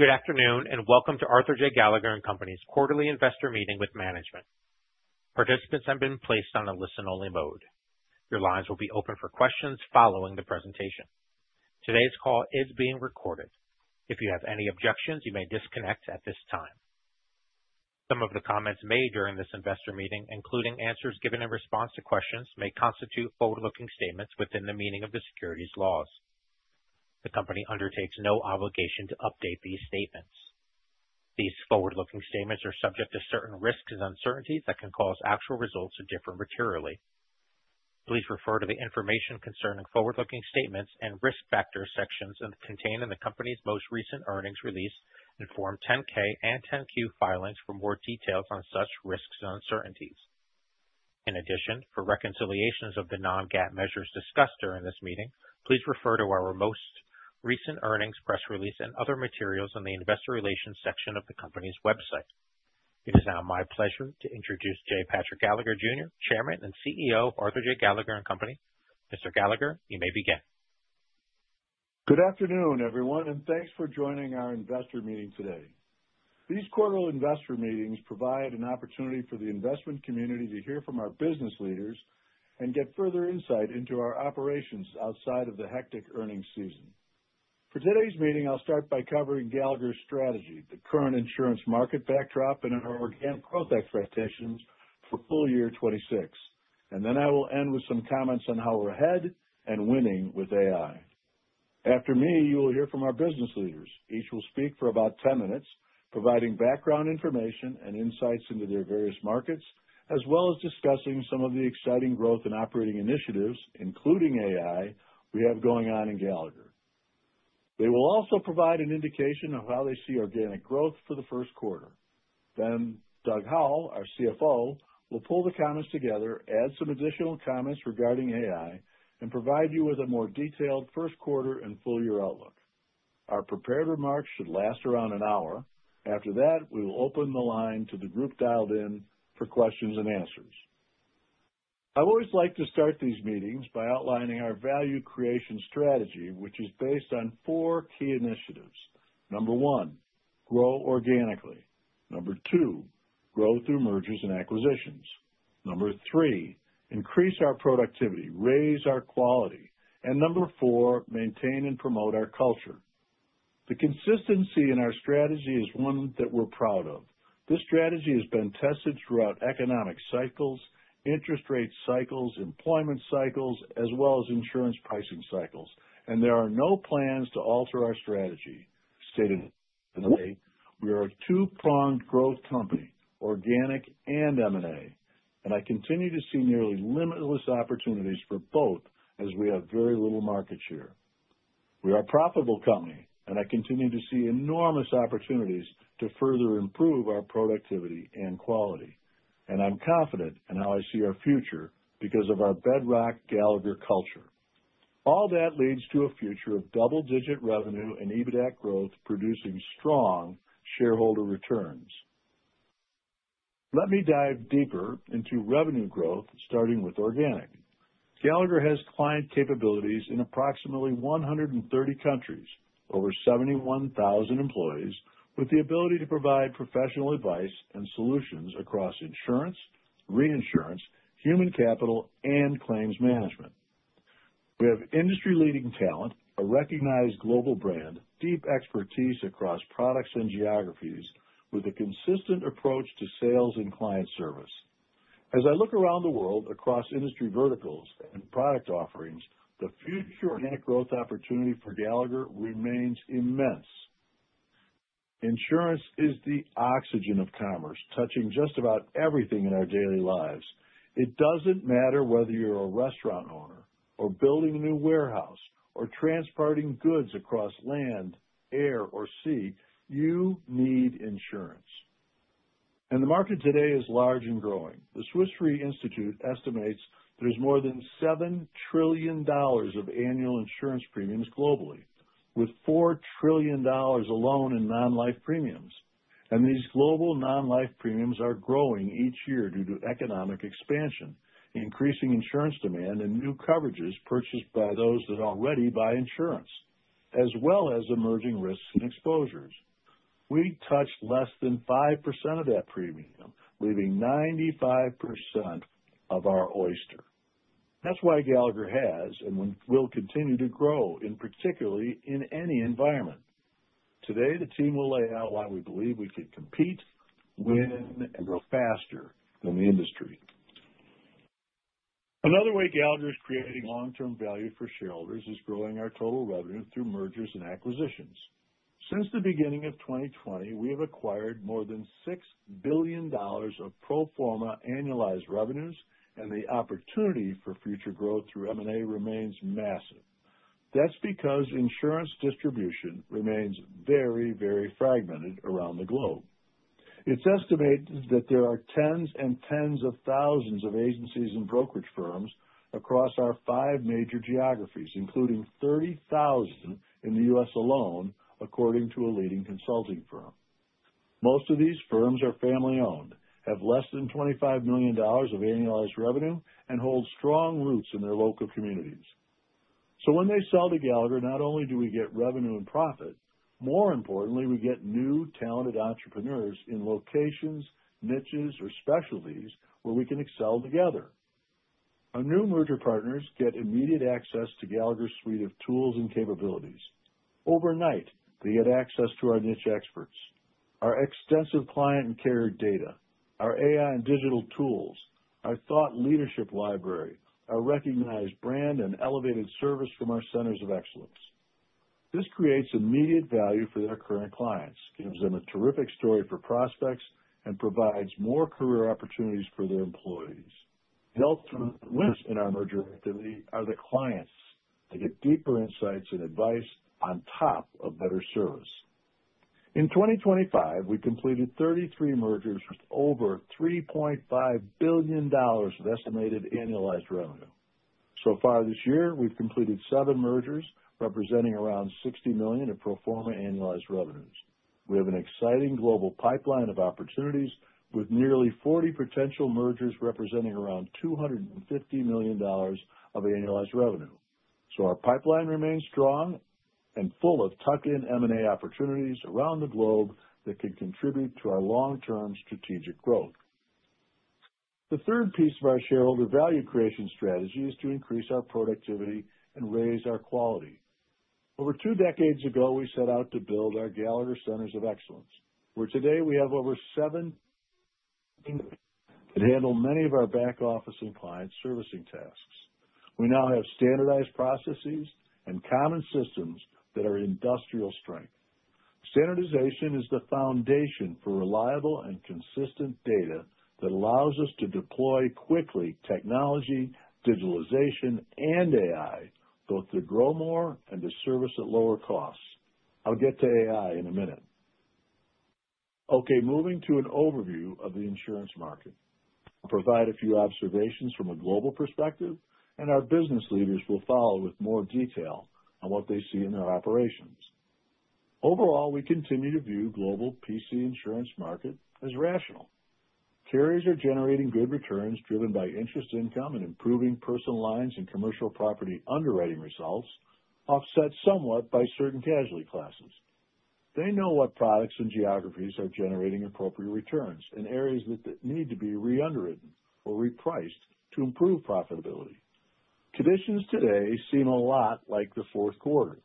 Good afternoon, and welcome to Arthur J. Gallagher & Company's quarterly investor meeting with management. Participants have been placed on a listen-only mode. Your lines will be open for questions following the presentation. Today's call is being recorded. If you have any objections, you may disconnect at this time. Some of the comments made during this investor meeting, including answers given in response to questions, may constitute forward-looking statements within the meaning of the securities laws. The company undertakes no obligation to update these statements. These forward-looking statements are subject to certain risks and uncertainties that can cause actual results to differ materially. Please refer to the Information Concerning Forward-Looking Statements and Risk Factors sections contained in the company's most recent earnings release in Form 10-K and 10-Q filings for more details on such risks and uncertainties. In addition, for reconciliations of the non-GAAP measures discussed during this meeting, please refer to our most recent earnings press release and other materials in the investor relations section of the company's website. It is now my pleasure to introduce J. Patrick Gallagher, Jr., Chairman and CEO of Arthur J. Gallagher & Co. Mr. Gallagher, you may begin. Good afternoon, everyone, and thanks for joining our investor meeting today. These quarterly investor meetings provide an opportunity for the investment community to hear from our business leaders and get further insight into our operations outside of the hectic earnings season. For today's meeting, I'll start by covering Gallagher's strategy, the current insurance market backdrop, and our organic growth expectations for full year 2026. I will end with some comments on how we're ahead and winning with AI. After me, you will hear from our business leaders. Each will speak for about 10 minutes, providing background information and insights into their various markets, as well as discussing some of the exciting growth and operating initiatives, including AI, we have going on in Gallagher. They will also provide an indication of how they see organic growth for the first quarter. Doug Howell, our CFO, will pull the comments together, add some additional comments regarding AI, and provide you with a more detailed first quarter and full year outlook. Our prepared remarks should last around an hour. After that, we will open the line to the group dialed in for questions and answers. I always like to start these meetings by outlining our value creation strategy, which is based on four key initiatives. Number one, grow organically. Number two, grow through mergers and acquisitions. Number three, increase our productivity, raise our quality. Number four, maintain and promote our culture. The consistency in our strategy is one that we're proud of. This strategy has been tested throughout economic cycles, interest rate cycles, employment cycles, as well as insurance pricing cycles. There are no plans to alter our strategy. Stated simply, we are a two-pronged growth company, organic and M&A, and I continue to see nearly limitless opportunities for both as we have very little market share. We are a profitable company, and I continue to see enormous opportunities to further improve our productivity and quality. I'm confident in how I see our future because of our bedrock Gallagher culture. All that leads to a future of double-digit revenue and EBITDA growth, producing strong shareholder returns. Let me dive deeper into revenue growth, starting with organic. Gallagher has client capabilities in approximately 130 countries, over 71,000 employees with the ability to provide professional advice and solutions across insurance, reinsurance, human capital, and claims management. We have industry-leading talent, a recognized global brand, deep expertise across products and geographies with a consistent approach to sales and client service. As I look around the world across industry verticals and product offerings, the future organic growth opportunity for Gallagher remains immense. Insurance is the oxygen of commerce, touching just about everything in our daily lives. It doesn't matter whether you're a restaurant owner or building a new warehouse or transporting goods across land, air or sea, you need insurance. The market today is large and growing. The Swiss Re Institute estimates there's more than $7 trillion of annual insurance premiums globally, with $4 trillion alone in non-life premiums. These global non-life premiums are growing each year due to economic expansion, increasing insurance demand and new coverages purchased by those that already buy insurance, as well as emerging risks and exposures. We touch less than 5% of that premium, leaving 95% of our oyster. That's why Gallagher has and will continue to grow, and particularly in any environment. Today, the team will lay out why we believe we could compete, win, and grow faster than the industry. Another way Gallagher is creating long-term value for shareholders is growing our total revenue through mergers and acquisitions. Since the beginning of 2020, we have acquired more than $6 billion of pro forma annualized revenues, and the opportunity for future growth through M&A remains massive. That's because insurance distribution remains very, very fragmented around the globe. It's estimated that there are tens and tens of thousands of agencies and brokerage firms across our five major geographies, including 30,000 in the U.S. alone, according to a leading consulting firm. Most of these firms are family-owned, have less than $25 million of annualized revenue, and hold strong roots in their local communities. When they sell to Gallagher, not only do we get revenue and profit, more importantly, we get new talented entrepreneurs in locations, niches, or specialties where we can excel together. Our new merger partners get immediate access to Gallagher's suite of tools and capabilities. Overnight, they get access to our niche experts, our extensive client and carrier data, our AI and digital tools, our thought leadership library, our recognized brand, and elevated service from our centers of excellence. This creates immediate value for their current clients, gives them a terrific story for prospects, and provides more career opportunities for their employees. The ultimate winners in our merger activity are the clients. They get deeper insights and advice on top of better service. In 2025, we completed 33 mergers with over $3.5 billion of estimated annualized revenue. So far this year, we've completed seven mergers, representing around $60 million in pro forma annualized revenues. We have an exciting global pipeline of opportunities with nearly 40 potential mergers representing around $250 million of annualized revenue. Our pipeline remains strong and full of tuck-in M&A opportunities around the globe that can contribute to our long-term strategic growth. The third piece of our shareholder value creation strategy is to increase our productivity and raise our quality. Over two decades ago, we set out to build our Gallagher Centers of Excellence, where today we have over seven that handle many of our back-office and client servicing tasks. We now have standardized processes and common systems that are industrial strength. Standardization is the foundation for reliable and consistent data that allows us to deploy quickly technology, digitalization, and AI, both to grow more and to service at lower costs. I'll get to AI in a minute. Okay, moving to an overview of the insurance market. I'll provide a few observations from a global perspective, and our business leaders will follow with more detail on what they see in their operations. Overall, we continue to view global PC insurance market as rational. Carriers are generating good returns driven by interest income and improving personal lines and commercial property underwriting results, offset somewhat by certain casualty classes. They know what products and geographies are generating appropriate returns in areas that need to be re-underwritten or repriced to improve profitability. Conditions today seem a lot like the fourth quarter.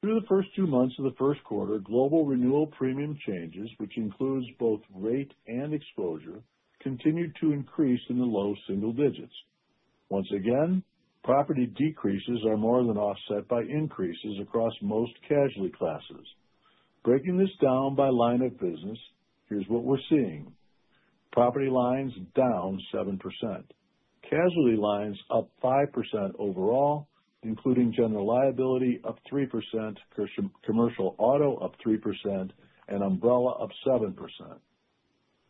Through the first two months of the first quarter, global renewal premium changes, which includes both rate and exposure, continued to increase in the low single digits. Once again, property decreases are more than offset by increases across most casualty classes. Breaking this down by line of business, here's what we're seeing. Property lines down 7%. Casualty lines up 5% overall, including general liability up 3%, commercial auto up 3%, and umbrella up 7%.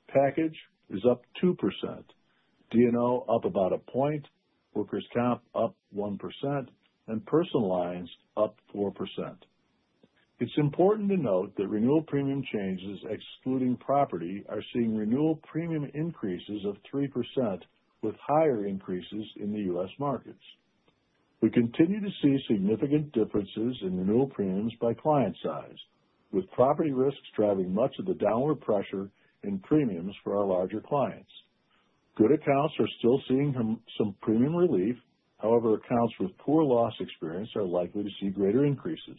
Package is up 2%, D&O up about a point, workers' comp up 1%, and personal lines up 4%. It's important to note that renewal premium changes, excluding property, are seeing renewal premium increases of 3%, with higher increases in the U.S. markets. We continue to see significant differences in renewal premiums by client size, with property risks driving much of the downward pressure in premiums for our larger clients. Good accounts are still seeing some premium relief. However, accounts with poor loss experience are likely to see greater increases.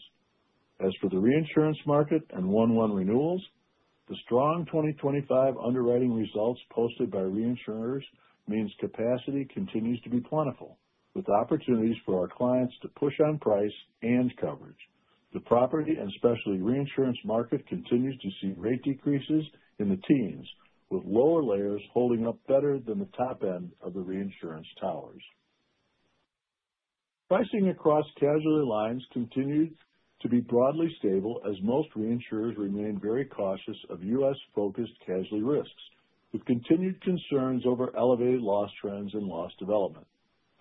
As for the reinsurance market and 1/1 renewals, the strong 2025 underwriting results posted by reinsurers means capacity continues to be plentiful, with opportunities for our clients to push on price and coverage. The property and specialty reinsurance market continues to see rate decreases in the teens, with lower layers holding up better than the top end of the reinsurance towers. Pricing across casualty lines continued to be broadly stable as most reinsurers remain very cautious of U.S.-focused casualty risks, with continued concerns over elevated loss trends and loss development.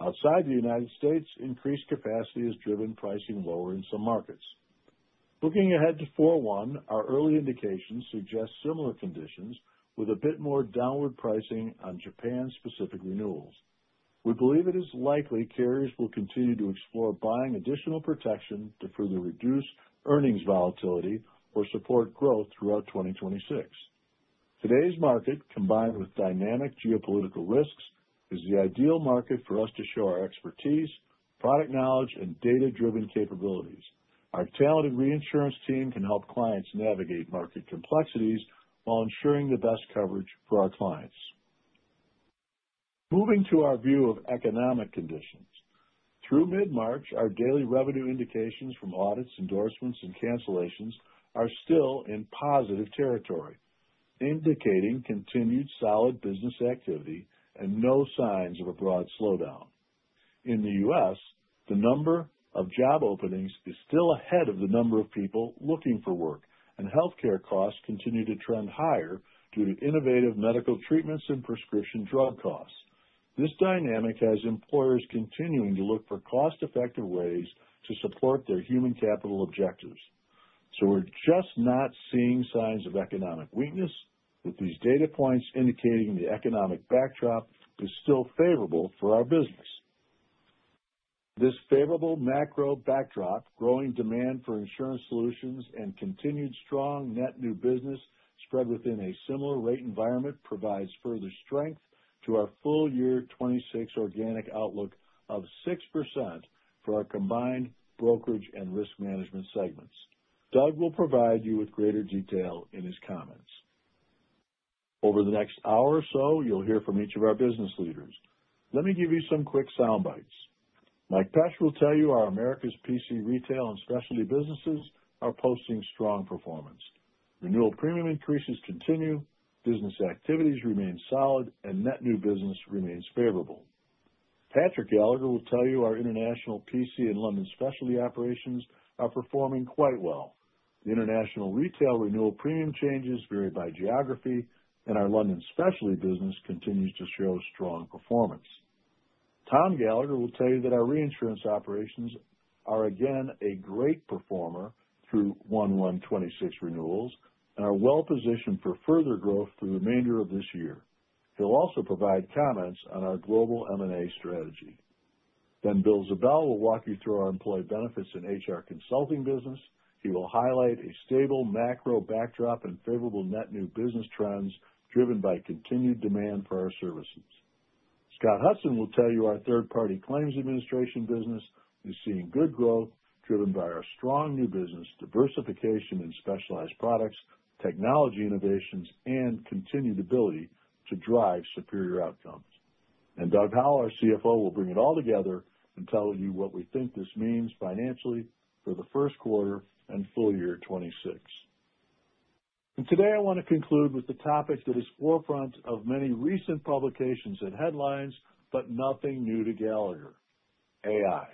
Outside the United States, increased capacity has driven pricing lower in some markets. Looking ahead to Q1, our early indications suggest similar conditions with a bit more downward pricing on Japan-specific renewals. We believe it is likely carriers will continue to explore buying additional protection to further reduce earnings volatility or support growth throughout 2026. Today's market, combined with dynamic geopolitical risks, is the ideal market for us to show our expertise, product knowledge, and data-driven capabilities. Our talented reinsurance team can help clients navigate market complexities while ensuring the best coverage for our clients. Moving to our view of economic conditions. Through mid-March, our daily revenue indications from audits, endorsements, and cancellations are still in positive territory, indicating continued solid business activity and no signs of a broad slowdown. In the U.S., the number of job openings is still ahead of the number of people looking for work, and healthcare costs continue to trend higher due to innovative medical treatments and prescription drug costs. This dynamic has employers continuing to look for cost-effective ways to support their human capital objectives. We're just not seeing signs of economic weakness, with these data points indicating the economic backdrop is still favorable for our business. This favorable macro backdrop, growing demand for insurance solutions, and continued strong net new business spread within a similar rate environment provides further strength to our full year 2026 organic outlook of 6% for our combined brokerage and risk management segments. Doug will provide you with greater detail in his comments. Over the next hour or so, you'll hear from each of our business leaders. Let me give you some quick sound bites. Mike Pesch will tell you our Americas PC retail and specialty businesses are posting strong performance. Renewal premium increases continue, business activities remain solid, and net new business remains favorable. Patrick Gallagher will tell you our international PC and London specialty operations are performing quite well. The international retail renewal premium changes vary by geography, and our London specialty business continues to show strong performance. Tom Gallagher will tell you that our reinsurance operations are again a great performer through 1/1/2026 renewals and are well positioned for further growth through the remainder of this year. He'll also provide comments on our global M&A strategy. Bill Ziebell will walk you through our employee benefits and HR consulting business. He will highlight a stable macro backdrop and favorable net new business trends driven by continued demand for our services. Scott Hudson will tell you our third-party claims administration business is seeing good growth driven by our strong new business diversification in specialized products, technology innovations, and continued ability to drive superior outcomes. Doug Howell, our CFO, will bring it all together and tell you what we think this means financially for the first quarter and full year 2026. Today, I wanna conclude with the topic that is forefront of many recent publications and headlines, but nothing new to Gallagher, AI.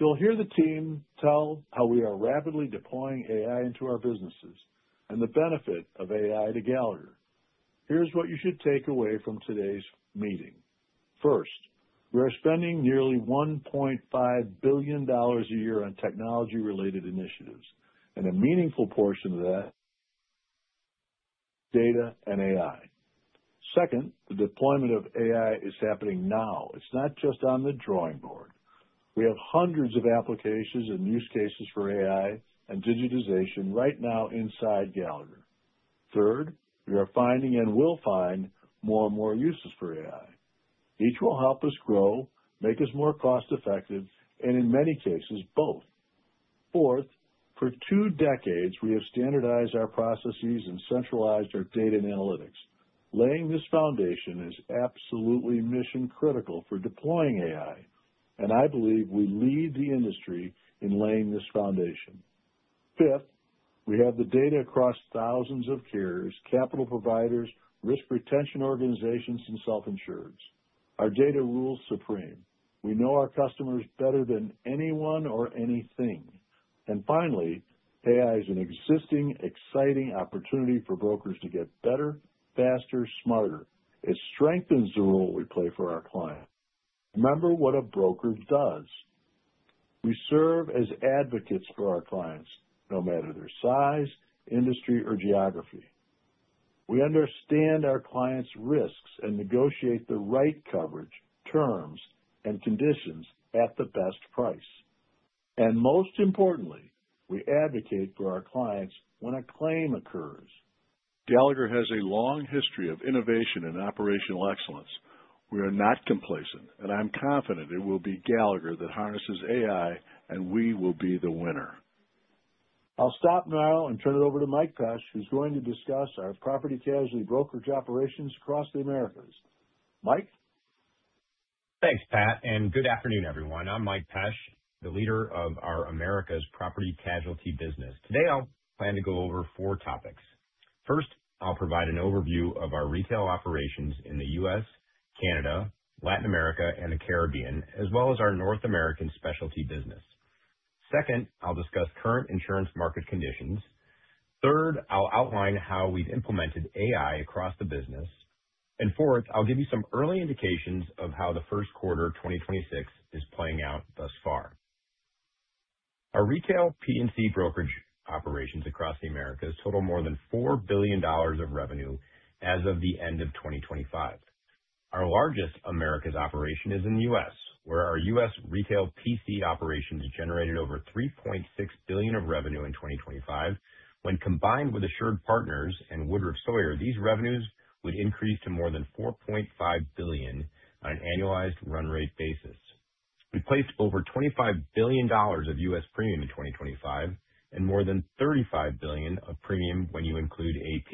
You'll hear the team tell how we are rapidly deploying AI into our businesses and the benefit of AI to Gallagher. Here's what you should take away from today's meeting. First, we are spending nearly $1.5 billion a year on technology-related initiatives and a meaningful portion of that data and AI. Second, the deployment of AI is happening now. It's not just on the drawing board. We have hundreds of applications and use cases for AI and digitization right now inside Gallagher. Third, we are finding and will find more and more uses for AI. Each will help us grow, make us more cost-effective, and in many cases, both. Fourth, for two decades, we have standardized our processes and centralized our data and analytics. Laying this foundation is absolutely mission-critical for deploying AI, and I believe we lead the industry in laying this foundation. Fifth, we have the data across thousands of carriers, capital providers, risk retention organizations, and self-insurers. Our data rules supreme. We know our customers better than anyone or anything. Finally, AI is an existing exciting opportunity for brokers to get better, faster, smarter. It strengthens the role we play for our clients. Remember what a broker does. We serve as advocates for our clients, no matter their size, industry, or geography. We understand our clients' risks and negotiate the right coverage, terms, and conditions at the best price. Most importantly, we advocate for our clients when a claim occurs. Gallagher has a long history of innovation and operational excellence. We are not complacent, and I'm confident it will be Gallagher that harnesses AI, and we will be the winner. I'll stop now and turn it over to Mike Pesch, who's going to discuss our property casualty brokerage operations across the Americas. Mike? Thanks, Pat, and good afternoon, everyone. I'm Mike Pesch, the leader of our Americas property casualty business. Today, I'll plan to go over four topics. First, I'll provide an overview of our retail operations in the U.S., Canada, Latin America, and the Caribbean, as well as our North American specialty business. Second, I'll discuss current insurance market conditions. Third, I'll outline how we've implemented AI across the business. Fourth, I'll give you some early indications of how the first quarter of 2026 is playing out thus far. Our retail P&C brokerage operations across the Americas total more than $4 billion of revenue as of the end of 2025. Our largest Americas operation is in the U.S., where our U.S. retail P&C operations generated over $3.6 billion of revenue in 2025. When combined with AssuredPartners and Woodruff Sawyer, these revenues would increase to more than $4.5 billion on an annualized run rate basis. We placed over $25 billion of U.S. premium in 2025 and more than $35 billion of premium when you include AP.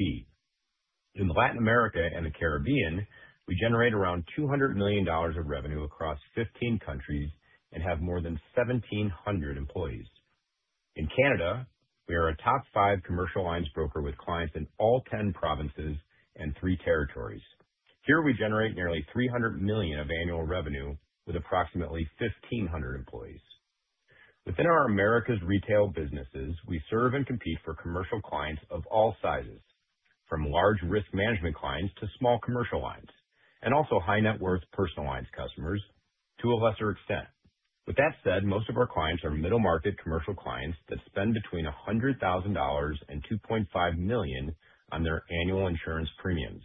In the Latin America and the Caribbean, we generate around $200 million of revenue across 15 countries and have more than 1,700 employees. In Canada, we are a top 5 commercial alliance broker with clients in all 10 provinces and three territories. Here, we generate nearly $300 million of annual revenue with approximately 1,500 employees. Within our Americas retail businesses, we serve and compete for commercial clients of all sizes, from large risk management clients to small commercial lines, and also high net worth personal lines customers to a lesser extent. With that said, most of our clients are middle-market commercial clients that spend between $100,000 and $2.5 million on their annual insurance premiums.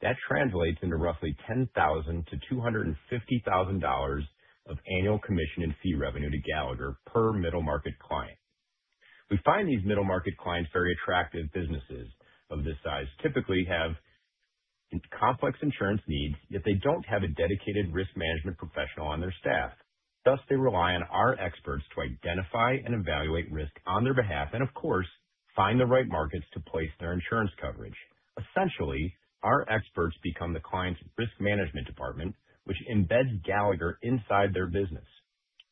That translates into roughly $10,000-$250,000 of annual commission and fee revenue to Gallagher per middle-market client. We find these middle-market clients very attractive. Businesses of this size typically have complex insurance needs, yet they don't have a dedicated risk management professional on their staff. Thus, they rely on our experts to identify and evaluate risk on their behalf and of course, find the right markets to place their insurance coverage. Essentially, our experts become the client's risk management department, which embeds Gallagher inside their business.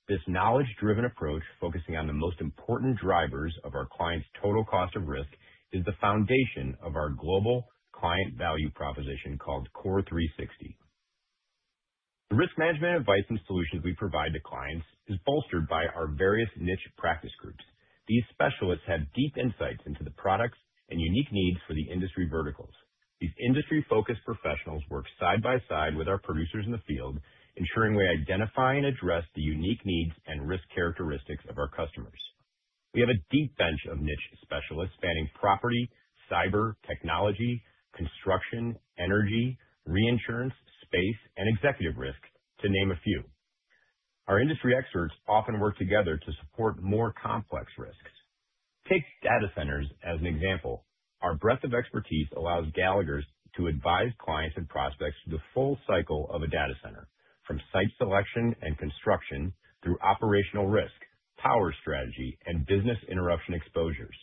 This knowledge-driven approach, focusing on the most important drivers of our clients' total cost of risk, is the foundation of our global client value proposition called CORE360. The risk management advice and solutions we provide to clients is bolstered by our various niche practice groups. These specialists have deep insights into the products and unique needs for the industry verticals. These industry-focused professionals work side by side with our producers in the field, ensuring we identify and address the unique needs and risk characteristics of our customers. We have a deep bench of niche specialists spanning property, cyber, technology, construction, energy, reinsurance, space, and executive risk, to name a few. Our industry experts often work together to support more complex risks. Take data centers as an example. Our breadth of expertise allows Gallagher's to advise clients and prospects through the full cycle of a data center, from site selection and construction through operational risk, power strategy, and business interruption exposures.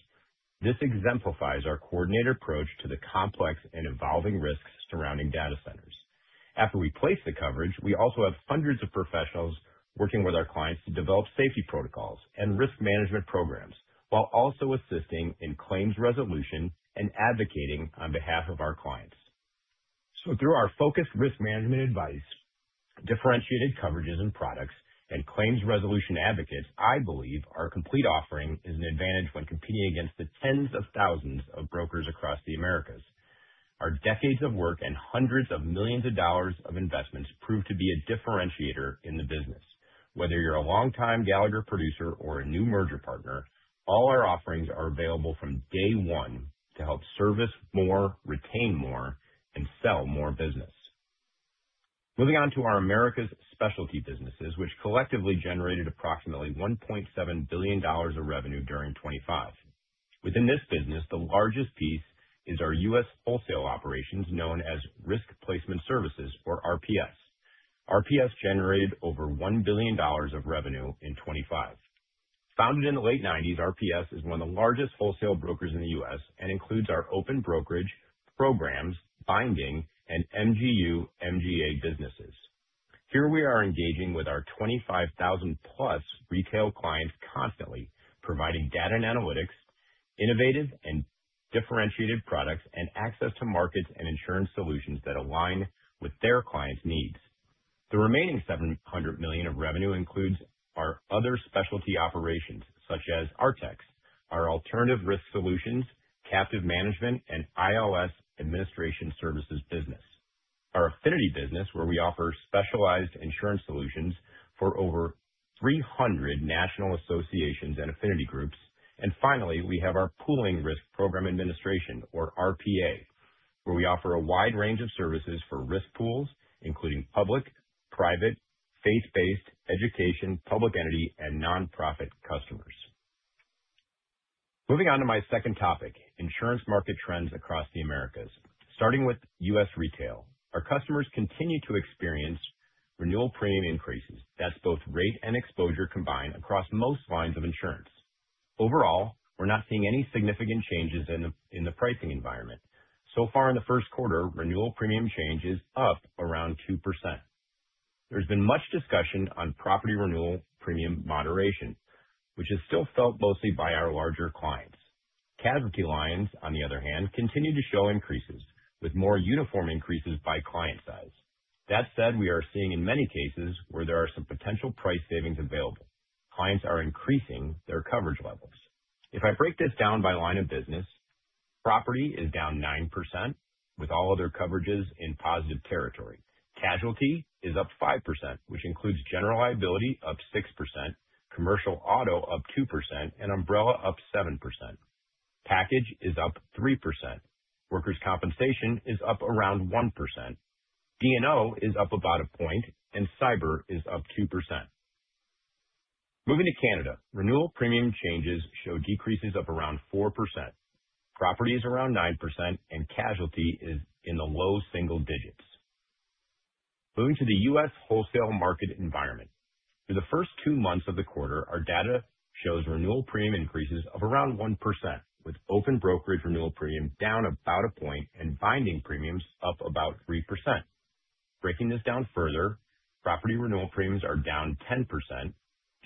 This exemplifies our coordinated approach to the complex and evolving risks surrounding data centers. After we place the coverage, we also have hundreds of professionals working with our clients to develop safety protocols and risk management programs, while also assisting in claims resolution and advocating on behalf of our clients. Through our focused risk management advice, differentiated coverages and products, and claims resolution advocates, I believe our complete offering is an advantage when competing against the tens of thousands of brokers across the Americas. Our decades of work and hundreds of millions of dollars of investments prove to be a differentiator in the business. Whether you're a long-time Gallagher producer or a new merger partner, all our offerings are available from day one to help service more, retain more, and sell more business. Moving on to our Americas specialty businesses, which collectively generated approximately $1.7 billion of revenue during 2025. Within this business, the largest piece is our U.S. wholesale operations, known as Risk Placement Services, or RPS. RPS generated over $1 billion of revenue in 2025. Founded in the late 1990s, RPS is one of the largest wholesale brokers in the U.S. and includes our open brokerage, programs, binding, and MGU, MGA businesses. Here we are engaging with our 25,000+ retail clients constantly, providing data and analytics, innovative and differentiated products, and access to markets and insurance solutions that align with their clients' needs. The remaining $700 million of revenue includes our other specialty operations, such as Artex, our alternative risk solutions, captive management, and ILS administration services business. Our affinity business, where we offer specialized insurance solutions for over 300 national associations and affinity groups. Finally, we have our pooling risk program administration, or RPA, where we offer a wide range of services for risk pools, including public, private, faith-based, education, public entity, and nonprofit customers. Moving on to my second topic, insurance market trends across the Americas. Starting with U.S. retail, our customers continue to experience renewal premium increases. That's both rate and exposure combined across most lines of insurance. Overall, we're not seeing any significant changes in the pricing environment. So far in the first quarter, renewal premium change is up around 2%. There's been much discussion on property renewal premium moderation, which is still felt mostly by our larger clients. Casualty lines, on the other hand, continue to show increases, with more uniform increases by client size. That said, we are seeing in many cases where there are some potential price savings available. Clients are increasing their coverage levels. If I break this down by line of business, property is down 9%, with all other coverages in positive territory. Casualty is up 5%, which includes general liability up 6%, commercial auto up 2%, and umbrella up 7%. Package is up 3%. Workers' compensation is up around 1%. D&O is up about a point, and cyber is up 2%. Moving to Canada, renewal premium changes show decreases of around 4%. Property is around 9%, and casualty is in the low single digits. Moving to the U.S. wholesale market environment. Through the first two months of the quarter, our data shows renewal premium increases of around 1%, with open brokerage renewal premiums down about a point and binding premiums up about 3%. Breaking this down further, property renewal premiums are down 10%,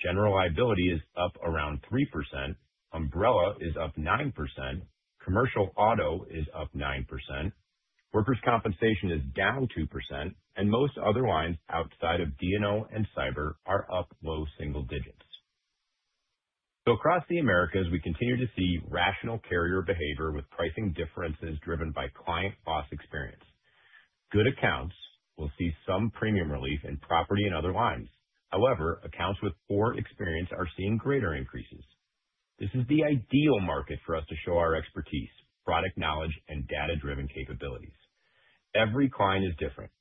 general liability is up around 3%, umbrella is up 9%, commercial auto is up 9%. Workers' compensation is down 2%, and most other lines outside of D&O and cyber are up low single digits%. Across the Americas, we continue to see rational carrier behavior with pricing differences driven by client loss experience. Good accounts will see some premium relief in property and other lines. However, accounts with poor experience are seeing greater increases. This is the ideal market for us to show our expertise, product knowledge, and data-driven capabilities. Every client is different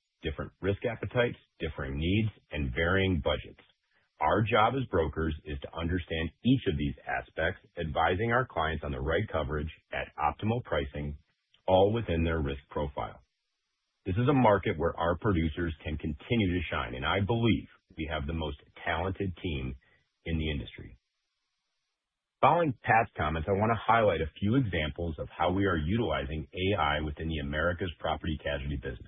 risk appetites, differing needs, and varying budgets. Our job as brokers is to understand each of these aspects, advising our clients on the right coverage at optimal pricing, all within their risk profile. This is a market where our producers can continue to shine, and I believe we have the most talented team in the industry. Following Pat's comments, I want to highlight a few examples of how we are utilizing AI within the Americas Property Casualty business.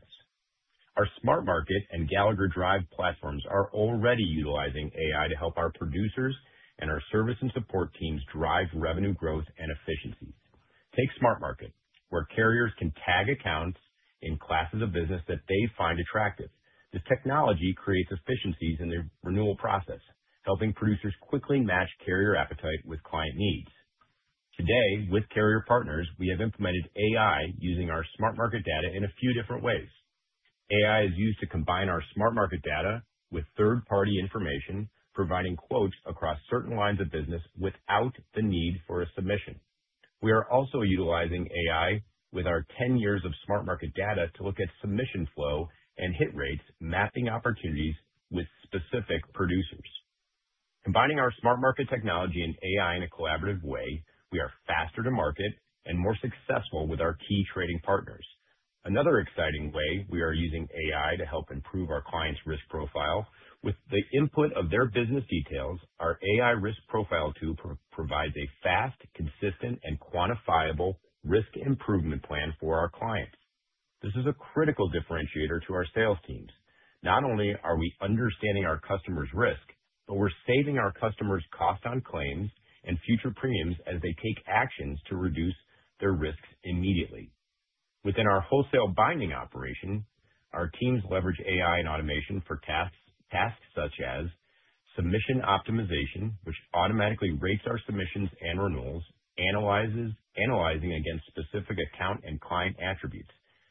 Our SmartMarket and Gallagher Drive platforms are already utilizing AI to help our producers and our service and support teams drive revenue growth and efficiencies. Take SmartMarket, where carriers can tag accounts in classes of business that they find attractive. This technology creates efficiencies in their renewal process, helping producers quickly match carrier appetite with client needs. Today, with carrier partners, we have implemented AI using our SmartMarket data in a few different ways. AI is used to combine our SmartMarket data with third-party information, providing quotes across certain lines of business without the need for a submission. We are also utilizing AI with our 10 years of SmartMarket data to look at submission flow and hit rates, mapping opportunities with specific producers. Combining our SmartMarket technology and AI in a collaborative way, we are faster to market and more successful with our key trading partners. Another exciting way we are using AI to help improve our client's risk profile with the input of their business details, our AI risk profile tool provides a fast, consistent, and quantifiable risk improvement plan for our clients. This is a critical differentiator to our sales teams. Not only are we understanding our customers' risk, but we're saving our customers cost on claims and future premiums as they take actions to reduce their risks immediately. Within our wholesale binding operation, our teams leverage AI and automation for tasks such as submission optimization, which automatically rates our submissions and renewals, analyzing against specific account and client attributes.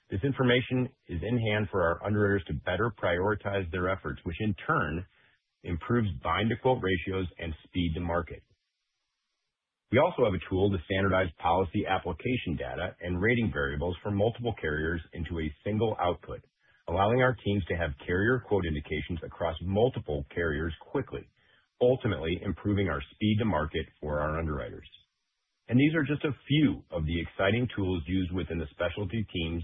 This information is in hand for our underwriters to better prioritize their efforts, which in turn improves bind to quote ratios and speed to market. We also have a tool to standardize policy application data and rating variables for multiple carriers into a single output, allowing our teams to have carrier quote indications across multiple carriers quickly, ultimately improving our speed to market for our underwriters. These are just a few of the exciting tools used within the specialty teams.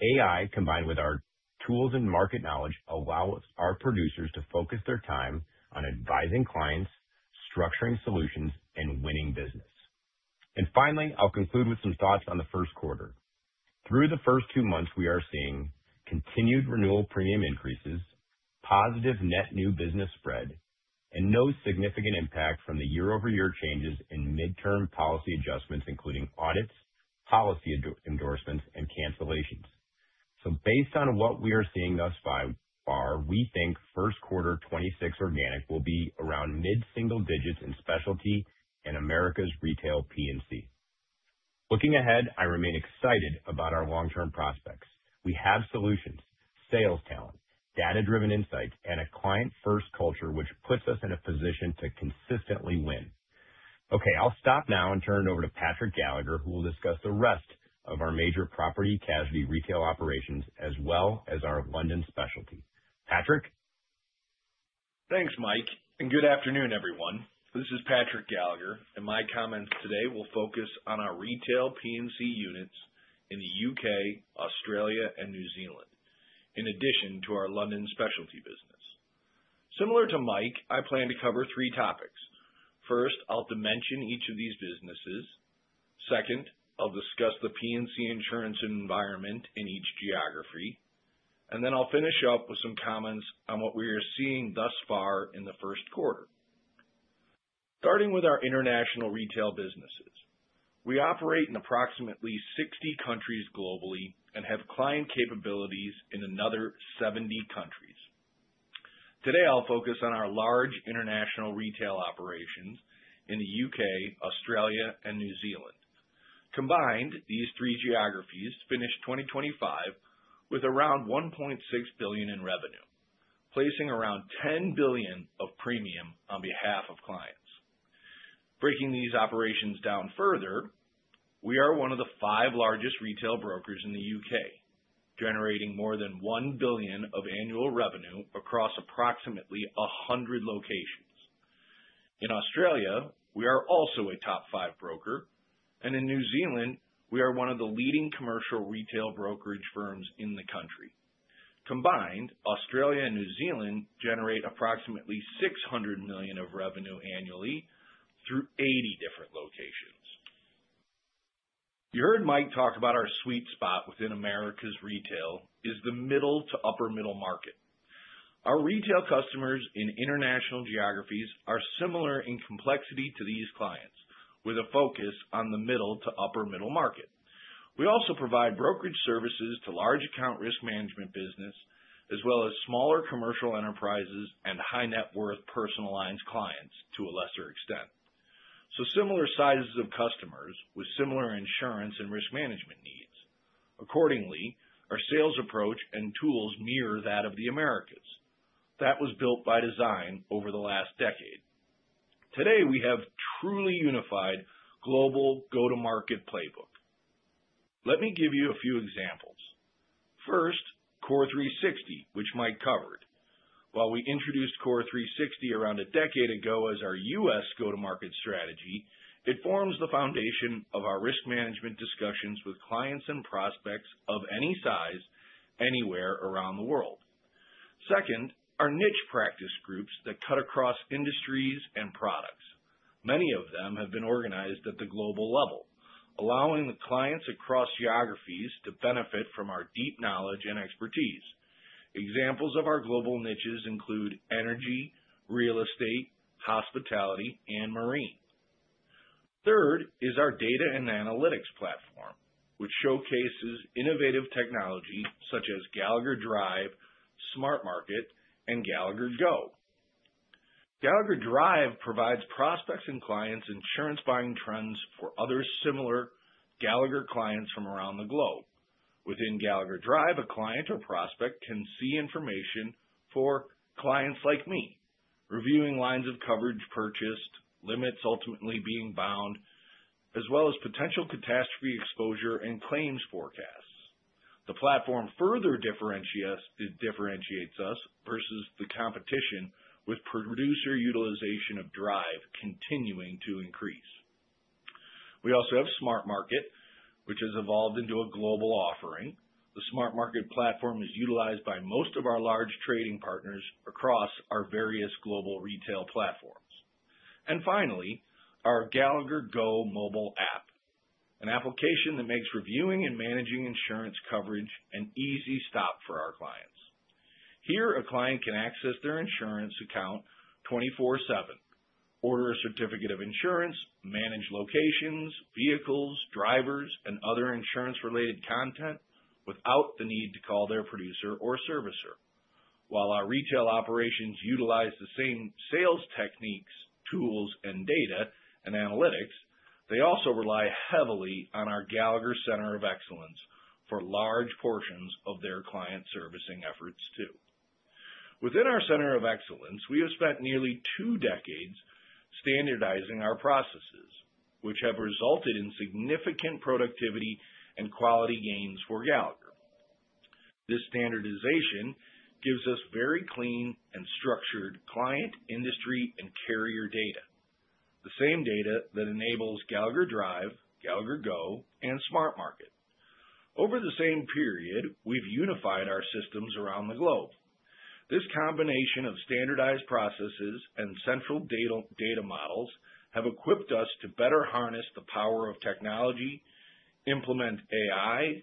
AI, combined with our tools and market knowledge, allows our producers to focus their time on advising clients, structuring solutions, and winning business. Finally, I'll conclude with some thoughts on the first quarter. Through the first two months we are seeing continued renewal premium increases, positive net new business spread, and no significant impact from the year-over-year changes in midterm policy adjustments, including audits, policy endorsements, and cancellations. Based on what we are seeing thus far, we think first quarter 2026 organic will be around mid-single digits in specialty in Americas Retail P&C. Looking ahead, I remain excited about our long-term prospects. We have solutions, sales talent, data-driven insights, and a client-first culture which puts us in a position to consistently win. Okay, I'll stop now and turn it over to Patrick Gallagher, who will discuss the rest of our major property & casualty retail operations as well as our London specialty. Patrick? Thanks, Mike, and good afternoon, everyone. This is Patrick Gallagher, and my comments today will focus on our retail P&C units in the U.K., Australia, and New Zealand, in addition to our London specialty business. Similar to Mike, I plan to cover three topics. First, I'll dimension each of these businesses. Second, I'll discuss the P&C insurance environment in each geography. Then I'll finish up with some comments on what we are seeing thus far in the first quarter. Starting with our international retail businesses. We operate in approximately 60 countries globally and have client capabilities in another 70 countries. Today, I'll focus on our large international retail operations in the U.K., Australia, and New Zealand. Combined, these three geographies finished 2025 with around $1.6 billion in revenue, placing around $10 billion of premium on behalf of clients. Breaking these operations down further, we are one of the five largest retail brokers in the U.K., generating more than $1 billion of annual revenue across approximately 100 locations. In Australia, we are also a top five broker, and in New Zealand, we are one of the leading commercial retail brokerage firms in the country. Combined, Australia and New Zealand generate approximately $600 million of revenue annually through 80 different locations. You heard Mike talk about our sweet spot within America's retail is the middle to upper middle market. Our retail customers in international geographies are similar in complexity to these clients, with a focus on the middle to upper middle market. We also provide brokerage services to large account risk management business, as well as smaller commercial enterprises and high net worth personal lines clients to a lesser extent. Similar sizes of customers with similar insurance and risk management needs. Accordingly, our sales approach and tools mirror that of the Americas. That was built by design over the last decade. Today, we have truly unified global go-to-market playbook. Let me give you a few examples. First, CORE360, which Mike covered. While we introduced CORE360 around a decade ago as our U.S. go-to-market strategy, it forms the foundation of our risk management discussions with clients and prospects of any size anywhere around the world. Second, our niche practice groups that cut across industries and products. Many of them have been organized at the global level, allowing the clients across geographies to benefit from our deep knowledge and expertise. Examples of our global niches include energy, real estate, hospitality, and marine. Third is our data and analytics platform, which showcases innovative technology such as Gallagher Drive, SmartMarket, and Gallagher Go. Gallagher Drive provides prospects and clients insurance buying trends for other similar Gallagher clients from around the globe. Within Gallagher Drive, a client or prospect can see information for Clients Like Me, reviewing lines of coverage purchased, limits ultimately being bound, as well as potential catastrophe exposure and claims forecasts. The platform further differentiates us versus the competition with producer utilization of Drive continuing to increase. We also have SmartMarket, which has evolved into a global offering. The SmartMarket platform is utilized by most of our large trading partners across our various global retail platforms. Finally, our Gallagher Go mobile app, an application that makes reviewing and managing insurance coverage an easy stop for our clients. Here, a client can access their insurance account 24/7, order a certificate of insurance, manage locations, vehicles, drivers, and other insurance-related content without the need to call their producer or servicer. While our retail operations utilize the same sales techniques, tools, and data and analytics, they also rely heavily on our Gallagher Center of Excellence for large portions of their client servicing efforts too. Within our Center of Excellence, we have spent nearly two decades standardizing our processes, which have resulted in significant productivity and quality gains for Gallagher. This standardization gives us very clean and structured client, industry, and carrier data. The same data that enables Gallagher Drive, Gallagher Go, and SmartMarket. Over the same period, we've unified our systems around the globe. This combination of standardized processes and central data models have equipped us to better harness the power of technology, implement AI,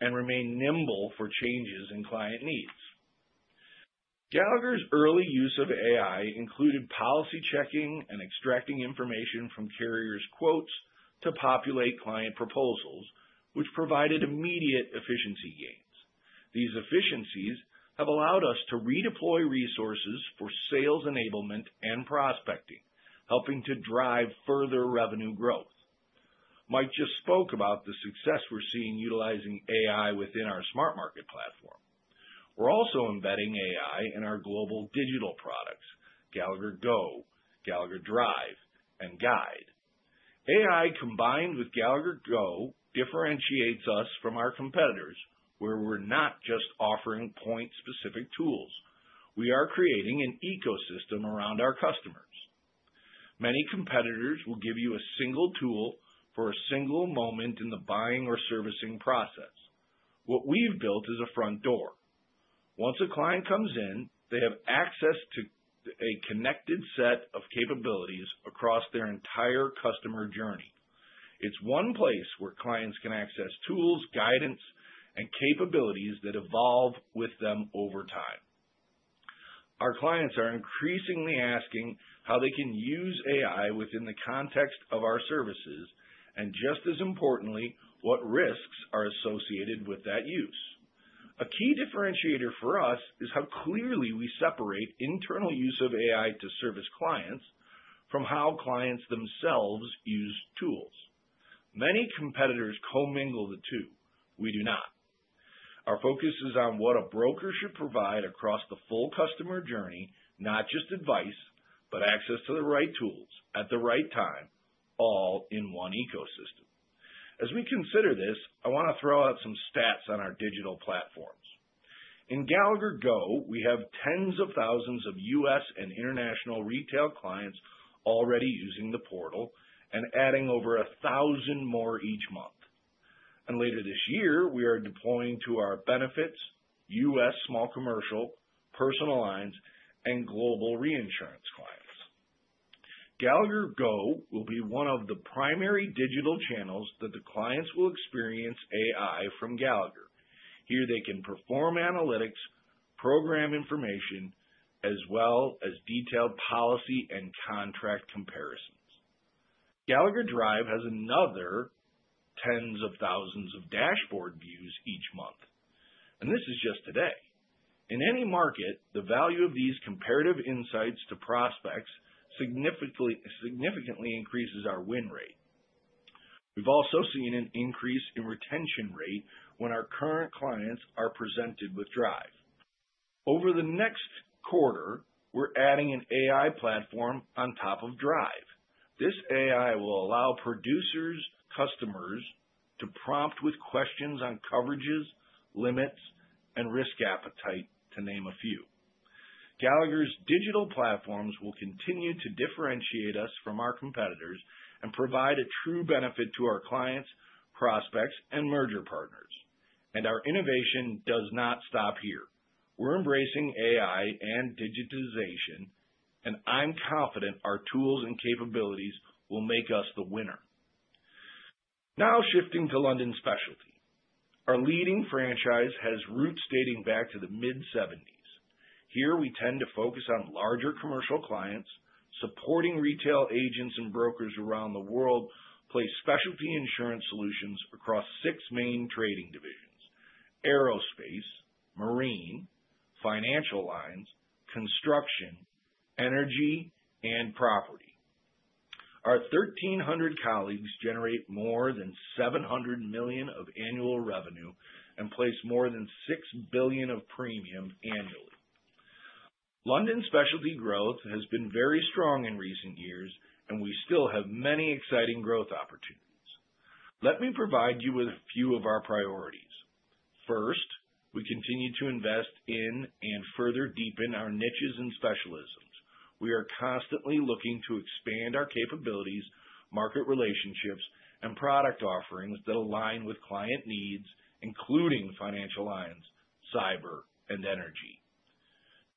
and remain nimble for changes in client needs. Gallagher's early use of AI included policy checking and extracting information from carriers' quotes to populate client proposals, which provided immediate efficiency gains. These efficiencies have allowed us to redeploy resources for sales enablement and prospecting, helping to drive further revenue growth. Mike just spoke about the success we're seeing utilizing AI within our SmartMarket platform. We're also embedding AI in our global digital products, Gallagher Go, Gallagher Drive, and Gallagher Guide. AI combined with Gallagher Go differentiates us from our competitors, where we're not just offering point-specific tools. We are creating an ecosystem around our customers. Many competitors will give you a single tool for a single moment in the buying or servicing process. What we've built is a front door. Once a client comes in, they have access to a connected set of capabilities across their entire customer journey. It's one place where clients can access tools, guidance, and capabilities that evolve with them over time. Our clients are increasingly asking how they can use AI within the context of our services, and just as importantly, what risks are associated with that use. A key differentiator for us is how clearly we separate internal use of AI to service clients from how clients themselves use tools. Many competitors commingle the two. We do not. Our focus is on what a broker should provide across the full customer journey, not just advice, but access to the right tools at the right time, all in one ecosystem. As we consider this, I want to throw out some stats on our digital platforms. In Gallagher Go, we have tens of thousands of U.S. and international retail clients already using the portal and adding over 1,000 more each month. Later this year, we are deploying to our benefits, U.S., small commercial, personal lines, and global reinsurance clients. Gallagher Go will be one of the primary digital channels that the clients will experience AI from Gallagher. Here they can perform analytics, program information, as well as detailed policy and contract comparisons. Gallagher Drive has another tens of thousands of dashboard views each month, and this is just today. In any market, the value of these comparative insights to prospects significantly increases our win rate. We've also seen an increase in retention rate when our current clients are presented with Drive. Over the next quarter, we're adding an AI platform on top of Drive. This AI will allow producers' customers to prompt with questions on coverages, limits, and risk appetite, to name a few. Gallagher's digital platforms will continue to differentiate us from our competitors and provide a true benefit to our clients, prospects, and merger partners. Our innovation does not stop here. We're embracing AI and digitization, and I'm confident our tools and capabilities will make us the winner. Now shifting to London Specialty. Our leading franchise has roots dating back to the mid-seventies. Here we tend to focus on larger commercial clients, supporting retail agents and brokers around the world place specialty insurance solutions across six main trading divisions, aerospace, marine, financial lines, construction, energy, and property. Our 1,300 colleagues generate more than $700 million of annual revenue and place more than $6 billion of premium annually. London Specialty growth has been very strong in recent years, and we still have many exciting growth opportunities. Let me provide you with a few of our priorities. First, we continue to invest in and further deepen our niches and specialisms. We are constantly looking to expand our capabilities, market relationships, and product offerings that align with client needs, including financial lines, cyber, and energy.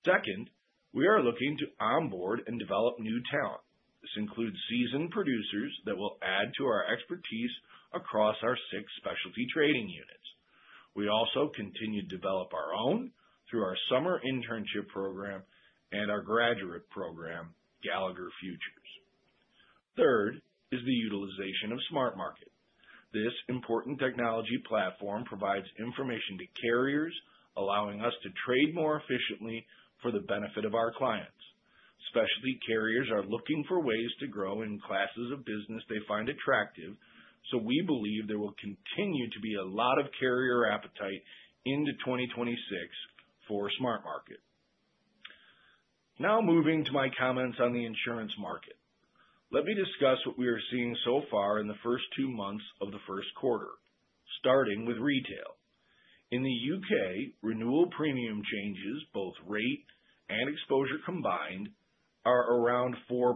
Second, we are looking to onboard and develop new talent. This includes seasoned producers that will add to our expertise across our six specialty trading units. We also continue to develop our own through our summer internship program and our graduate program, Gallagher Futures. Third is the utilization of SmartMarket. This important technology platform provides information to carriers, allowing us to trade more efficiently for the benefit of our clients. Specialty carriers are looking for ways to grow in classes of business they find attractive, so we believe there will continue to be a lot of carrier appetite into 2026 for SmartMarket. Now moving to my comments on the insurance market. Let me discuss what we are seeing so far in the first two months of the first quarter, starting with retail. In the U.K., renewal premium changes, both rate and exposure combined, are around 4%.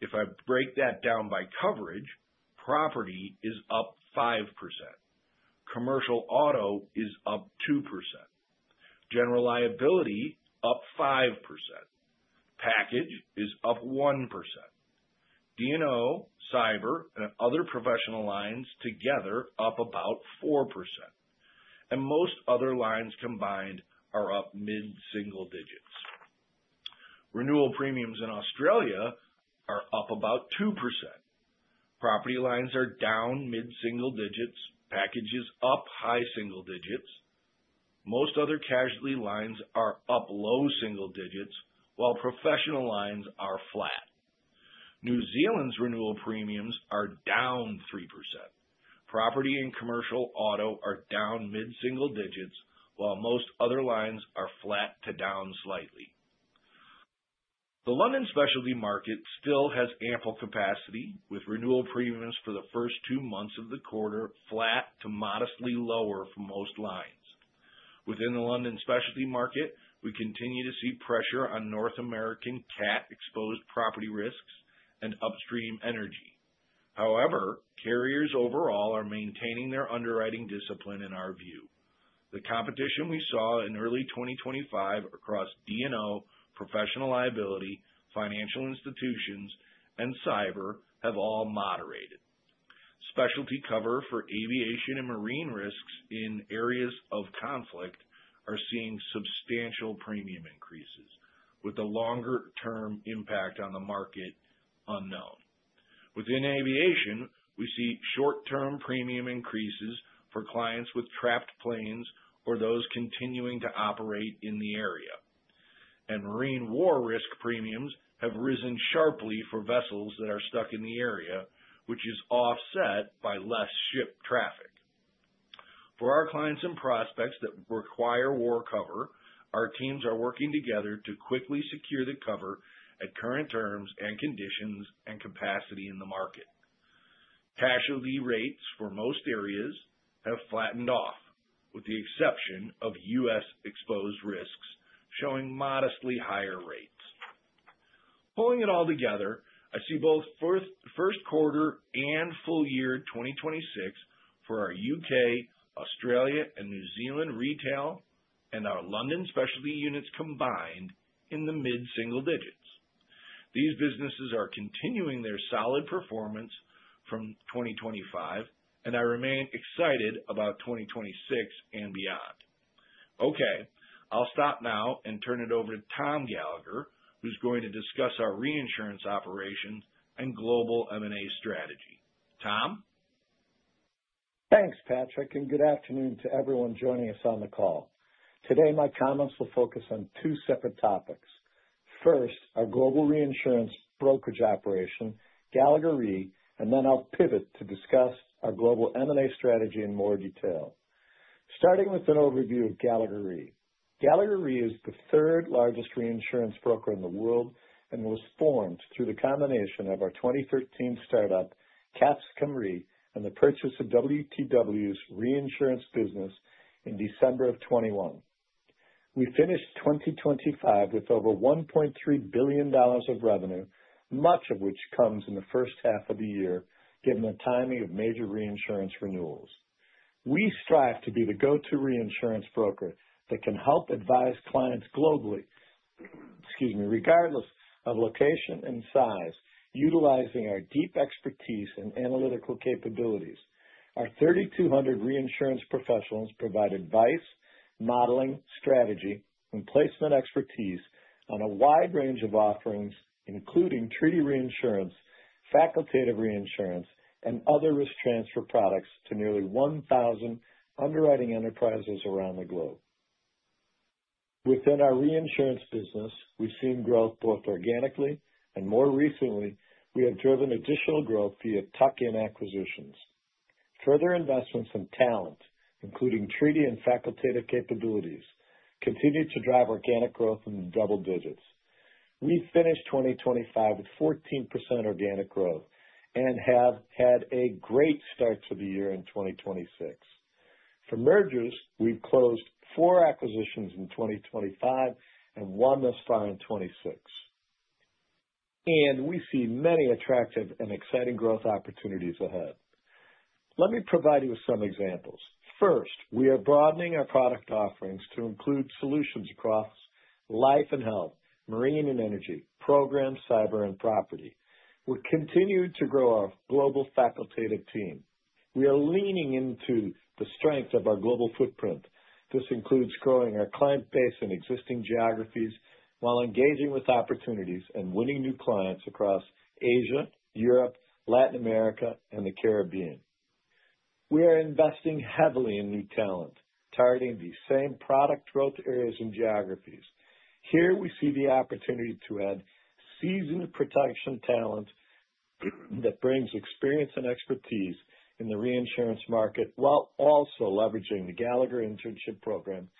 If I break that down by coverage, property is up 5%, commercial auto is up 2%, general liability up 5%, package is up 1%. D&O, cyber, and other professional lines together up about 4%, and most other lines combined are up mid-single digits. Renewal premiums in Australia are up about 2%. Property lines are down mid-single digits. Package is up high single digits. Most other casualty lines are up low single digits, while professional lines are flat. New Zealand's renewal premiums are down 3%. Property and commercial auto are down mid-single digits, while most other lines are flat to down slightly. The London Specialty market still has ample capacity, with renewal premiums for the first two months of the quarter flat to modestly lower for most lines. Within the London Specialty market, we continue to see pressure on North American cat-exposed property risks and upstream energy. However, carriers overall are maintaining their underwriting discipline, in our view. The competition we saw in early 2025 across D&O, professional liability, financial institutions, and cyber have all moderated. Specialty cover for aviation and marine risks in areas of conflict are seeing substantial premium increases, with the longer-term impact on the market unknown. Within aviation, we see short-term premium increases for clients with trapped planes or those continuing to operate in the area. Marine war risk premiums have risen sharply for vessels that are stuck in the area, which is offset by less ship traffic. For our clients and prospects that require war cover, our teams are working together to quickly secure the cover at current terms and conditions and capacity in the market. Casualty rates for most areas have flattened off, with the exception of U.S.-exposed risks, showing modestly higher rates. Pulling it all together, I see both first quarter and full year 2026 for our U.K., Australia, and New Zealand retail and our London specialty units combined in the mid-single digits%. These businesses are continuing their solid performance from 2025, and I remain excited about 2026 and beyond. Okay, I'll stop now and turn it over to Tom Gallagher, who's going to discuss our reinsurance operations and global M&A strategy. Tom? Thanks, Patrick, and good afternoon to everyone joining us on the call. Today, my comments will focus on two separate topics. First, our global reinsurance brokerage operation, Gallagher Re, and then I'll pivot to discuss our global M&A strategy in more detail. Starting with an overview of Gallagher Re. Gallagher Re is the third largest reinsurance broker in the world and was formed through the combination of our 2013 startup, Capsicum Re, and the purchase of WTW's reinsurance business in December of 2021. We finished 2025 with over $1.3 billion of revenue, much of which comes in the first half of the year, given the timing of major reinsurance renewals. We strive to be the go-to reinsurance broker that can help advise clients globally, excuse me, regardless of location and size, utilizing our deep expertise and analytical capabilities. Our 3,200 reinsurance professionals provide advice, modeling, strategy, and placement expertise on a wide range of offerings, including treaty reinsurance, facultative reinsurance, and other risk transfer products to nearly 1,000 underwriting enterprises around the globe. Within our reinsurance business, we've seen growth both organically and more recently, we have driven additional growth via tuck-in acquisitions. Further investments in talent, including treaty and facultative capabilities, continued to drive organic growth in the double digits. We finished 2025 with 14% organic growth and have had a great start to the year in 2026. For mergers, we've closed four acquisitions in 2025 and one thus far in 2026. We see many attractive and exciting growth opportunities ahead. Let me provide you with some examples. First, we are broadening our product offerings to include solutions across life and health, marine and energy, programs, cyber, and property. We've continued to grow our global facultative team. We are leaning into the strength of our global footprint. This includes growing our client base in existing geographies while engaging with opportunities and winning new clients across Asia, Europe, Latin America, and the Caribbean. We are investing heavily in new talent, targeting these same product growth areas and geographies. Here we see the opportunity to add seasoned protection talent that brings experience and expertise in the reinsurance market, while also leveraging the Gallagher internship program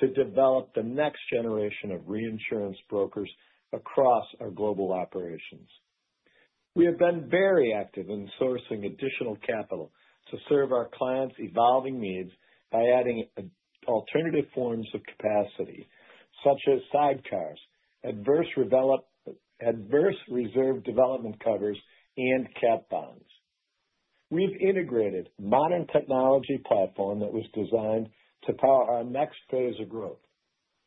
to develop the next generation of reinsurance brokers across our global operations. We have been very active in sourcing additional capital to serve our clients' evolving needs by adding alternative forms of capacity, such as sidecars, adverse reserve development covers, and cat bonds. We've integrated a modern technology platform that was designed to power our next phase of growth.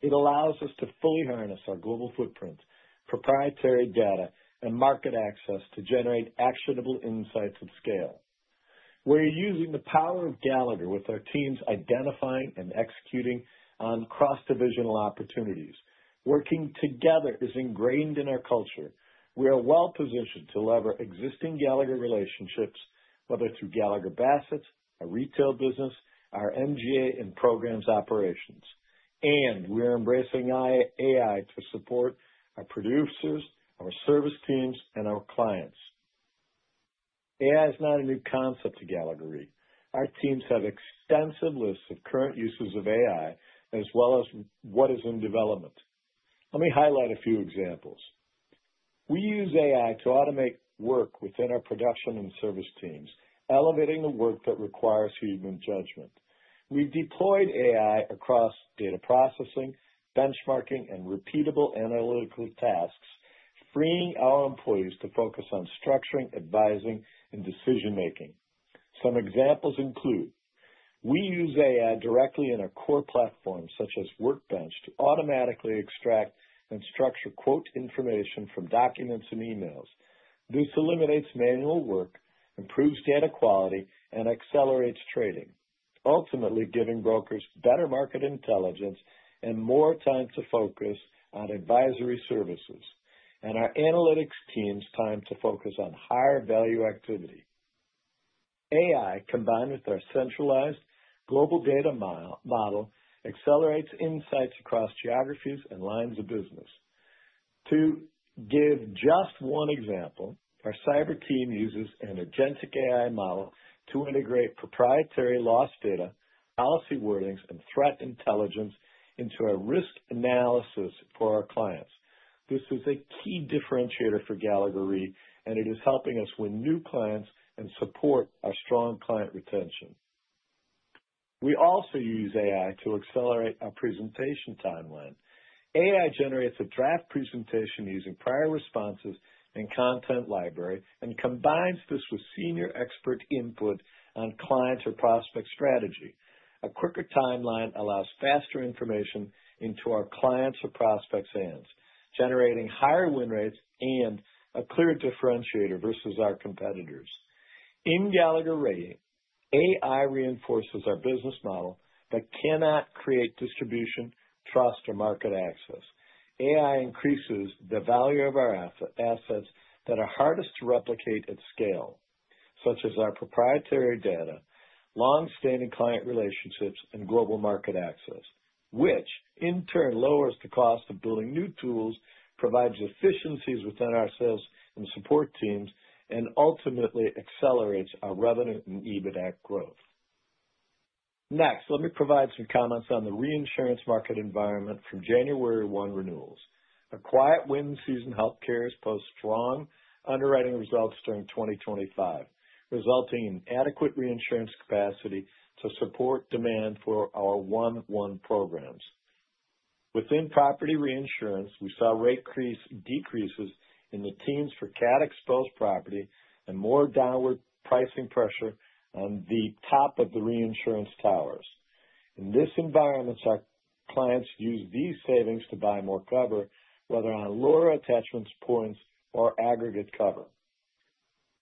It allows us to fully harness our global footprint, proprietary data, and market access to generate actionable insights at scale. We're using the power of Gallagher with our teams identifying and executing on cross-divisional opportunities. Working together is ingrained in our culture. We are well-positioned to lever existing Gallagher relationships, whether through Gallagher Bassett, our retail business, our MGA, and programs operations. We're embracing AI to support our producers, our service teams, and our clients. AI is not a new concept to Gallagher Re. Our teams have extensive lists of current uses of AI, as well as what is in development. Let me highlight a few examples. We use AI to automate work within our production and service teams, elevating the work that requires human judgment. We've deployed AI across data processing, benchmarking, and repeatable analytical tasks, freeing our employees to focus on structuring, advising, and decision-making. Some examples include we use AI directly in our core platforms, such as Workbench, to automatically extract and structure quote information from documents and emails. This eliminates manual work, improves data quality, and accelerates trading, ultimately giving brokers better market intelligence and more time to focus on advisory services, and our analytics teams time to focus on higher value activity. AI, combined with our centralized global data multi-model, accelerates insights across geographies and lines of business. To give just one example, our cyber team uses an agentic AI model to integrate proprietary loss data, policy wordings, and threat intelligence into a risk analysis for our clients. This is a key differentiator for Gallagher Re, and it is helping us win new clients and support our strong client retention. We also use AI to accelerate our presentation timeline. AI generates a draft presentation using prior responses and content library and combines this with senior expert input on clients or prospect strategy. A quicker timeline allows faster information into our clients' or prospects' hands, generating higher win rates and a clear differentiator versus our competitors. In Gallagher Re, AI reinforces our business model, but cannot create distribution, trust, or market access. AI increases the value of our asset, assets that are hardest to replicate at scale, such as our proprietary data, long-standing client relationships, and global market access, which in turn lowers the cost of building new tools, provides efficiencies within our sales and support teams, and ultimately accelerates our revenue and EBITDA growth. Next, let me provide some comments on the reinsurance market environment from January 1 renewals. A quiet wind season helped carriers post strong underwriting results during 2025, resulting in adequate reinsurance capacity to support demand for our 1/1 programs. Within property reinsurance, we saw rate decreases in the teens for cat-exposed property and more downward pricing pressure on the top of the reinsurance towers. In this environment, our clients use these savings to buy more cover, whether on lower attachment points or aggregate cover.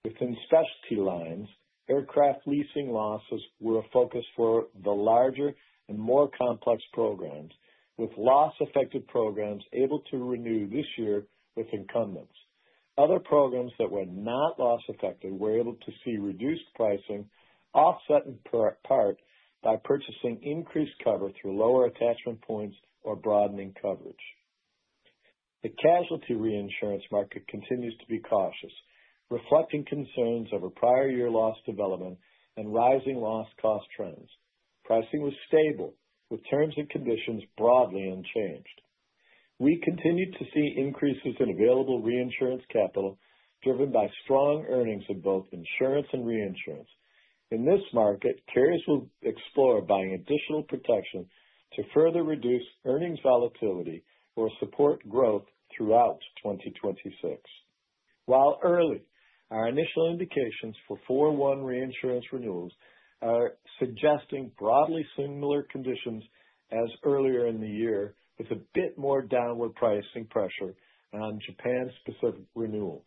Within specialty lines, aircraft leasing losses were a focus for the larger and more complex programs, with loss-affected programs able to renew this year with incumbents. Other programs that were not loss affected were able to see reduced pricing offset in part by purchasing increased cover through lower attachment points or broadening coverage. The casualty reinsurance market continues to be cautious, reflecting concerns over prior-year loss development and rising loss cost trends. Pricing was stable, with terms and conditions broadly unchanged. We continued to see increases in available reinsurance capital driven by strong earnings in both insurance and reinsurance. In this market, carriers will explore buying additional protection to further reduce earnings volatility or support growth throughout 2026. While early, our initial indications for 4/1 reinsurance renewals are suggesting broadly similar conditions as earlier in the year, with a bit more downward pricing pressure on Japan-specific renewals.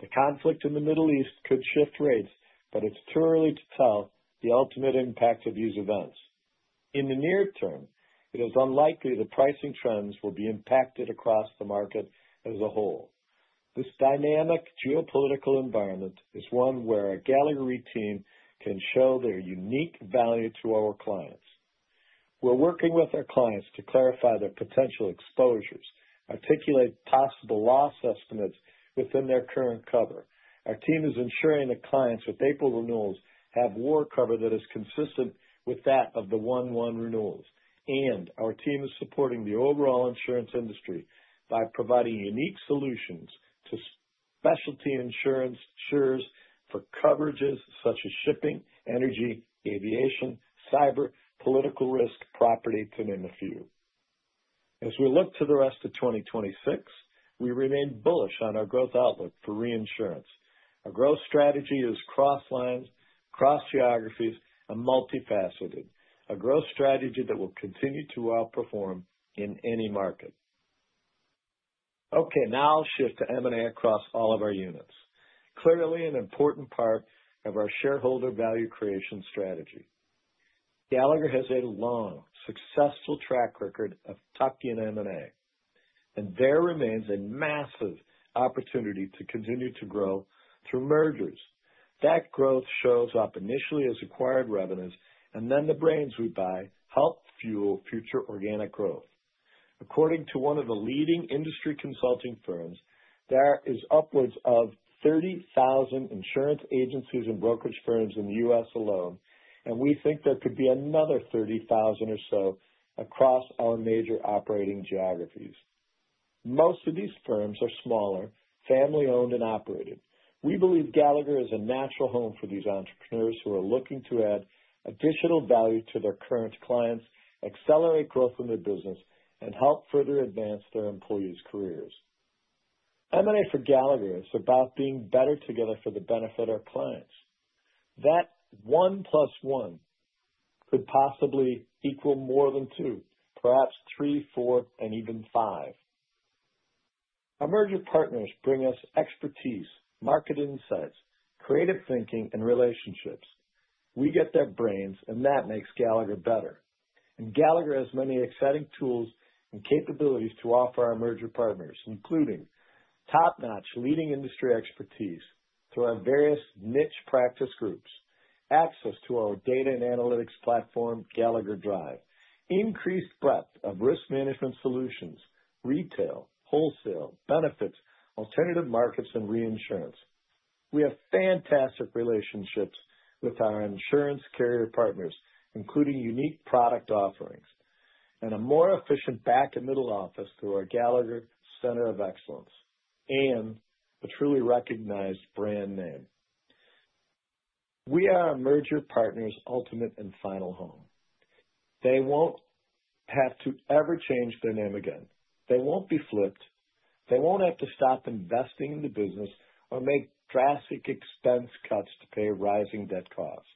The conflict in the Middle East could shift rates, but it's too early to tell the ultimate impact of these events. In the near term, it is unlikely the pricing trends will be impacted across the market as a whole. This dynamic geopolitical environment is one where our Gallagher Re team can show their unique value to our clients. We're working with our clients to clarify their potential exposures, articulate possible loss estimates within their current cover. Our team is ensuring that clients with April renewals have war cover that is consistent with that of the 1/1 renewals. Our team is supporting the overall insurance industry by providing unique solutions to specialty insurance insurers for coverages such as shipping, energy, aviation, cyber, political risk, property, to name a few. As we look to the rest of 2026, we remain bullish on our growth outlook for reinsurance. Our growth strategy is cross-lines, cross-geographies, and multifaceted. A growth strategy that will continue to outperform in any market. Okay, now I'll shift to M&A across all of our units, clearly an important part of our shareholder value creation strategy. Gallagher has a long, successful track record of tuck-in M&A, and there remains a massive opportunity to continue to grow through mergers. That growth shows up initially as acquired revenues, and then the brains we buy help fuel future organic growth. According to one of the leading industry consulting firms, there is upwards of 30,000 insurance agencies and brokerage firms in the U.S. alone, and we think there could be another 30,000 or so across our major operating geographies. Most of these firms are smaller, family-owned and operated. We believe Gallagher is a natural home for these entrepreneurs who are looking to add additional value to their current clients, accelerate growth in their business, and help further advance their employees' careers. M&A for Gallagher is about being better together for the benefit of our clients. That one plus one could possibly equal more than two, perhaps three, four, and even five. Our merger partners bring us expertise, market insights, creative thinking, and relationships. We get their brains, and that makes Gallagher better. Gallagher has many exciting tools and capabilities to offer our merger partners, including top-notch leading industry expertise through our various niche practice groups, access to our data and analytics platform, Gallagher Drive, increased breadth of risk management solutions, retail, wholesale, benefits, alternative markets, and reinsurance. We have fantastic relationships with our insurance carrier partners, including unique product offerings. A more efficient back and middle office through our Gallagher Center of Excellence and a truly recognized brand name. We are our merger partners ultimate and final home. They won't have to ever change their name again. They won't be flipped. They won't have to stop investing in the business or make drastic expense cuts to pay rising debt costs.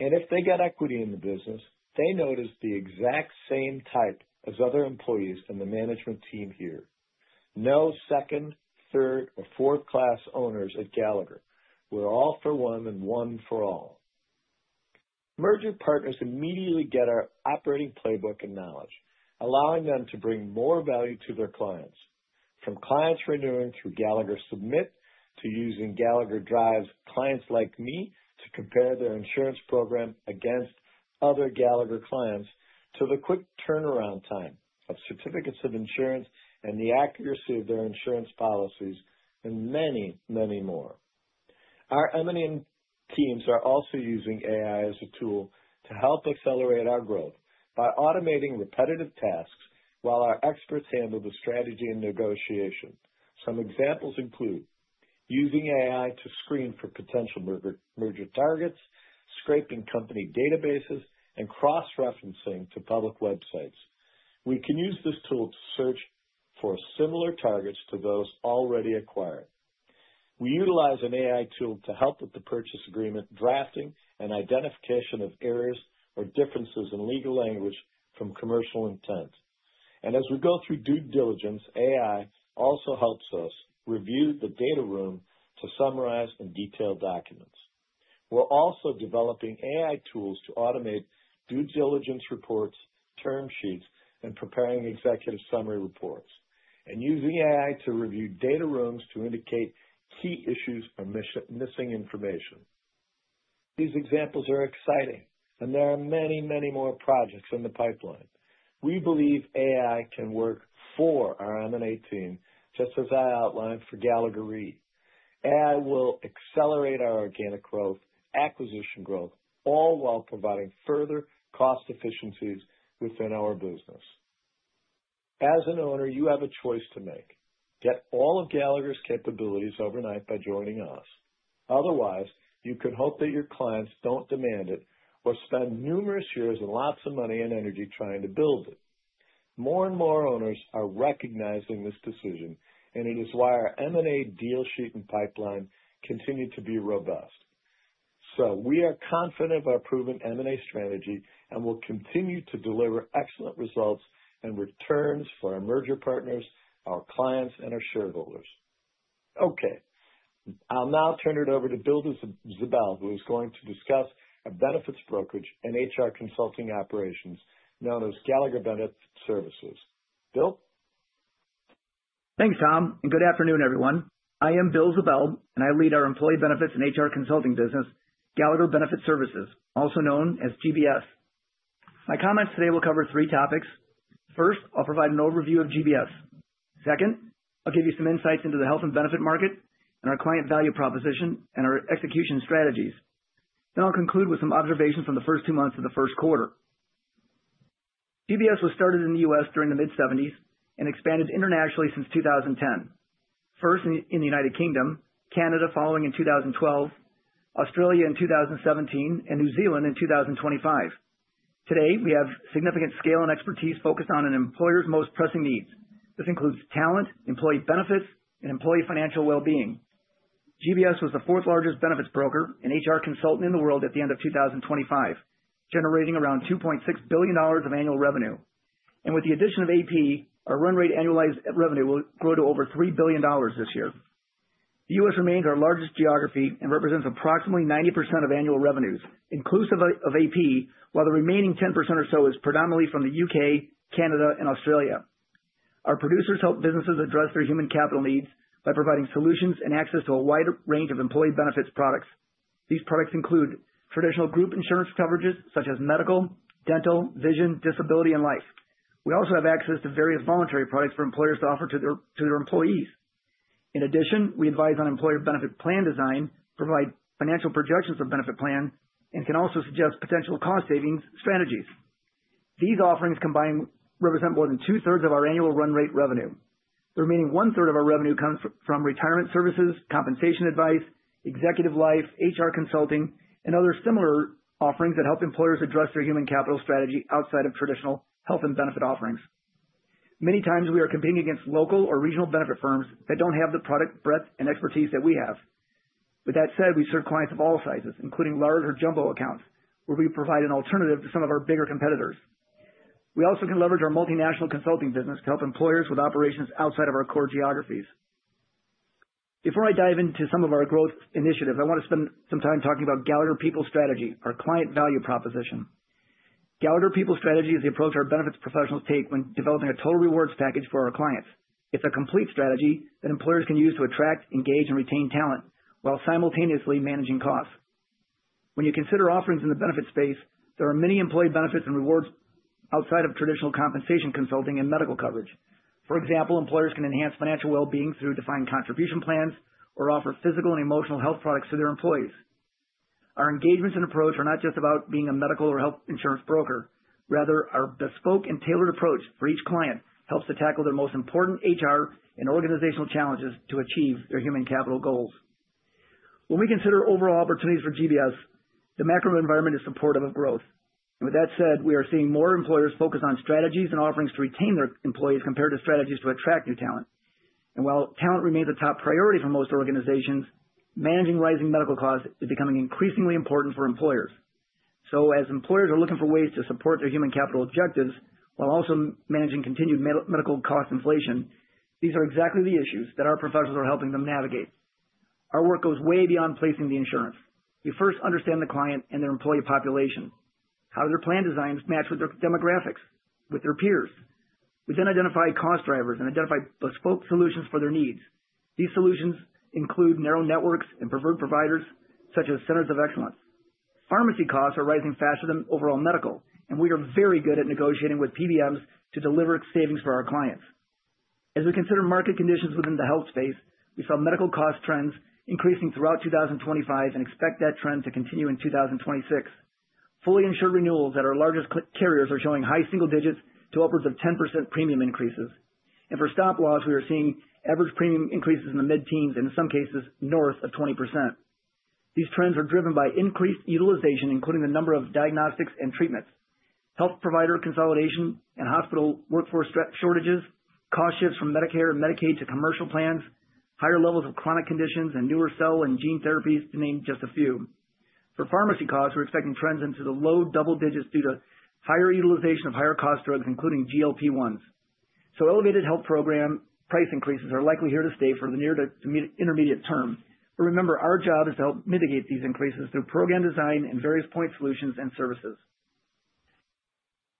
If they get equity in the business, they notice the exact same type as other employees in the management team here. No second, third, or fourth class owners at Gallagher. We're all for one and one for all. Merger partners immediately get our operating playbook and knowledge, allowing them to bring more value to their clients. From clients renewing through Gallagher Submit to using Gallagher Drive's Clients Like Me to compare their insurance program against other Gallagher clients, to the quick turnaround time of certificates of insurance and the accuracy of their insurance policies and many, many more. Our M&A teams are also using AI as a tool to help accelerate our growth by automating repetitive tasks while our experts handl the strategy and negotiation. Some examples include using AI to screen for potential merger targets, scraping company databases, and cross-referencing to public websites. We can use this tool to search for similar targets to those already acquired. We utilize an AI tool to help with the purchase agreement, drafting, and identification of errors or differences in legal language from commercial intent. As we go through due diligence, AI also helps us review the data room to summarize and detail documents. We're also developing AI tools to automate due diligence reports, term sheets, and preparing executive summary reports, and using AI to review data rooms to indicate key issues or missing information. These examples are exciting and there are many, many more projects in the pipeline. We believe AI can work for our M&A team, just as I outlined for Gallagher Re. AI will accelerate our organic growth, acquisition growth, all while providing further cost efficiencies within our business. As an owner, you have a choice to make. Get all of Gallagher's capabilities overnight by joining us. Otherwise, you could hope that your clients don't demand it or spend numerous years and lots of money and energy trying to build it. More and more owners are recognizing this decision, and it is why our M&A deal sheet and pipeline continue to be robust. We are confident of our proven M&A strategy, and will continue to deliver excellent results and returns for our merger partners, our clients, and our shareholders. Okay, I'll now turn it over to Bill Ziebell, who is going to discuss our benefits brokerage and HR consulting operations known as Gallagher Benefit Services. Bill? Thanks, Tom, and good afternoon, everyone. I am Bill Ziebell and I lead our employee benefits and HR consulting business, Gallagher Benefit Services, also known as GBS. My comments today will cover three topics. First, I'll provide an overview of GBS. Second, I'll give you some insights into the health and benefit market and our client value proposition and our execution strategies. I'll conclude with some observations from the first two months of the first quarter. GBS was started in the U.S. during the mid-1970s and expanded internationally since 2010. First in the United Kingdom, Canada following in 2012, Australia in 2017, and New Zealand in 2025. Today, we have significant scale and expertise focused on an employer's most pressing needs. This includes talent, employee benefits, and employee financial well-being. GBS was the fourth largest benefits broker and HR consultant in the world at the end of 2025, generating around $2.6 billion of annual revenue. With the addition of AP, our run rate annualized revenue will grow to over $3 billion this year. The U.S. remains our largest geography and represents approximately 90% of annual revenues, inclusive of AP, while the remaining 10% or so is predominantly from the U.K., Canada, and Australia. Our producers help businesses address their human capital needs by providing solutions and access to a wide range of employee benefits products. These products include traditional group insurance coverages such as medical, dental, vision, disability, and life. We also have access to various voluntary products for employers to offer to their employees. In addition, we advise on employer benefit plan design, provide financial projections for benefit plan, and can also suggest potential cost savings strategies. These offerings combined represent more than two-thirds of our annual run rate revenue. The remaining one-third of our revenue comes from retirement services, compensation advice, executive life, HR consulting, and other similar offerings that help employers address their human capital strategy outside of traditional health and benefit offerings. Many times we are competing against local or regional benefit firms that don't have the product breadth and expertise that we have. With that said, we serve clients of all sizes, including large or jumbo accounts, where we provide an alternative to some of our bigger competitors. We also can leverage our multinational consulting business to help employers with operations outside of our core geographies. Before I dive into some of our growth initiatives, I want to spend some time talking about Gallagher People Strategy, our client value proposition. Gallagher People Strategy is the approach our benefits professionals take when developing a total rewards package for our clients. It's a complete strategy that employers can use to attract, engage, and retain talent while simultaneously managing costs. When you consider offerings in the benefits space, there are many employee benefits and rewards outside of traditional compensation consulting and medical coverage. For example, employers can enhance financial well-being through defined contribution plans or offer physical and emotional health products to their employees. Our engagements and approach are not just about being a medical or health insurance broker. Rather, our bespoke and tailored approach for each client helps to tackle their most important HR and organizational challenges to achieve their human capital goals. When we consider overall opportunities for GBS, the macro environment is supportive of growth. With that said, we are seeing more employers focus on strategies and offerings to retain their employees compared to strategies to attract new talent. While talent remains a top priority for most organizations, managing rising medical costs is becoming increasingly important for employers. As employers are looking for ways to support their human capital objectives while also managing continued medical cost inflation, these are exactly the issues that our professionals are helping them navigate. Our work goes way beyond placing the insurance. We first understand the client and their employee population, how their plan designs match with their demographics, with their peers. We then identify cost drivers and identify bespoke solutions for their needs. These solutions include narrow networks and preferred providers such as centers of excellence. Pharmacy costs are rising faster than overall medical, and we are very good at negotiating with PBMs to deliver savings for our clients. As we consider market conditions within the health space, we saw medical cost trends increasing throughout 2025 and expect that trend to continue in 2026. Fully insured renewals at our largest carriers are showing high single digits to upwards of 10% premium increases. For stop loss, we are seeing average premium increases in the mid-teens and in some cases north of 20%. These trends are driven by increased utilization, including the number of diagnostics and treatments, health provider consolidation and hospital workforce shortages, cost shifts from Medicare and Medicaid to commercial plans, higher levels of chronic conditions, and newer cell and gene therapies, to name just a few. For pharmacy costs, we're expecting trends into the low double digits due to higher utilization of higher cost drugs, including GLP-1. Elevated health program price increases are likely here to stay for the near to medium-intermediate term. Remember, our job is to help mitigate these increases through program design and various point solutions and services.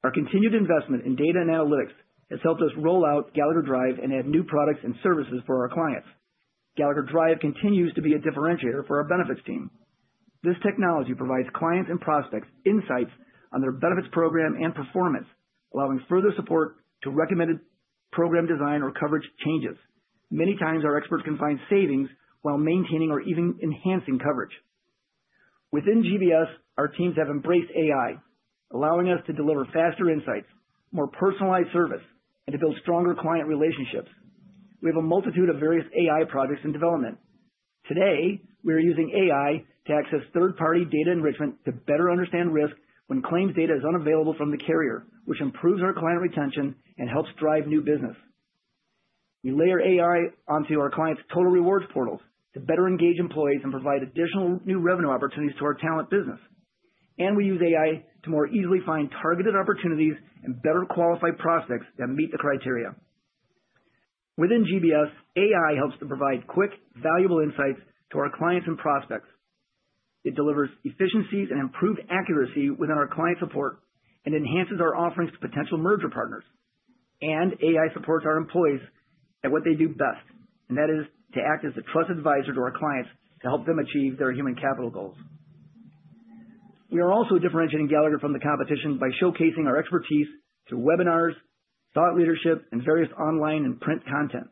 Our continued investment in data and analytics has helped us roll out Gallagher Drive and add new products and services for our clients. Gallagher Drive continues to be a differentiator for our benefits team. This technology provides clients and prospects insights on their benefits program and performance, allowing further support to recommended program design or coverage changes. Many times, our experts can find savings while maintaining or even enhancing coverage. Within GBS, our teams have embraced AI, allowing us to deliver faster insights, more personalized service, and to build stronger client relationships. We have a multitude of various AI projects in development. Today, we are using AI to access third-party data enrichment to better understand risk when claims data is unavailable from the carrier, which improves our client retention and helps drive new business. We layer AI onto our clients' total rewards portals to better engage employees and provide additional new revenue opportunities to our talent business. We use AI to more easily find targeted opportunities and better qualify prospects that meet the criteria. Within GBS, AI helps to provide quick, valuable insights to our clients and prospects. It delivers efficiencies and improved accuracy within our client support and enhances our offerings to potential merger partners. AI supports our employees at what they do best, and that is to act as a trusted advisor to our clients to help them achieve their human capital goals. We are also differentiating Gallagher from the competition by showcasing our expertise through webinars, thought leadership, and various online and print content.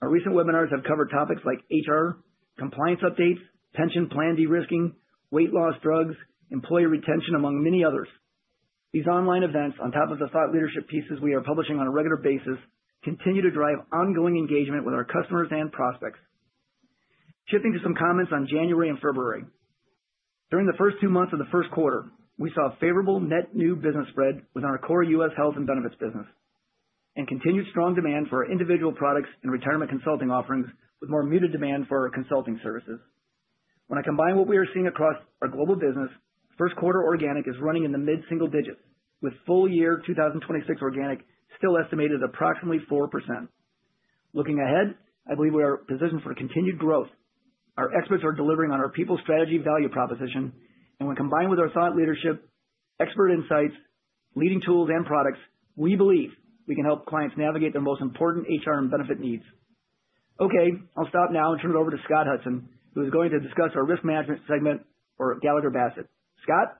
Our recent webinars have covered topics like HR, compliance updates, pension plan de-risking, weight loss drugs, employee retention, among many others. These online events, on top of the thought leadership pieces we are publishing on a regular basis, continue to drive ongoing engagement with our customers and prospects. Shifting to some comments on January and February. During the first two months of the first quarter, we saw a favorable net new business spread within our core U.S. health and benefits business, and continued strong demand for our individual products and retirement consulting offerings, with more muted demand for our consulting services. When I combine what we are seeing across our global business, first quarter organic is running in the mid-single digits, with full year 2026 organic still estimated approximately 4%. Looking ahead, I believe we are positioned for continued growth. Our experts are delivering on our People Strategy value proposition, and when combined with our thought leadership, expert insights, leading tools and products, we believe we can help clients navigate their most important HR and benefit needs. Okay, I'll stop now and turn it over to Scott Hudson, who is going to discuss our risk management segment for Gallagher Bassett. Scott?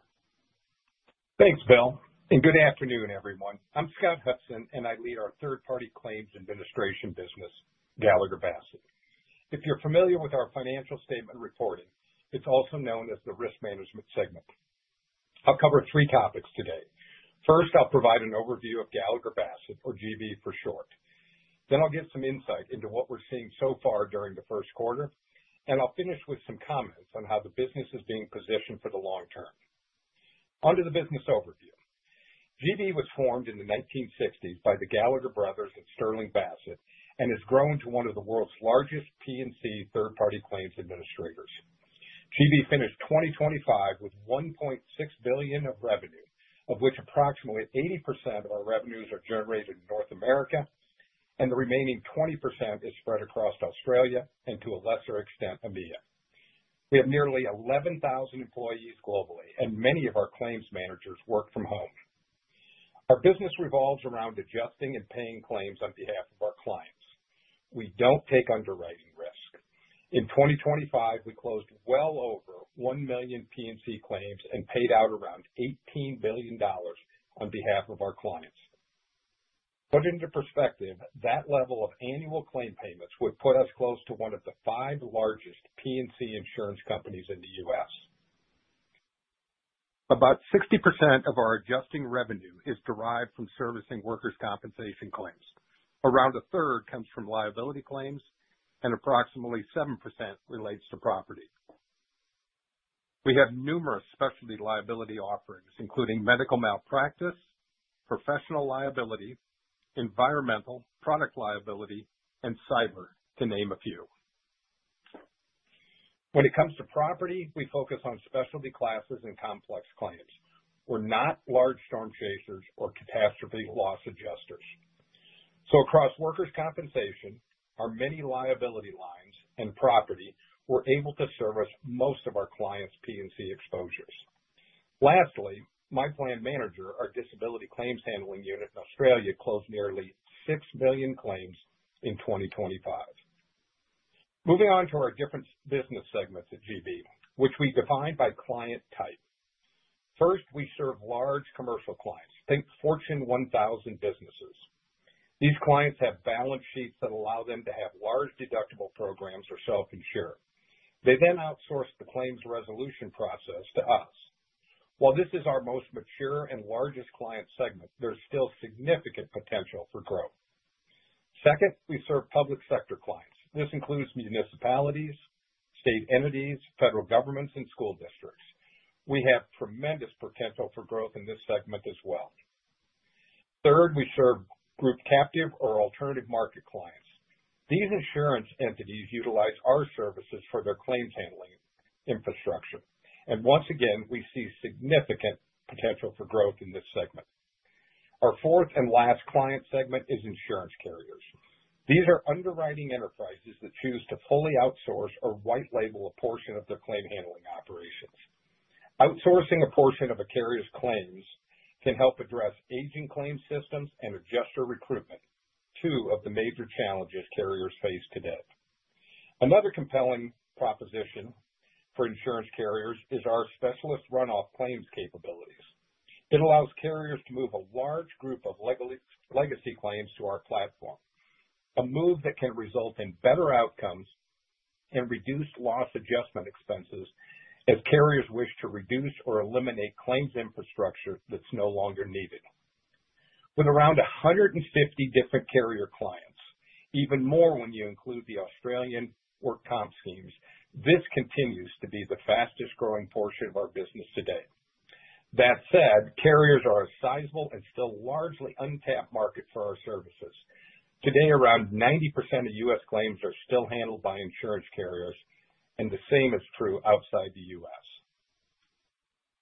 Thanks, Bill, and good afternoon, everyone. I'm Scott Hudson, and I lead our third-party claims administration business, Gallagher Bassett. If you're familiar with our financial statement reporting, it's also known as the Risk Management segment. I'll cover three topics today. First, I'll provide an overview of Gallagher Bassett or GB for short. Then I'll give some insight into what we're seeing so far during the first quarter. I'll finish with some comments on how the business is being positioned for the long term. On to the business overview. GB was formed in the 1960s by the Gallagher brothers and Sterling Bassett and has grown to one of the world's largest P&C third-party claims administrators. GB finished 2025 with $1.6 billion of revenue, of which approximately 80% of our revenues are generated in North America, and the remaining 20% is spread across Australia and, to a lesser extent, EMEA. We have nearly 11,000 employees globally, and many of our claims managers work from home. Our business revolves around adjusting and paying claims on behalf of our clients. We don't take underwriting risk. In 2025, we closed well over 1 million P&C claims and paid out around $18 billion on behalf of our clients. Put into perspective, that level of annual claim payments would put us close to one of the five largest P&C insurance companies in the U.S. About 60% of our adjusting revenue is derived from servicing workers' compensation claims. Around a third comes from liability claims and approximately 7% relates to property. We have numerous specialty liability offerings, including medical malpractice, professional liability, environmental, product liability, and cyber, to name a few. When it comes to property, we focus on specialty classes and complex claims. We're not large storm chasers or catastrophe loss adjusters. Across workers' compensation, our many liability lines and property, we're able to service most of our clients' P&C exposures. Lastly, My Plan Manager, our disability claims handling unit in Australia, closed nearly 6 million claims in 2025. Moving on to our different business segments at GB, which we define by client type. First, we serve large commercial clients. Think Fortune 1000 businesses. These clients have balance sheets that allow them to have large deductible programs or self-insure. They then outsource the claims resolution process to us. While this is our most mature and largest client segment, there's still significant potential for growth. Second, we serve public sector clients. This includes municipalities, state entities, federal governments, and school districts. We have tremendous potential for growth in this segment as well. Third, we serve group captive or alternative market clients. These insurance entities utilize our services for their claims handling infrastructure. Once again, we see significant potential for growth in this segment. Our fourth and last client segment is insurance carriers. These are underwriting enterprises that choose to fully outsource or white label a portion of their claim handling operations. Outsourcing a portion of a carrier's claims can help address aging claim systems and adjuster recruitment, two of the major challenges carriers face today. Another compelling proposition for insurance carriers is our specialist runoff claims capabilities. It allows carriers to move a large group of legacy claims to our platform, a move that can result in better outcomes and reduced loss adjustment expenses as carriers wish to reduce or eliminate claims infrastructure that's no longer needed. With around 150 different carrier clients, even more when you include the Australian work comp schemes, this continues to be the fastest-growing portion of our business today. That said, carriers are a sizable and still largely untapped market for our services. Today, around 90% of U.S. claims are still handled by insurance carriers, and the same is true outside the U.S.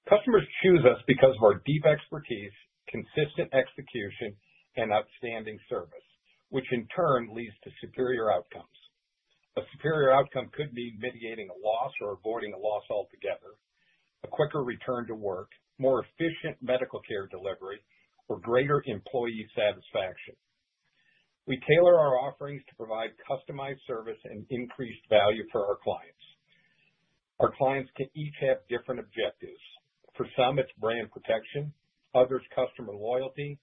Customers choose us because of our deep expertise, consistent execution, and outstanding service, which in turn leads to superior outcomes. A superior outcome could mean mitigating a loss or avoiding a loss altogether, a quicker return to work, more efficient medical care delivery, or greater employee satisfaction. We tailor our offerings to provide customized service and increased value for our clients. Our clients can each have different objectives. For some, it's brand protection, others, customer loyalty,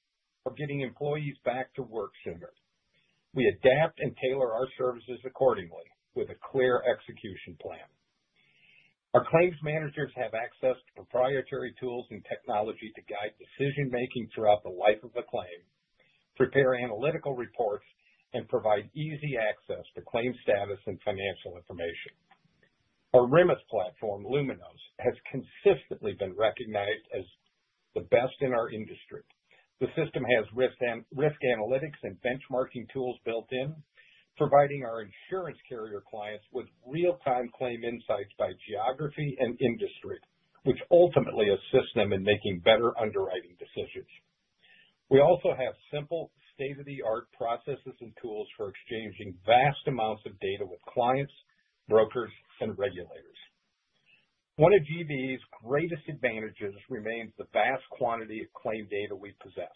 or getting employees back to work sooner. We adapt and tailor our services accordingly with a clear execution plan. Our claims managers have access to proprietary tools and technology to guide decision-making throughout the life of a claim, prepare analytical reports, and provide easy access to claim status and financial information. Our REMIS platform, Luminos, has consistently been recognized as the best in our industry. The system has risk analytics and benchmarking tools built in, providing our insurance carrier clients with real-time claim insights by geography and industry, which ultimately assists them in making better underwriting decisions. We also have simple, state-of-the-art processes and tools for exchanging vast amounts of data with clients, brokers, and regulators. One of GB's greatest advantages remains the vast quantity of claim data we possess.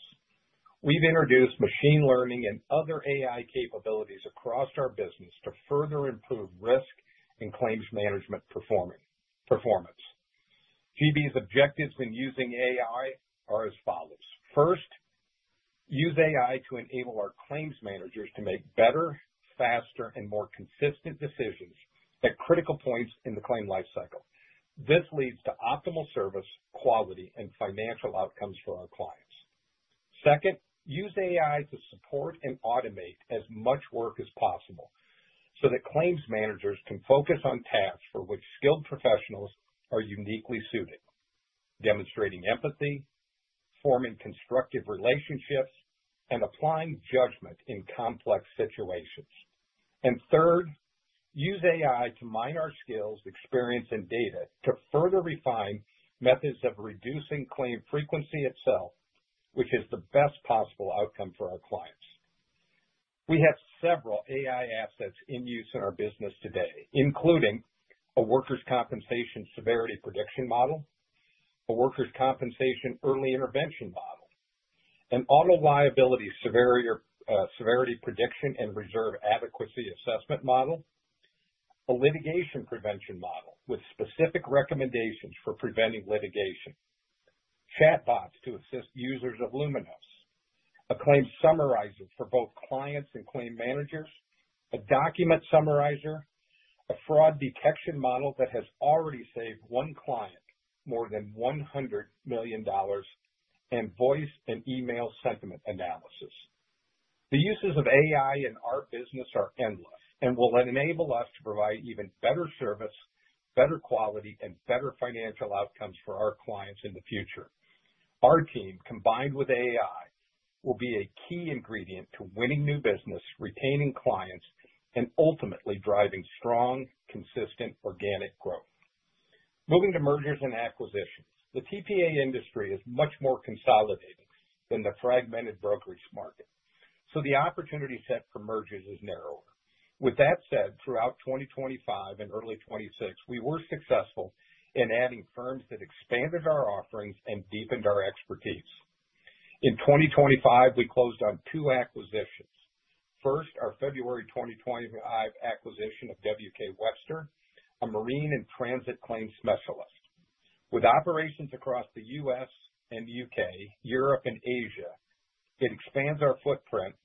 We've introduced machine learning and other AI capabilities across our business to further improve risk and claims management performance. GB's objectives when using AI are as follows. First, use AI to enable our claims managers to make better, faster, and more consistent decisions at critical points in the claim lifecycle. This leads to optimal service, quality, and financial outcomes for our clients. Second, use AI to support and automate as much work as possible so that claims managers can focus on tasks for which skilled professionals are uniquely suited, demonstrating empathy, forming constructive relationships, and applying judgment in complex situations. Third, use AI to mine our skills, experience, and data to further refine methods of reducing claim frequency itself, which is the best possible outcome for our clients. We have several AI assets in use in our business today, including a workers' compensation severity prediction model, a workers' compensation early intervention model, an auto liability severity prediction and reserve adequacy assessment model, a litigation prevention model with specific recommendations for preventing litigation, chatbots to assist users of Luminos, a claim summarizer for both clients and claim managers, a document summarizer, a fraud detection model that has already saved one client more than $100 million, and voice and email sentiment analysis. The uses of AI in our business are endless and will enable us to provide even better service, better quality, and better financial outcomes for our clients in the future. Our team, combined with AI, will be a key ingredient to winning new business, retaining clients, and ultimately driving strong, consistent organic growth. Moving to mergers and acquisitions. The TPA industry is much more consolidated than the fragmented brokerage market, so the opportunity set for mergers is narrower. With that said, throughout 2025 and early 2026, we were successful in adding firms that expanded our offerings and deepened our expertise. In 2025, we closed on two acquisitions. First, our February 2025 acquisition of W.K. Webster, a marine and transit claims specialist. With operations across the U.S. and the U.K., Europe and Asia, it expands our footprint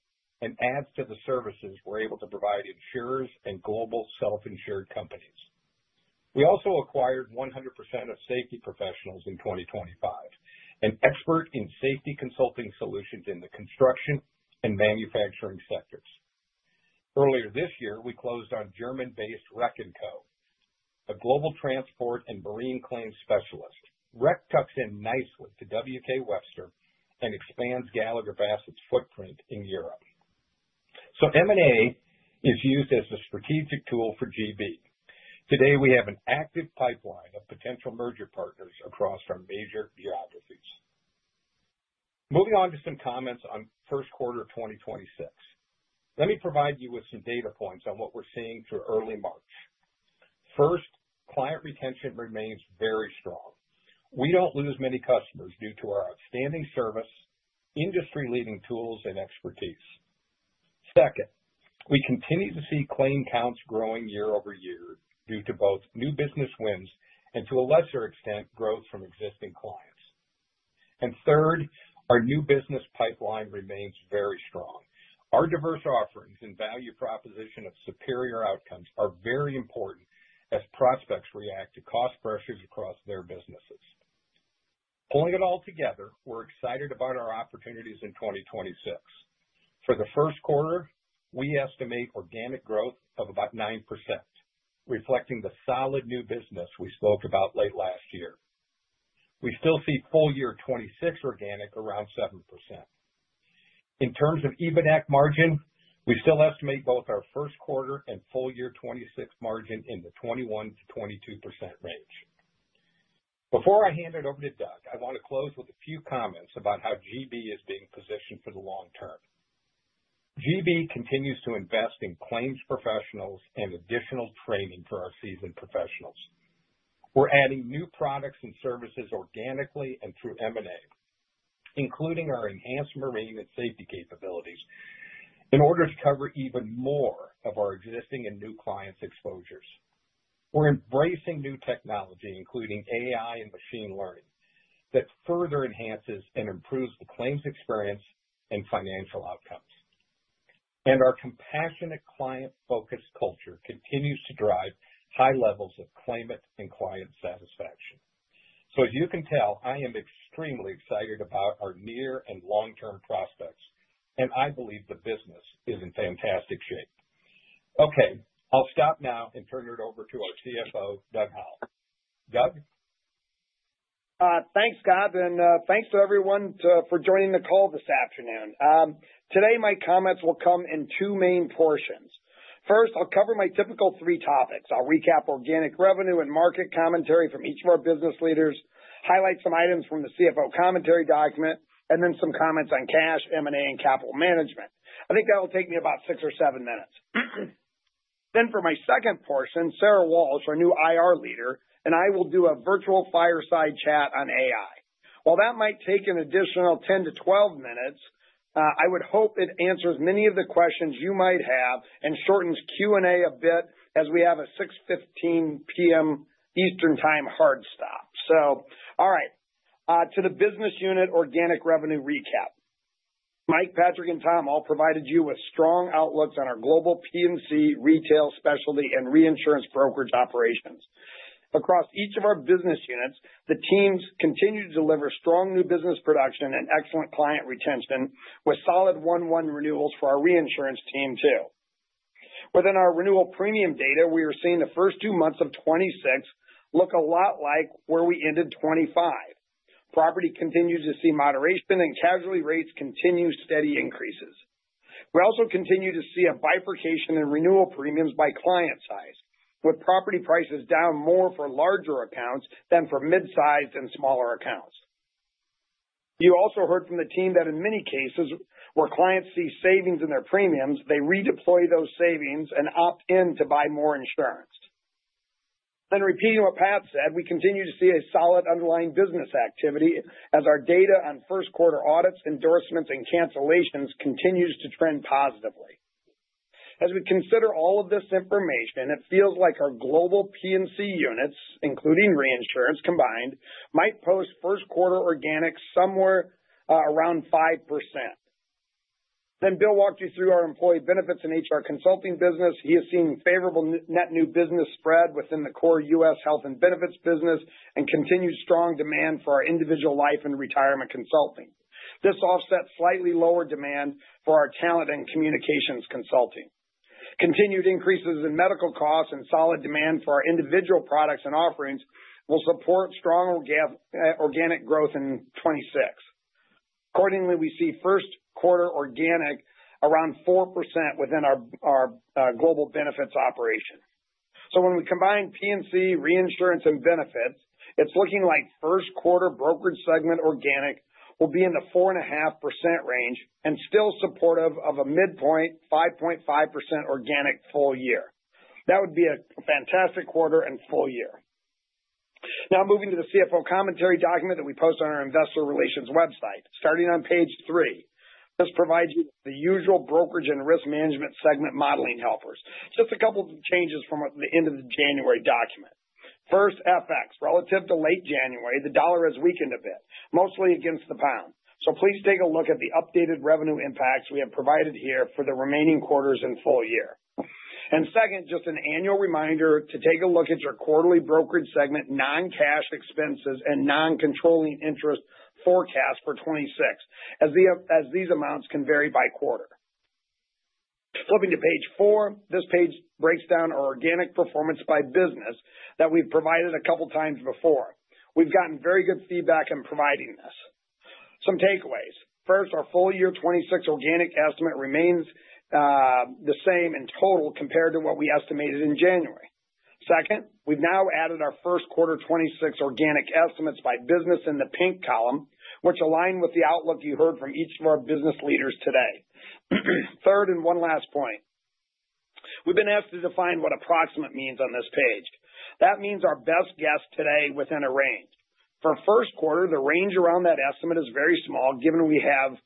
and adds to the services we're able to provide insurers and global self-insured companies. We also acquired 100% of SafeTProfessional in 2025, an expert in safety consulting solutions in the construction and manufacturing sectors. Earlier this year, we closed on German-based Reck & Co, a global transport and marine claims specialist. Reck tucks in nicely to W.K. Webster and expands Gallagher Bassett's footprint in Europe. M&A is used as a strategic tool for GB. Today, we have an active pipeline of potential merger partners across our major geographies. Moving on to some comments on first quarter of 2026. Let me provide you with some data points on what we're seeing through early March. First, client retention remains very strong. We don't lose many customers due to our outstanding service, industry-leading tools, and expertise. Second, we continue to see claim counts growing year-over-year due to both new business wins and, to a lesser extent, growth from existing clients. Third, our new business pipeline remains very strong. Our diverse offerings and value proposition of superior outcomes are very important as prospects react to cost pressures across their businesses. Pulling it all together, we're excited about our opportunities in 2026. For the first quarter, we estimate organic growth of about 9%, reflecting the solid new business we spoke about late last year. We still see full year 2026 organic around 7%. In terms of EBITDA margin, we still estimate both our first quarter and full year 2026 margin in the 21%-22% range. Before I hand it over to Doug, I want to close with a few comments about how GB is being positioned for the long term. GB continues to invest in claims professionals and additional training for our seasoned professionals. We're adding new products and services organically and through M&A, including our enhanced marine and safety capabilities, in order to cover even more of our existing and new clients' exposures. We're embracing new technology, including AI and machine learning, that further enhances and improves the claims experience and financial outcomes. Our compassionate, client-focused culture continues to drive high levels of claimant and client satisfaction. As you can tell, I am extremely excited about our near and long-term prospects, and I believe the business is in fantastic shape. Okay, I'll stop now and turn it over to our CFO, Doug Howell. Doug? Thanks, Scott, and thanks to everyone for joining the call this afternoon. Today my comments will come in two main portions. First, I'll cover my typical three topics. I'll recap organic revenue and market commentary from each of our business leaders, highlight some items from the CFO commentary document, and then some comments on cash, M&A, and capital management. I think that'll take me about six or seven minutes. Then for my second portion, Sara Walsh, our new IR leader, and I will do a virtual fireside chat on AI. While that might take an additional 10-12 minutes, I would hope it answers many of the questions you might have and shortens Q&A a bit as we have a 6:15 P.M. Eastern time hard stop. All right. To the business unit organic revenue recap. Mike, Patrick, and Tom all provided you with strong outlooks on our global P&C retail specialty and reinsurance brokerage operations. Across each of our business units, the teams continue to deliver strong new business production and excellent client retention, with solid 101 renewals for our reinsurance team too. Within our renewal premium data, we are seeing the first two months of 2026 look a lot like where we ended 2025. Property continues to see moderation, and casualty rates continue steady increases. We also continue to see a bifurcation in renewal premiums by client size, with property prices down more for larger accounts than for mid-sized and smaller accounts. You also heard from the team that in many cases, where clients see savings in their premiums, they redeploy those savings and opt in to buy more insurance. Repeating what Pat said, we continue to see a solid underlying business activity as our data on first quarter audits, endorsements, and cancellations continues to trend positively. As we consider all of this information, it feels like our global P&C units, including reinsurance combined, might post first quarter organic somewhere around 5%. Bill walked you through our employee benefits and HR consulting business. He is seeing favorable net new business spread within the core U.S. health and benefits business, and continued strong demand for our individual life and retirement consulting. This offsets slightly lower demand for our talent and communications consulting. Continued increases in medical costs and solid demand for our individual products and offerings will support strong organic growth in 2026. Accordingly, we see first quarter organic around 4% within our global benefits operations. When we combine P&C reinsurance and benefits, it's looking like first quarter brokerage segment organic will be in the 4.5% range and still supportive of a midpoint 5.5% organic full year. That would be a fantastic quarter and full year. Now moving to the CFO commentary document that we post on our investor relations website. Starting on page three, this provides you the usual brokerage and risk management segment modeling helpers. Just a couple of changes from the end of the January document. First, FX. Relative to late January, the dollar has weakened a bit, mostly against the pound. Please take a look at the updated revenue impacts we have provided here for the remaining quarters and full year. Second, just an annual reminder to take a look at your quarterly brokerage segment non-cash expenses and non-controlling interest forecast for 2026, as these amounts can vary by quarter. Flipping to page four, this page breaks down our organic performance by business that we've provided a couple times before. We've gotten very good feedback in providing this. Some takeaways. First, our full year 2026 organic estimate remains the same in total compared to what we estimated in January. Second, we've now added our first quarter 2026 organic estimates by business in the pink column, which align with the outlook you heard from each of our business leaders today. Third, and one last point. We've been asked to define what approximate means on this page. That means our best guess today within a range. For first quarter, the range around that estimate is very small given we have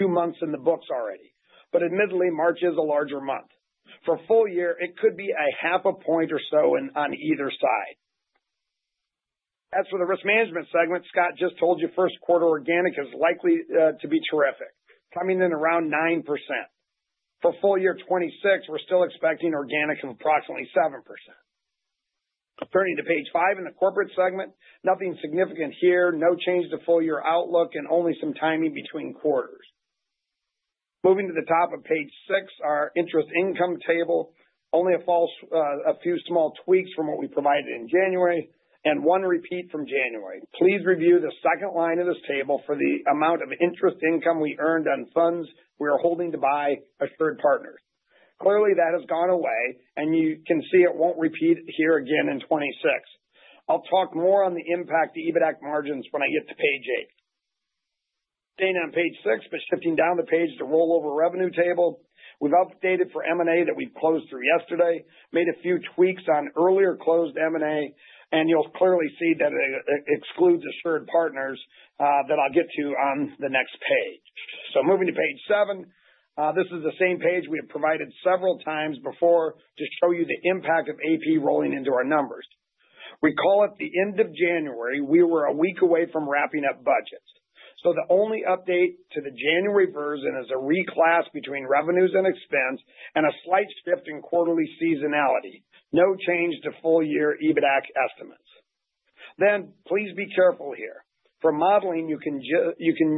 two months in the books already, but admittedly, March is a larger month. For full year, it could be half a point or so in, on either side. As for the risk management segment, Scott just told you first quarter organic is likely to be terrific, coming in around 9%. For full year 2026, we're still expecting organic of approximately 7%. Turning to page five in the corporate segment. Nothing significant here. No change to full year outlook and only some timing between quarters. Moving to the top of page six, our interest income table. Only a few small tweaks from what we provided in January, and one repeat from January. Please review the second line of this table for the amount of interest income we earned on funds we are holding to buy AssuredPartners. Clearly, that has gone away and you can see it won't repeat here again in 2026. I'll talk more on the impact to EBITDAC margins when I get to page eight. Staying on page six, but shifting down the page to rollover revenue table. We've updated for M&A that we closed through yesterday, made a few tweaks on earlier closed M&A, and you'll clearly see that it excludes AssuredPartners that I'll get to on the next page. Moving to page seven, this is the same page we have provided several times before to show you the impact of AP rolling into our numbers. Recall at the end of January, we were a week away from wrapping up budgets. The only update to the January version is a reclass between revenues and expense and a slight shift in quarterly seasonality. No change to full year EBITDAC estimates. Please be careful here. For modeling, you can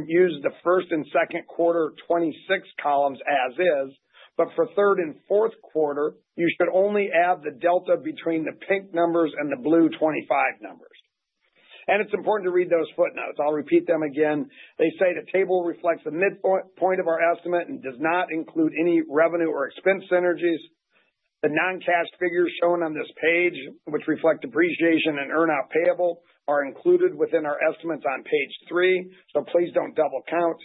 use the first and second quarter 2026 columns as is, but for third and fourth quarter, you should only add the delta between the pink numbers and the blue 2025 numbers. It's important to read those footnotes. I'll repeat them again. They say the table reflects the midpoint of our estimate and does not include any revenue or expense synergies. The non-cash figures shown on this page, which reflect depreciation and earn out payable, are included within our estimates on page three, so please don't double count.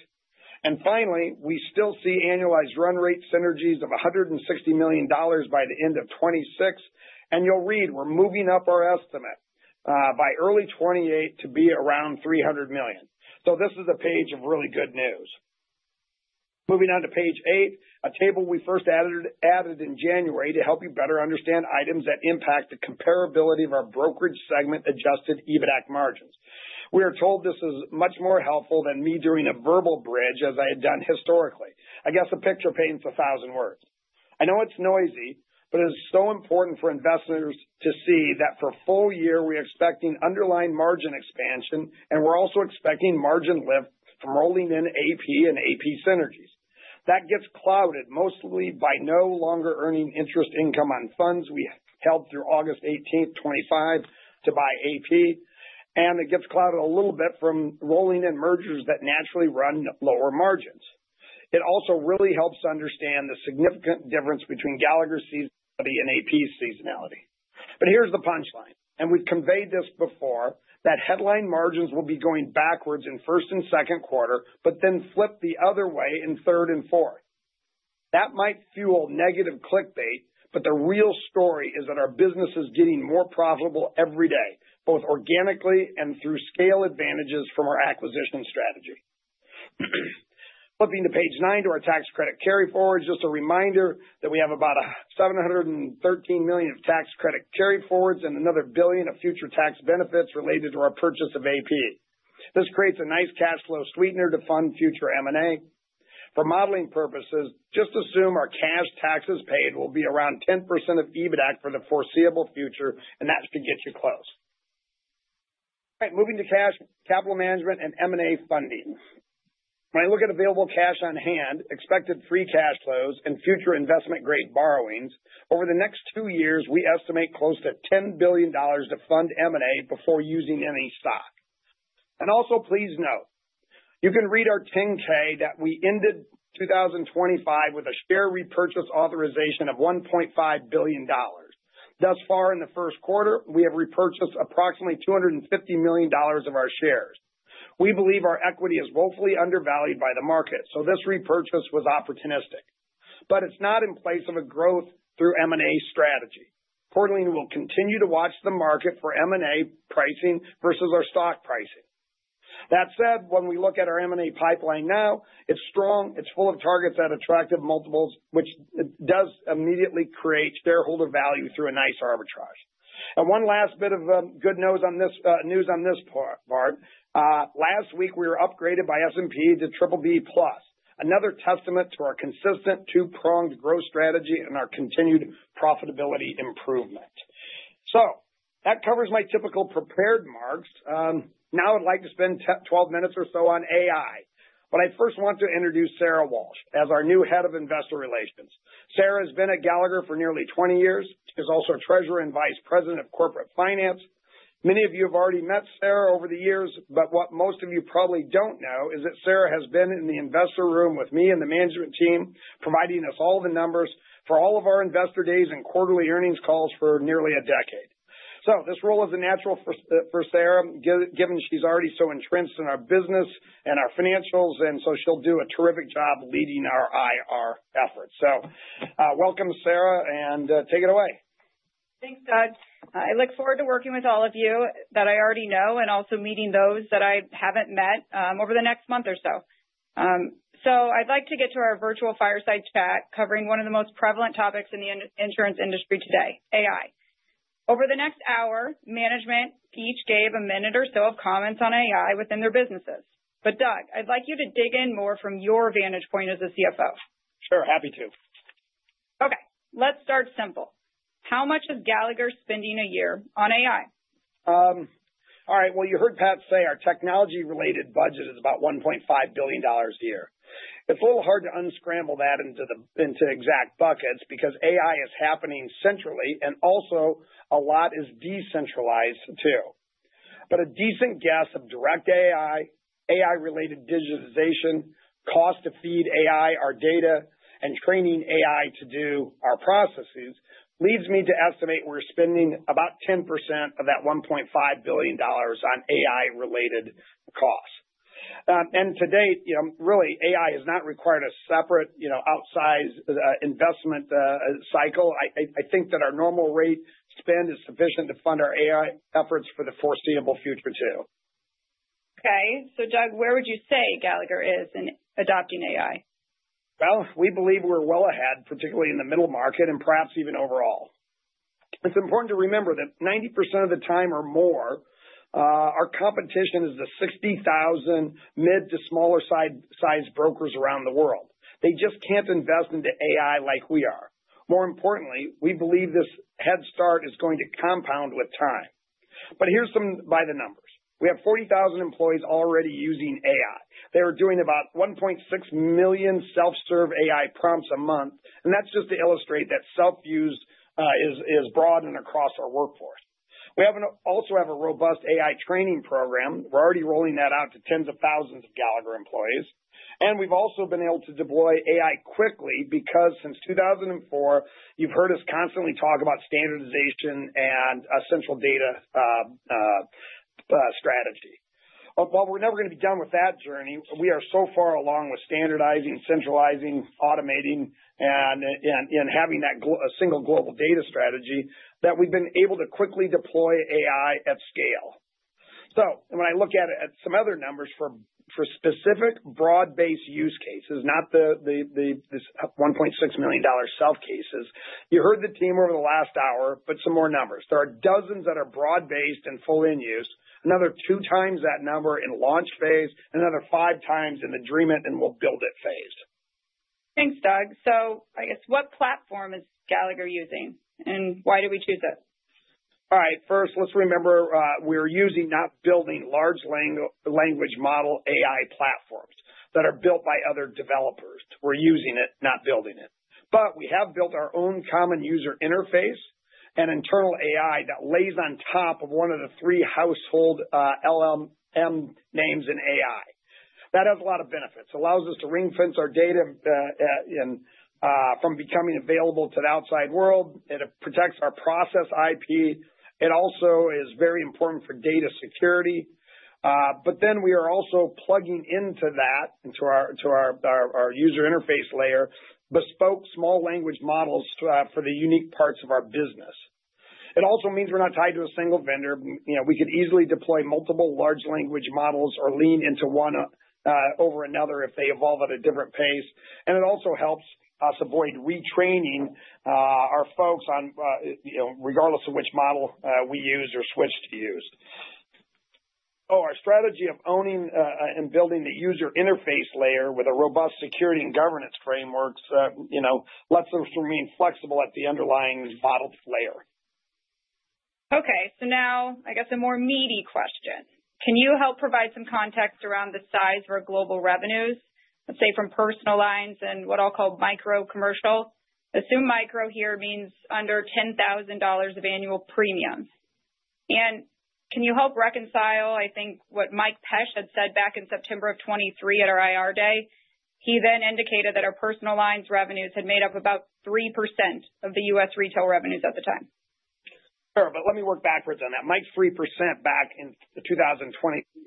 Finally, we still see annualized run rate synergies of $160 million by the end of 2026. You'll read we're moving up our estimate by early 2028 to be around $300 million. This is a page of really good news. Moving on to page eight, a table we first added in January to help you better understand items that impact the comparability of our brokerage segment adjusted EBITDAC margins. We are told this is much more helpful than me doing a verbal bridge as I had done historically. I guess a picture paints 1,000 words. I know it's noisy, but it is so important for investors to see that for full year, we're expecting underlying margin expansion, and we're also expecting margin lift from rolling in AP and AP synergies. That gets clouded mostly by no longer earning interest income on funds we held through August 18th, 2025 to buy AP, and it gets clouded a little bit from rolling in mergers that naturally run lower margins. It also really helps to understand the significant difference between Gallagher seasonality and AP's seasonality. Here's the punchline, and we've conveyed this before, that headline margins will be going backwards in first and second quarter, but then flip the other way in third and fourth. That might fuel negative clickbait, but the real story is that our business is getting more profitable every day, both organically and through scale advantages from our acquisition strategy. Flipping to page nine to our tax credit carry forwards, just a reminder that we have about $713 million of tax credit carry forwards and another $1 billion of future tax benefits related to our purchase of AP. This creates a nice cash flow sweetener to fund future M&A. For modeling purposes, just assume our cash taxes paid will be around 10% of EBITDA for the foreseeable future, and that should get you close. All right, moving to cash, capital management and M&A funding. When I look at available cash on hand, expected free cash flows and future investment grade borrowings, over the next two years, we estimate close to $10 billion to fund M&A before using any stock. Also, please note, you can read our 10-K that we ended 2025 with a share repurchase authorization of $1.5 billion. Thus far in the first quarter, we have repurchased approximately $250 million of our shares. We believe our equity is woefully undervalued by the market, so this repurchase was opportunistic. It's not in place of a growth through M&A strategy. Bottom line will continue to watch the market for M&A pricing versus our stock pricing. That said, when we look at our M&A pipeline now, it's strong, it's full of targets at attractive multiples, which does immediately create shareholder value through a nice arbitrage. One last bit of good news on this part. Last week, we were upgraded by S&P to BBB+, another testament to our consistent two-pronged growth strategy and our continued profitability improvement. That covers my typical prepared remarks. Now I'd like to spend 12 minutes or so on AI. I first want to introduce Sara Walsh as our new head of investor relations. Sara's been at Gallagher for nearly 20 years, is also treasurer and vice president of corporate finance. Many of you have already met Sara over the years, but what most of you probably don't know is that Sara has been in the investor room with me and the management team, providing us all the numbers for all of our investor days and quarterly earnings calls for nearly a decade. This role is a natural for Sara, given she's already so entrenched in our business and our financials, and so she'll do a terrific job leading our IR efforts. Welcome, Sara, and take it away. Thanks, Doug. I look forward to working with all of you that I already know and also meeting those that I haven't met over the next month or so. I'd like to get to our virtual fireside chat covering one of the most prevalent topics in the insurance industry today, AI. Over the next hour, management each gave a minute or so of comments on AI within their businesses. Doug, I'd like you to dig in more from your vantage point as a CFO. Sure, happy to. Okay, let's start simple. How much is Gallagher spending a year on AI? All right. Well, you heard Pat say our technology-related budget is about $1.5 billion a year. It's a little hard to unscramble that into exact buckets because AI is happening centrally and also a lot is decentralized too. A decent guess of direct AI-related digitization, cost to feed AI our data and training AI to do our processes leads me to estimate we're spending about 10% of that $1.5 billion on AI-related costs. To date, you know, really, AI has not required a separate, you know, outsized investment cycle. I think that our normal rate spend is sufficient to fund our AI efforts for the foreseeable future too. Okay. Doug, where would you say Gallagher is in adopting AI? Well, we believe we're well ahead, particularly in the middle market and perhaps even overall. It's important to remember that 90% of the time or more, our competition is the 60,000 mid- to smaller-size brokers around the world. They just can't invest into AI like we are. More importantly, we believe this head start is going to compound with time. Here's some by the numbers. We have 40,000 employees already using AI. They are doing about 1.6 million self-serve AI prompts a month, and that's just to illustrate that self-use is broad and across our workforce. We also have a robust AI training program. We're already rolling that out to tens of thousands of Gallagher employees. We've also been able to deploy AI quickly because since 2004, you've heard us constantly talk about standardization and a central data strategy. While we're never gonna be done with that journey, we are so far along with standardizing, centralizing, automating and having a single global data strategy that we've been able to quickly deploy AI at scale. When I look at some other numbers for specific broad-based use cases, not the this $1.6 million self cases, you heard the team over the last hour, but some more numbers. There are dozens that are broad-based and fully in use, another 2 times that number in launch phase, another five times in the dream it and we'll build it phase. Thanks, Doug. I guess, what platform is Gallagher using, and why did we choose it? All right. First, let's remember, we're using, not building large language model AI platforms that are built by other developers. We're using it, not building it. We have built our own common user interface and internal AI that lays on top of one of the three household LLM names in AI. That has a lot of benefits. Allows us to ring-fence our data from becoming available to the outside world, and it protects our process IP. It also is very important for data security. We are also plugging into that, into our user interface layer, bespoke small language models for the unique parts of our business. It also means we're not tied to a single vendor. You know, we could easily deploy multiple large language models or lean into one over another if they evolve at a different pace. It also helps us avoid retraining our folks on you know, regardless of which model we use or switch to use. Our strategy of owning and building the user interface layer with a robust security and governance frameworks you know, lets us remain flexible at the underlying models layer. Okay. Now I guess a more meaty question. Can you help provide some context around the size of our global revenues, let's say, from personal lines and what I'll call micro commercial? Assume micro here means under $10,000 of annual premiums. Can you help reconcile, I think, what Mike Pesch had said back in September of 2023 at our IR day. He then indicated that our personal lines revenues had made up about 3% of the U.S. retail revenues at the time. Sure. Let me work backwards on that. Mike's 3% back in 2020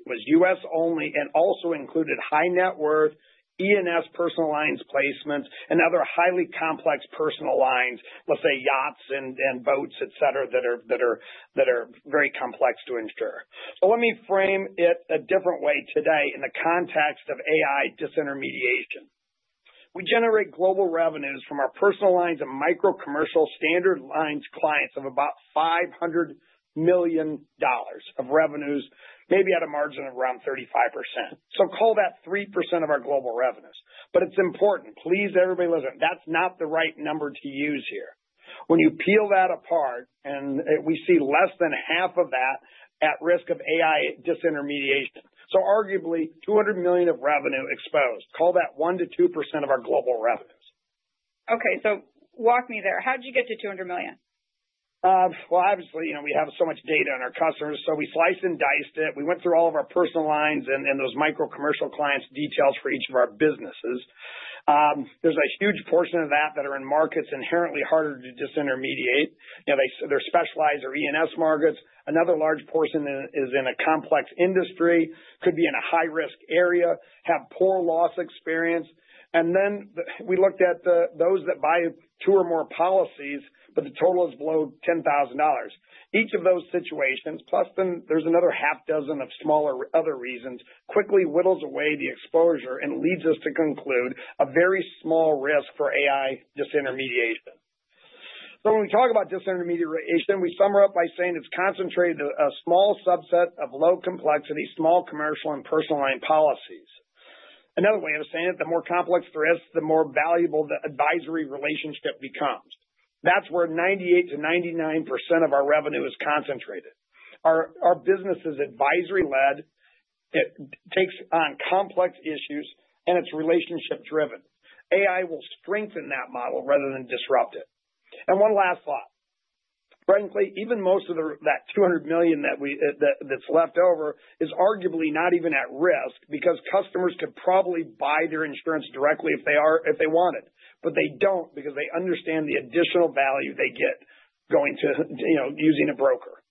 was U.S. only and also included high net worth E&S personal lines placements, and other highly complex personal lines, let's say yachts and boats, et cetera, that are very complex to insure. Let me frame it a different way today in the context of AI disintermediation. We generate global revenues from our personal lines and micro commercial standard lines clients of about $500 million of revenues, maybe at a margin of around 35%. Call that 3% of our global revenues. But it's important. Please, everybody listen, that's not the right number to use here. When you peel that apart, and we see less than half of that at risk of AI disintermediation, so arguably $200 million of revenue exposed, call that 1%-2% of our global revenues. Okay, walk me there. How'd you get to $200 million? Well, obviously, you know, we have so much data on our customers, so we sliced and diced it. We went through all of our personal lines and those micro commercial clients details for each of our businesses. There's a huge portion of that that are in markets inherently harder to disintermediate. You know, they're specialized or E&S markets. Another large portion is in a complex industry, could be in a high-risk area, have poor loss experience. We looked at those that buy two or more policies, but the total is below $10,000. Each of those situations, plus then there's another half dozen of smaller other reasons, quickly whittles away the exposure and leads us to conclude a very small risk for AI disintermediation. When we talk about disintermediation, we sum it up by saying it's concentrated a small subset of low complexity, small commercial and personal line policies. Another way of saying it, the more complex the risk, the more valuable the advisory relationship becomes. That's where 98%-99% of our revenue is concentrated. Our business is advisory-led. It takes on complex issues, and it's relationship driven. AI will strengthen that model rather than disrupt it. One last thought. Frankly, even most of that $200 million that's left over is arguably not even at risk because customers could probably buy their insurance directly if they wanted, but they don't, because they understand the additional value they get going to, you know, using a broker.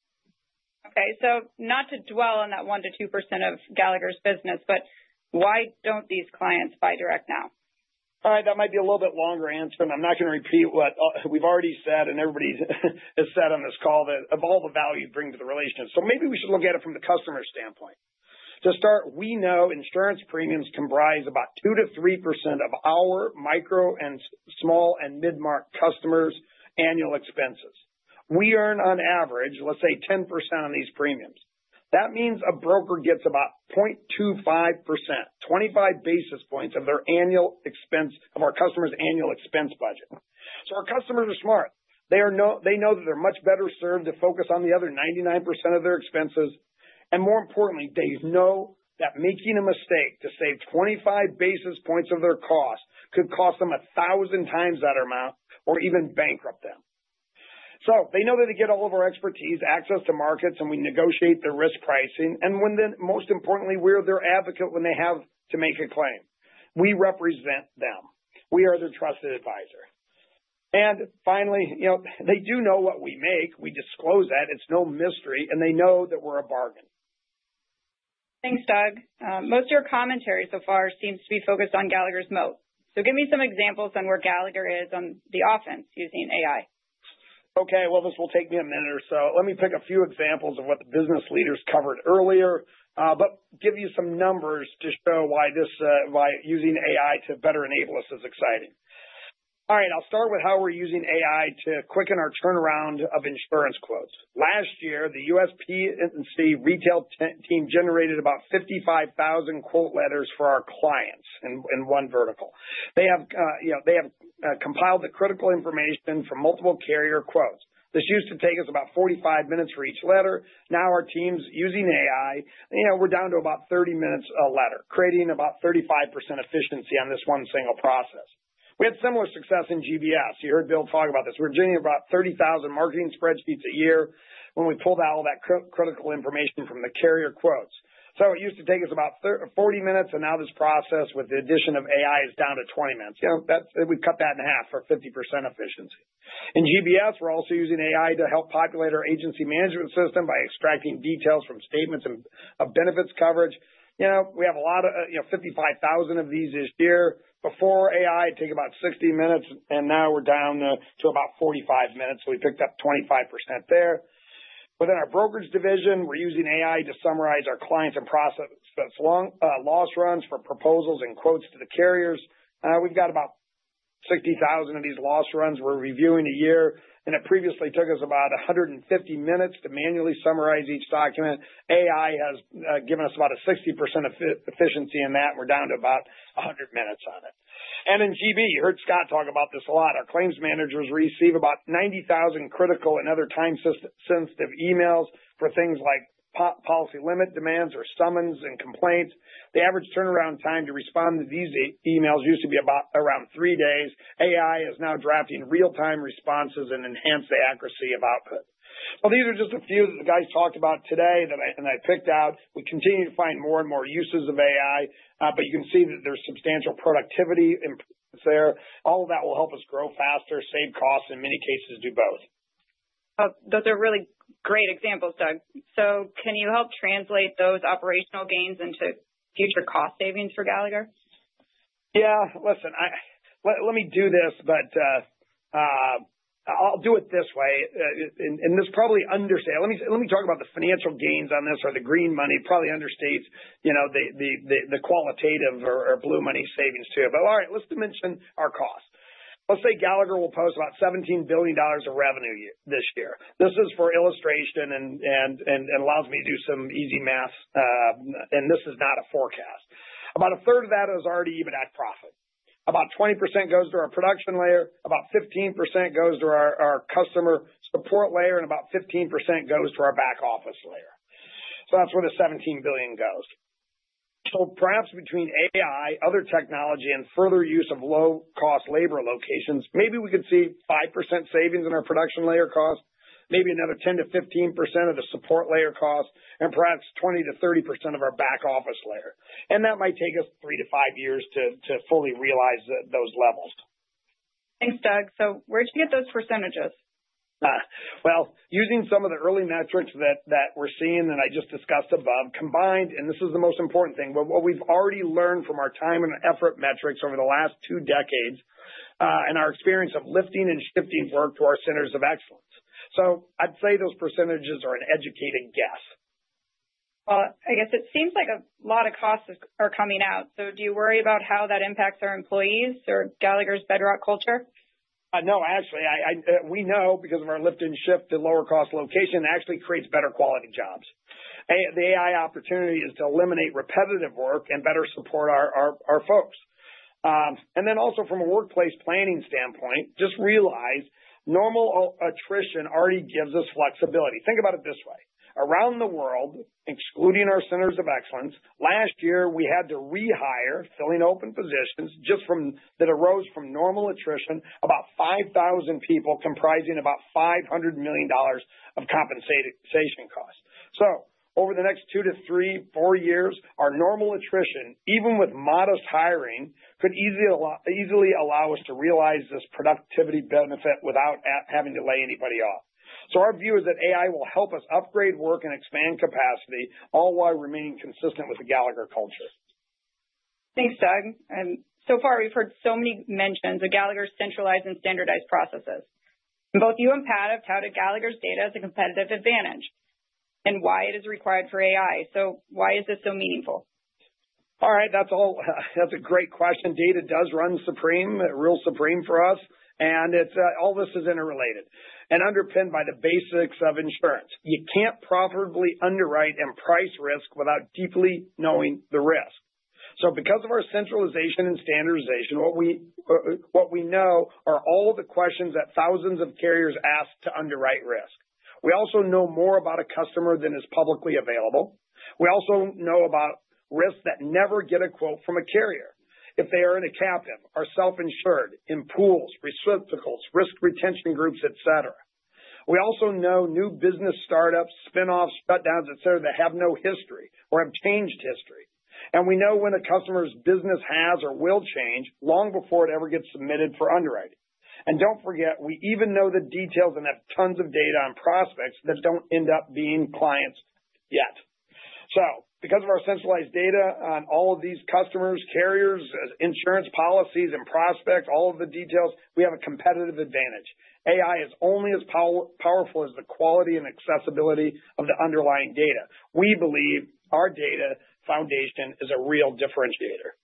Okay, not to dwell on that 1%-2% of Gallagher's business, but why don't these clients buy direct now? All right. That might be a little bit longer answer, and I'm not going to repeat what we've already said and everybody has said on this call, that of all the value it brings to the relationship. Maybe we should look at it from the customer standpoint. To start, we know insurance premiums comprise about 2%-3% of our micro and small and mid-market customers' annual expenses. We earn on average, let's say, 10% of these premiums. That means a broker gets about 0.25%, 25 basis points of their annual expense—of our customer's annual expense budget. Our customers are smart. They know that they're much better served to focus on the other 99% of their expenses. More importantly, they know that making a mistake to save 25 basis points of their cost could cost them 1,000 times that amount or even bankrupt them. They know that they get all of our expertise, access to markets, and we negotiate the risk pricing. Most importantly, we're their advocate when they have to make a claim. We represent them. We are their trusted advisor. Finally, you know, they do know what we make. We disclose that. It's no mystery. They know that we're a bargain. Thanks, Doug. Most of your commentary so far seems to be focused on Gallagher's moat. Give me some examples on where Gallagher is on the offense using AI. Okay. Well, this will take me a minute or so. Let me pick a few examples of what the business leaders covered earlier, but give you some numbers to show why this, why using AI to better enable us is exciting. All right. I'll start with how we're using AI to quicken our turnaround of insurance quotes. Last year, the USP agency retail team generated about 55,000 quote letters for our clients in one vertical. They have compiled the critical information from multiple carrier quotes. This used to take us about 45 minutes for each letter. Now our team's using AI, you know, we're down to about 30 minutes a letter, creating about 35% efficiency on this one single process. We had similar success in GBS. You heard Bill talk about this. We're doing about 30,000 marketing spreadsheets a year when we pulled out all that critical information from the carrier quotes. It used to take us about 40 minutes, and now this process, with the addition of AI, is down to 20 minutes. You know, that's. We've cut that in half for 50% efficiency. In GBS, we're also using AI to help populate our agency management system by extracting details from statements of benefits coverage. You know, we have a lot of, you know, 55,000 of these this year. Before AI, it take about 60 minutes, and now we're down to about 45 minutes. We picked up 25% there. Within our brokerage division, we're using AI to summarize our clients and process loss runs for proposals and quotes to the carriers. We've got about 60,000 of these loss runs we're reviewing a year, and it previously took us about 150 minutes to manually summarize each document. AI has given us about a 60% efficiency in that. We're down to about 100 minutes on it. In GB, you heard Scott talk about this a lot. Our claims managers receive about 90,000 critical and other time-sensitive emails for things like policy limit demands or summons and complaints. The average turnaround time to respond to these emails used to be about three days. AI is now drafting real-time responses and enhance the accuracy of output. These are just a few that the guys talked about today that I picked out. We continue to find more and more uses of AI, but you can see that there's substantial productivity improvements there. All of that will help us grow faster, save costs, in many cases, do both. Those are really great examples, Doug. Can you help translate those operational gains into future cost savings for Gallagher? Yeah. Listen, let me do this, but I'll do it this way. This probably understates. Let me talk about the financial gains on this or the green money probably understates, you know, the qualitative or blue money savings too. All right, let's dimension our costs. Let's say Gallagher will post about $17 billion of revenue this year. This is for illustration and allows me to do some easy math. This is not a forecast. About a third of that is already even at profit. About 20% goes to our production layer, about 15% goes to our customer support layer, and about 15% goes to our back-office layer. That's where the $17 billion goes. Perhaps between AI, other technology, and further use of low-cost labor locations, maybe we could see 5% savings in our production layer costs, maybe another 10%-15% of the support layer costs, and perhaps 20%-30% of our back-office layer. That might take us 3-5 years to fully realize those levels. Thanks, Doug. Where'd you get those percentages? Well, using some of the early metrics that we're seeing, that I just discussed above, combined, and this is the most important thing, but what we've already learned from our time and effort metrics over the last two decades, and our experience of lifting and shifting work to our centers of excellence. I'd say those percentages are an educated guess. Well, I guess it seems like a lot of costs are coming out. Do you worry about how that impacts our employees or Gallagher's bedrock culture? No, actually, we know because of our lift and shift to lower cost location, it actually creates better quality jobs. The AI opportunity is to eliminate repetitive work and better support our folks. Then also from a workplace planning standpoint, just realize normal attrition already gives us flexibility. Think about it this way. Around the world, excluding our Centers of Excellence, last year, we had to rehire, filling open positions that arose from normal attrition, about 5,000 people comprising about $500 million of compensation costs. Over the next 2-4 years, our normal attrition, even with modest hiring, could easily allow us to realize this productivity benefit without having to lay anybody off. Our view is that AI will help us upgrade work and expand capacity, all while remaining consistent with the Gallagher culture. Thanks, Doug. So far, we've heard so many mentions of Gallagher's centralized and standardized processes. Both you and Pat have touted Gallagher's data as a competitive advantage and why it is required for AI. Why is this so meaningful? All right. That's a great question. Data does run supreme, real supreme for us. It's all this is interrelated and underpinned by the basics of insurance. You can't properly underwrite and price risk without deeply knowing the risk. Because of our centralization and standardization, what we know are all the questions that thousands of carriers ask to underwrite risk. We also know more about a customer than is publicly available. We also know about risks that never get a quote from a carrier if they are in a captive, are self-insured, in pools, reciprocals, risk retention groups, et cetera. We also know new business startups, spinoffs, shutdowns, et cetera, that have no history or have changed history. We know when a customer's business has or will change long before it ever gets submitted for underwriting. Don't forget, we even know the details and have tons of data on prospects that don't end up being clients yet. Because of our centralized data on all of these customers, carriers, insurance policies and prospects, all of the details, we have a competitive advantage. AI is only as powerful as the quality and accessibility of the underlying data. We believe our data foundation is a real differentiator.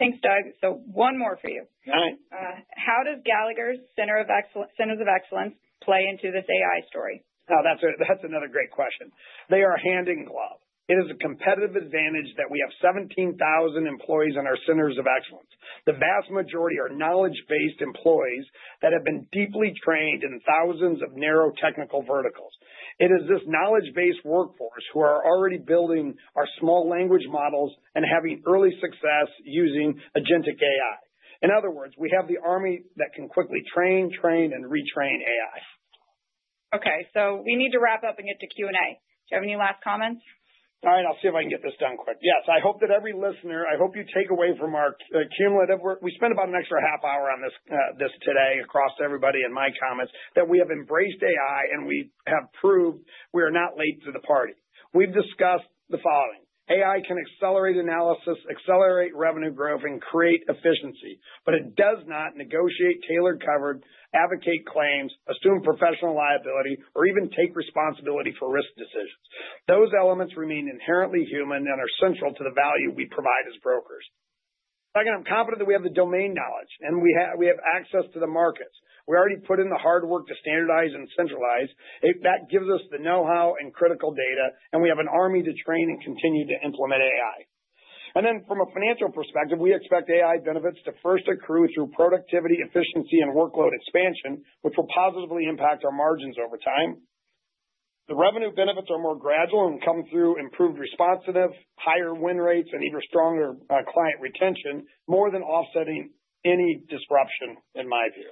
Thanks, Doug. One more for you. All right. How does Gallagher's centers of excellence play into this AI story? Oh, that's another great question. They are hand in glove. It is a competitive advantage that we have 17,000 employees in our centers of excellence. The vast majority are knowledge-based employees that have been deeply trained in thousands of narrow technical verticals. It is this knowledge-based workforce who are already building our small language models and having early success using agentic AI. In other words, we have the army that can quickly train and retrain AI. Okay. We need to wrap up and get to Q&A. Do you have any last comments? All right. I'll see if I can get this done quick. Yes. I hope that every listener, I hope you take away from our cumulative work. We spent about an extra half hour on this today across everybody in my comments, that we have embraced AI, and we have proved we are not late to the party. We've discussed the following. AI can accelerate analysis, accelerate revenue growth, and create efficiency, but it does not negotiate tailored coverage, advocate claims, assume professional liability, or even take responsibility for risk decisions. Those elements remain inherently human and are central to the value we provide as brokers. Second, I'm confident that we have the domain knowledge, and we have access to the markets. We already put in the hard work to standardize and centralize. That gives us the know-how and critical data, and we have an army to train and continue to implement AI. Then from a financial perspective, we expect AI benefits to first accrue through productivity, efficiency and workload expansion, which will positively impact our margins over time. The revenue benefits are more gradual and come through improved responsive, higher win rates, and even stronger client retention, more than offsetting any disruption in my view.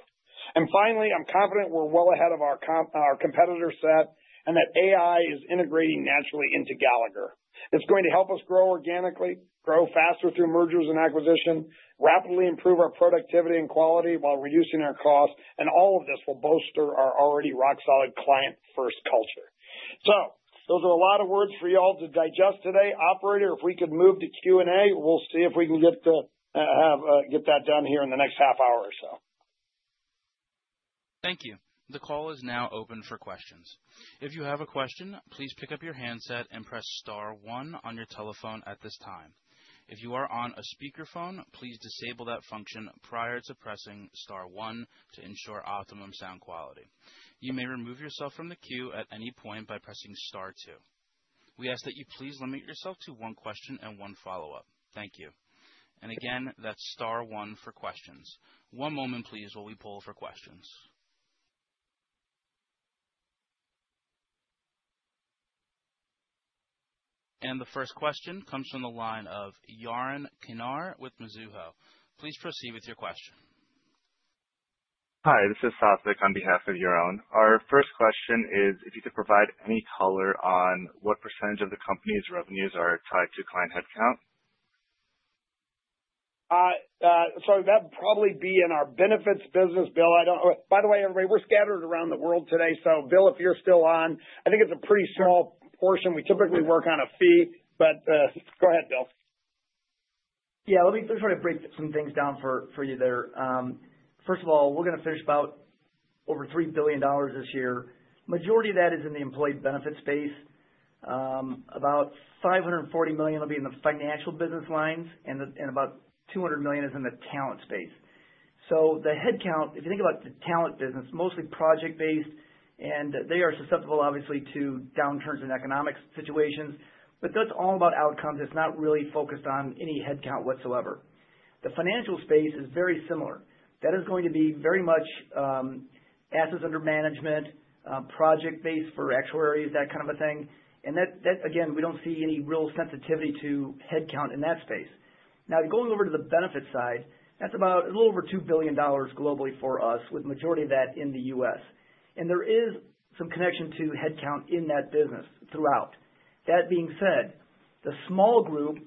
Finally, I'm confident we're well ahead of our our competitor set and that AI is integrating naturally into Gallagher. It's going to help us grow organically, grow faster through mergers and acquisition, rapidly improve our productivity and quality while reducing our costs, and all of this will bolster our already rock solid client first culture. Those are a lot of words for you all to digest today. Operator, if we could move to Q&A. We'll see if we can get that done here in the next half hour or so. Thank you. The call is now open for questions. If you have a question, please pick up your handset and press star one on your telephone at this time. If you are on a speakerphone, please disable that function prior to pressing star one to ensure optimum sound quality. You may remove yourself from the queue at any point by pressing star two. We ask that you please limit yourself to one question and one follow-up. Thank you. And again, that's star one for questions. One moment please, while we poll for questions. The first question comes from the line of Yaron Kinar with Mizuho. Please proceed with your question. Hi, this is Satyabit on behalf of Yaran. Our first question is if you could provide any color on what percentage of the company's revenues are tied to client headcount. Satyabit, that would probably be in our benefits business. Bill, by the way, everybody, we're scattered around the world today. Bill, if you're still on, I think it's a pretty small portion. We typically work on a fee, but go ahead, Bill. Yeah. Let me just sort of break some things down for you there. First of all, we're gonna finish about over $3 billion this year. Majority of that is in the employee benefit space. About $540 million will be in the financial business lines and about $200 million is in the talent space. The headcount, if you think about the talent business, mostly project-based, and they are susceptible obviously to downturns in economic situations, but that's all about outcomes. It's not really focused on any headcount whatsoever. The financial space is very similar. That is going to be very much assets under management, project-based for actuaries, that kind of a thing. That again, we don't see any real sensitivity to headcount in that space. Now, going over to the benefit side, that's about a little over $2 billion globally for us, with majority of that in the U.S.. There is some connection to headcount in that business throughout. That being said, the small group,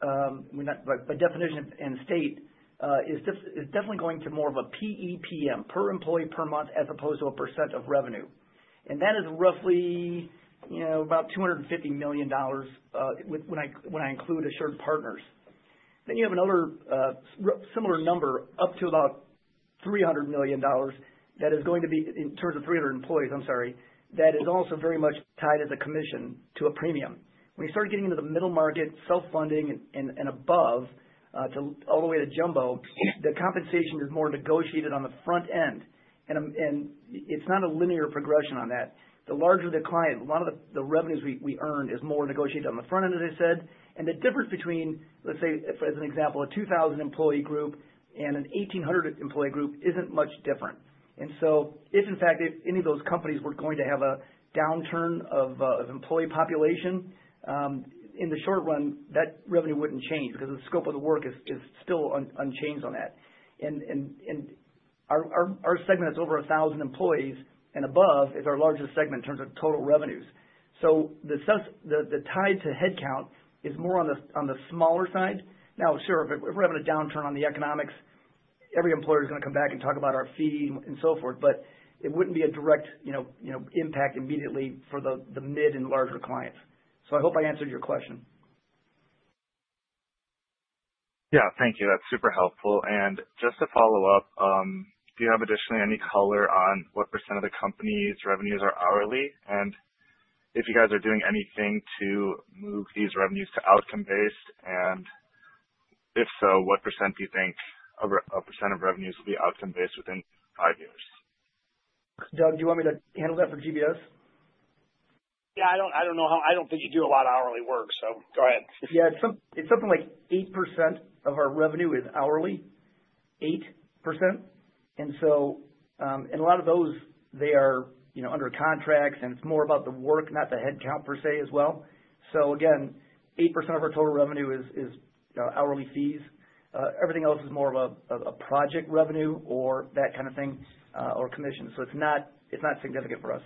by definition and state, is definitely going to more of a PEPM, per employee per month, as opposed to a % of revenue. That is roughly, you know, about $250 million, when I include AssuredPartners. You have another, similar number, up to about $300 million. That is going to be in terms of 300 employees, I'm sorry. That is also very much tied as a commission to a premium. When you start getting into the middle market, self-funding and above, to all the way to jumbo, the compensation is more negotiated on the front end. It's not a linear progression on that. The larger the client, a lot of the revenues we earn is more negotiated on the front end, as I said. The difference between, let's say, as an example, a 2,000 employee group and an 1,800 employee group isn't much different. If any of those companies were going to have a downturn of employee population in the short run, that revenue wouldn't change because the scope of the work is still unchanged on that. Our segment is over 1,000 employees and above is our largest segment in terms of total revenues. The tie to headcount is more on the smaller side. Now, sure, if we're having a downturn in the economy, every employer is going to come back and talk about our fee and so forth, but it wouldn't be a direct, you know, impact immediately for the mid and larger clients. I hope I answered your question. Yeah. Thank you. That's super helpful. Just to follow up, do you have additionally any color on what % of the company's revenues are hourly, and if you guys are doing anything to move these revenues to outcome-based, and if so, what percent do you think a percent of revenues will be outcome based within five years? Doug, do you want me to handle that for GBS? I don't think you do a lot of hourly work, so go ahead. Yeah. It's something like 8% of our revenue is hourly, 8%. A lot of those, they are, you know, under contracts, and it's more about the work, not the headcount per se as well. Again, 8% of our total revenue is hourly fees. Everything else is more of a project revenue or that kind of thing, or commission. It's not significant for us.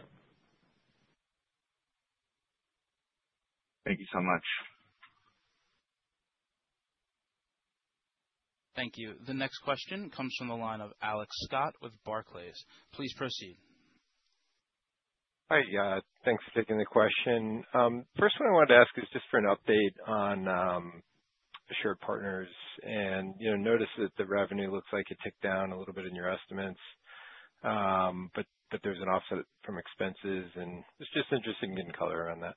Thank you so much. Thank you. The next question comes from the line of Alex Scott with Barclays. Please proceed. Hi. Yeah, thanks for taking the question. First one I wanted to ask is just for an update on AssuredPartners and, you know, notice that the revenue looks like it ticked down a little bit in your estimates. There's an offset from expenses and it's just interesting getting color around that.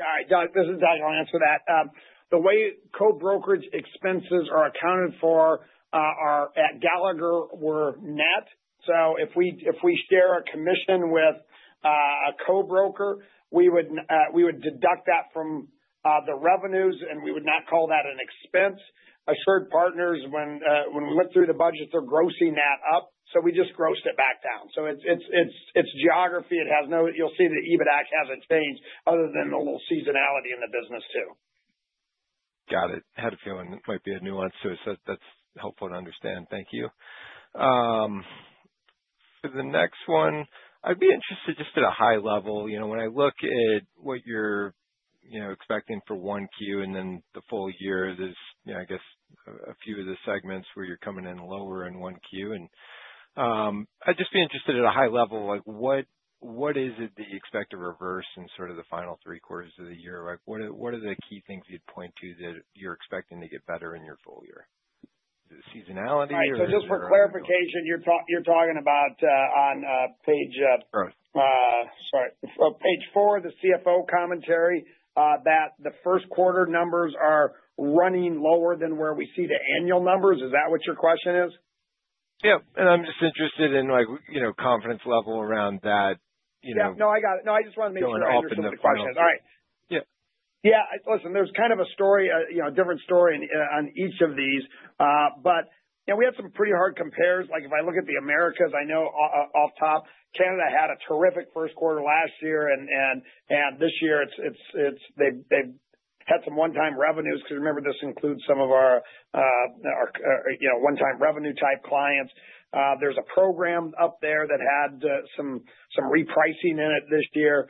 All right. Got it. This is Doug, I'll answer that. The way co-brokerage expenses are accounted for at Gallagher were net. If we share a commission with a co-broker, we would deduct that from the revenues, and we would not call that an expense. AssuredPartners, when we went through the budgets are grossing that up, so we just grossed it back down. It's geography. It has no. You'll see that EBITDAC hasn't changed other than the little seasonality in the business too. Got it. Had a feeling it might be a nuance to it, so that's helpful to understand. Thank you. The next one, I'd be interested just at a high level, you know, when I look at what you're, you know, expecting for 1Q and then the full year, there's, you know, I guess a few of the segments where you're coming in lower in 1Q. I'd just be interested at a high level, like what is it that you expect to reverse in sort of the final three quarters of the year? Like, what are the key things you'd point to that you're expecting to get better in your full year? Is it seasonality or? Right. Just for clarification, you're talking about on page. Sure. Sorry. Page four, the CFO commentary, that the first quarter numbers are running lower than where we see the annual numbers. Is that what your question is? Yeah. I'm just interested in, like, you know, confidence level around that, you know. Yeah, no, I got it. No, I just wanted to make sure I understood the question. All right. Yeah. Listen, there's kind of a story, you know, a different story on each of these. You know, we have some pretty hard compares. Like, if I look at the Americas, I know off top, Canada had a terrific first quarter last year, and this year it's -- they've had some one-time revenues because remember, this includes some of our, you know, one-time revenue type clients. There's a program up there that had some repricing in it this year.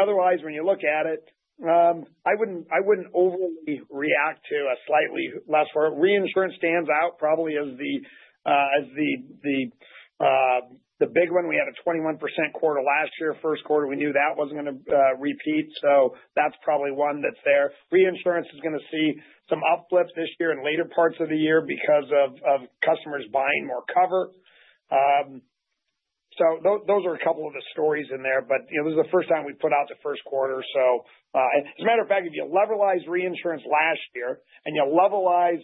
Otherwise, when you look at it, I wouldn't overly react to a slightly less. Reinsurance stands out probably as the big one. We had a 21% quarter last year, first quarter. We knew that wasn't gonna repeat, so that's probably one that's there. Reinsurance is gonna see some uplifts this year in later parts of the year because of customers buying more cover. Those are a couple of the stories in there. You know, this is the first time we've put out the first quarter. As a matter of fact, if you levelize reinsurance last year and you levelize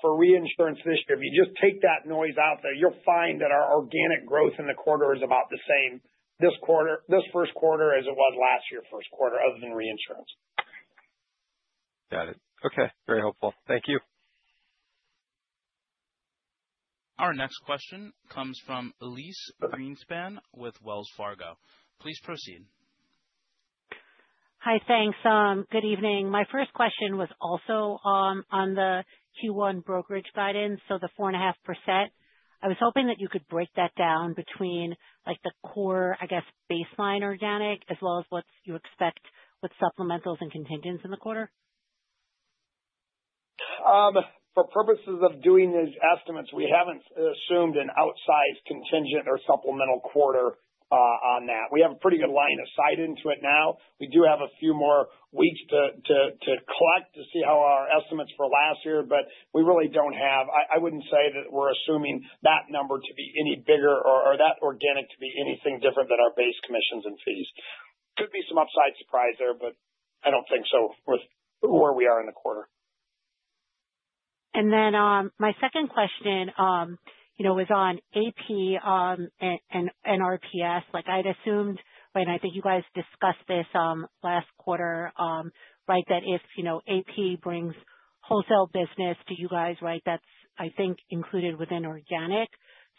for reinsurance this year, if you just take that noise out there, you'll find that our organic growth in the quarter is about the same this quarter, this first quarter, as it was last year, first quarter, other than reinsurance. Got it. Okay. Very helpful. Thank you. Our next question comes from Elyse Greenspan with Wells Fargo. Please proceed. Hi. Thanks. Good evening. My first question was also on the Q1 brokerage guidance, so the 4.5%. I was hoping that you could break that down between, like, the core, I guess baseline organic, as well as what you expect with supplementals and contingents in the quarter. For purposes of doing these estimates, we haven't assumed an outsized contingent or supplemental quarter on that. We have a pretty good line of sight into it now. We do have a few more weeks to collect to see how our estimates for last year, but we really don't have. I wouldn't say that we're assuming that number to be any bigger or that organic to be anything different than our base commissions and fees. Could be some upside surprise there, but I don't think so with where we are in the quarter. My second question, you know, was on AP and RPS. Like, I'd assumed, right, and I think you guys discussed this last quarter, right? That if, you know, AP brings wholesale business to you guys, right? That's, I think, included within organic.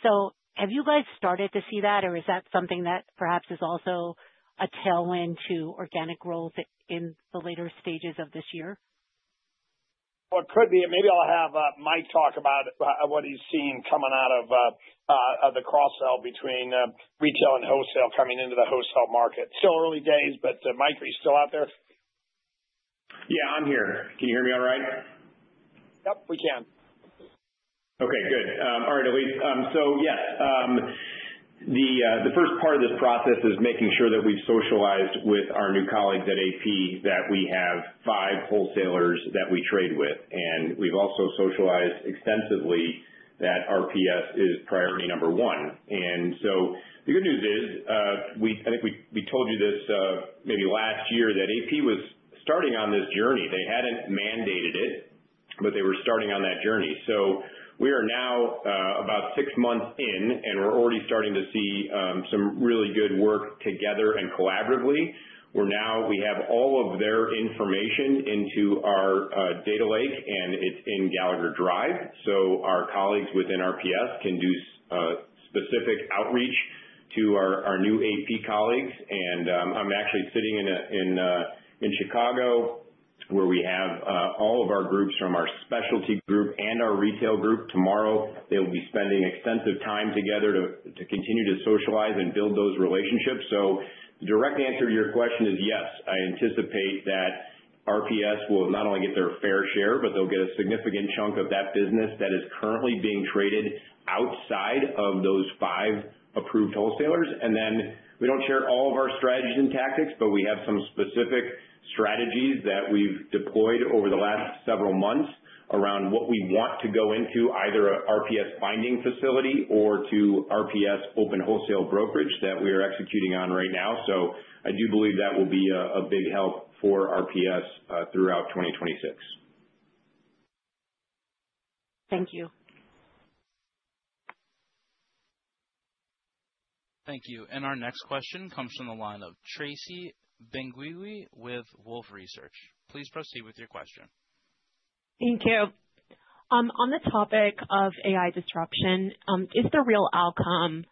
Have you guys started to see that or is that something that perhaps is also a tailwind to organic growth in the later stages of this year? Well, it could be. Maybe I'll have Mike talk about what he's seeing coming out of the cross-sell between retail and wholesale coming into the wholesale market. Still early days, but Mike, are you still out there? Yeah, I'm here. Can you hear me all right? Yep, we can. Okay, good. All right, Elyse. Yes, the first part of this process is making sure that we've socialized with our new colleagues at AP that we have five wholesalers that we trade with. We've also socialized extensively that RPS is priority number one. The good news is, I think we told you this, maybe last year, that AP was starting on this journey. They hadn't mandated it, but they were starting on that journey. We are now about six months in, and we're already starting to see some really good work together and collaboratively. We have all of their information into our data lake, and it's in Gallagher Drive. Our colleagues within RPS can do specific outreach to our new AP colleagues. I'm actually sitting in in Chicago, where we have all of our groups from our specialty group and our retail group. Tomorrow they'll be spending extensive time together to continue to socialize and build those relationships. The direct answer to your question is yes, I anticipate that RPS will not only get their fair share, but they'll get a significant chunk of that business that is currently being traded outside of those five approved wholesalers. We don't share all of our strategies and tactics, but we have some specific strategies that we've deployed over the last several months around what we want to go into, either a RPS binding facility or to RPS open wholesale brokerage that we are executing on right now. I do believe that will be a big help for RPS throughout 2026. Thank you. Thank you. Our next question comes from the line of Tracy Benguigui with Wolfe Research. Please proceed with your question. Thank you. On the topic of AI disruption, is the real outcome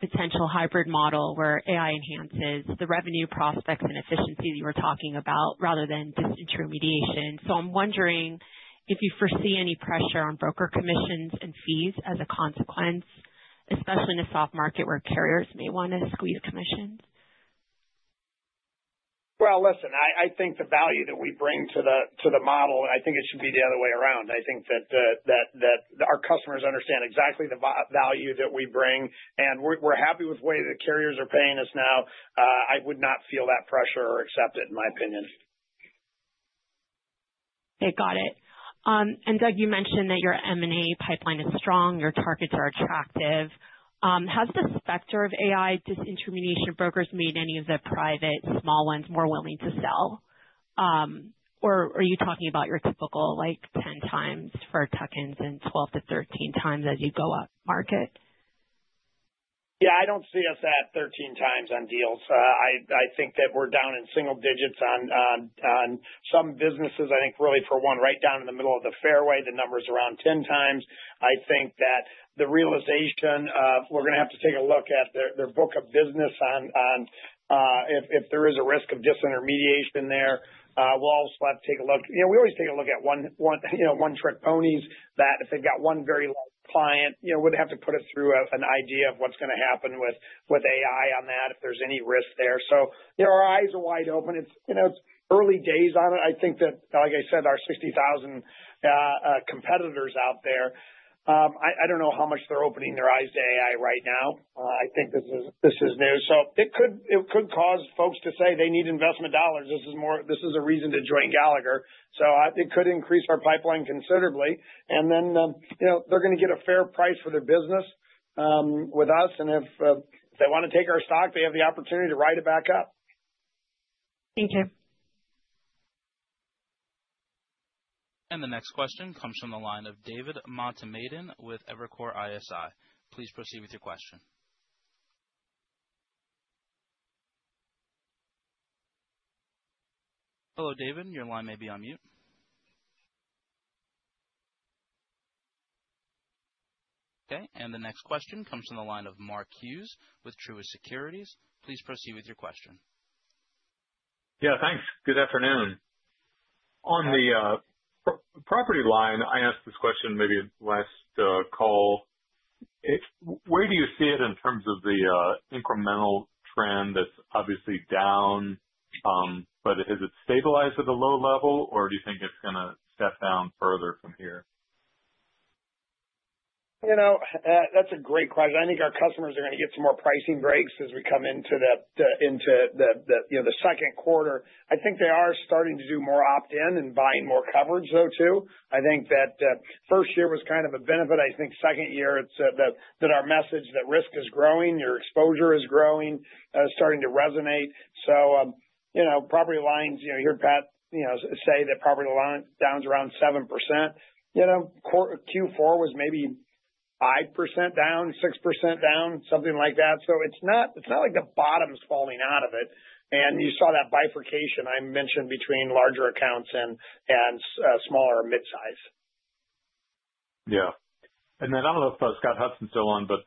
potential hybrid model where AI enhances the revenue prospects and efficiency you were talking about rather than disintermediation? I'm wondering if you foresee any pressure on broker commissions and fees as a consequence, especially in a soft market where carriers may want to squeeze commissions? Well, listen, I think the value that we bring to the model, I think it should be the other way around. I think that our customers understand exactly the value that we bring, and we're happy with the way the carriers are paying us now. I would not feel that pressure or accept it, in my opinion. Okay, got it. Doug, you mentioned that your M&A pipeline is strong, your targets are attractive. Has the specter of AI disintermediation brokers made any of the private small ones more willing to sell? Are you talking about your typical, like, 10x for tuck-ins and 12x-13x as you go up market? Yeah, I don't see us at 13x on deals. I think that we're down in single digits on some businesses. I think really for one, right down in the middle of the fairway, the number's around 10x. I think that the realization of we're gonna have to take a look at their book of business on if there is a risk of disintermediation there, we'll also have to take a look. You know, we always take a look at one-trick ponies that if they've got one very large client, you know, we'd have to put it through an idea of what's gonna happen with AI on that, if there's any risk there. You know, our eyes are wide open. It's early days on it. I think that, like I said, our 60,000 competitors out there, I don't know how much they're opening their eyes to AI right now. I think this is new, so it could cause folks to say they need investment dollars. This is a reason to join Gallagher, so it could increase our pipeline considerably. Then, you know, they're gonna get a fair price for their business with us. If they want to take our stock, they have the opportunity to ride it back up. Thank you. The next question comes from the line of David Motemaden with Evercore ISI. Please proceed with your question. Hello, David, your line may be on mute. Okay, the next question comes from the line of Mark Hughes with Truist Securities. Please proceed with your question. Yeah, thanks. Good afternoon. On the property line, I asked this question maybe last call. Where do you see it in terms of the incremental trend that's obviously down, but has it stabilized at the low level, or do you think it's gonna step down further from here? You know, that's a great question. I think our customers are gonna get some more pricing breaks as we come into the second quarter. I think they are starting to do more opt-in and buying more coverage though, too. I think that first year was kind of a benefit. I think second year it's that our message that risk is growing, your exposure is growing, starting to resonate. So, you know, property lines, you know, you hear Pat say that property lines down's around 7%. You know, Q4 was maybe 5% down, 6% down, something like that. So it's not like the bottom's falling out of it. You saw that bifurcation I mentioned between larger accounts and smaller mid-size. Yeah. I don't know if Scott Hudson's still on, but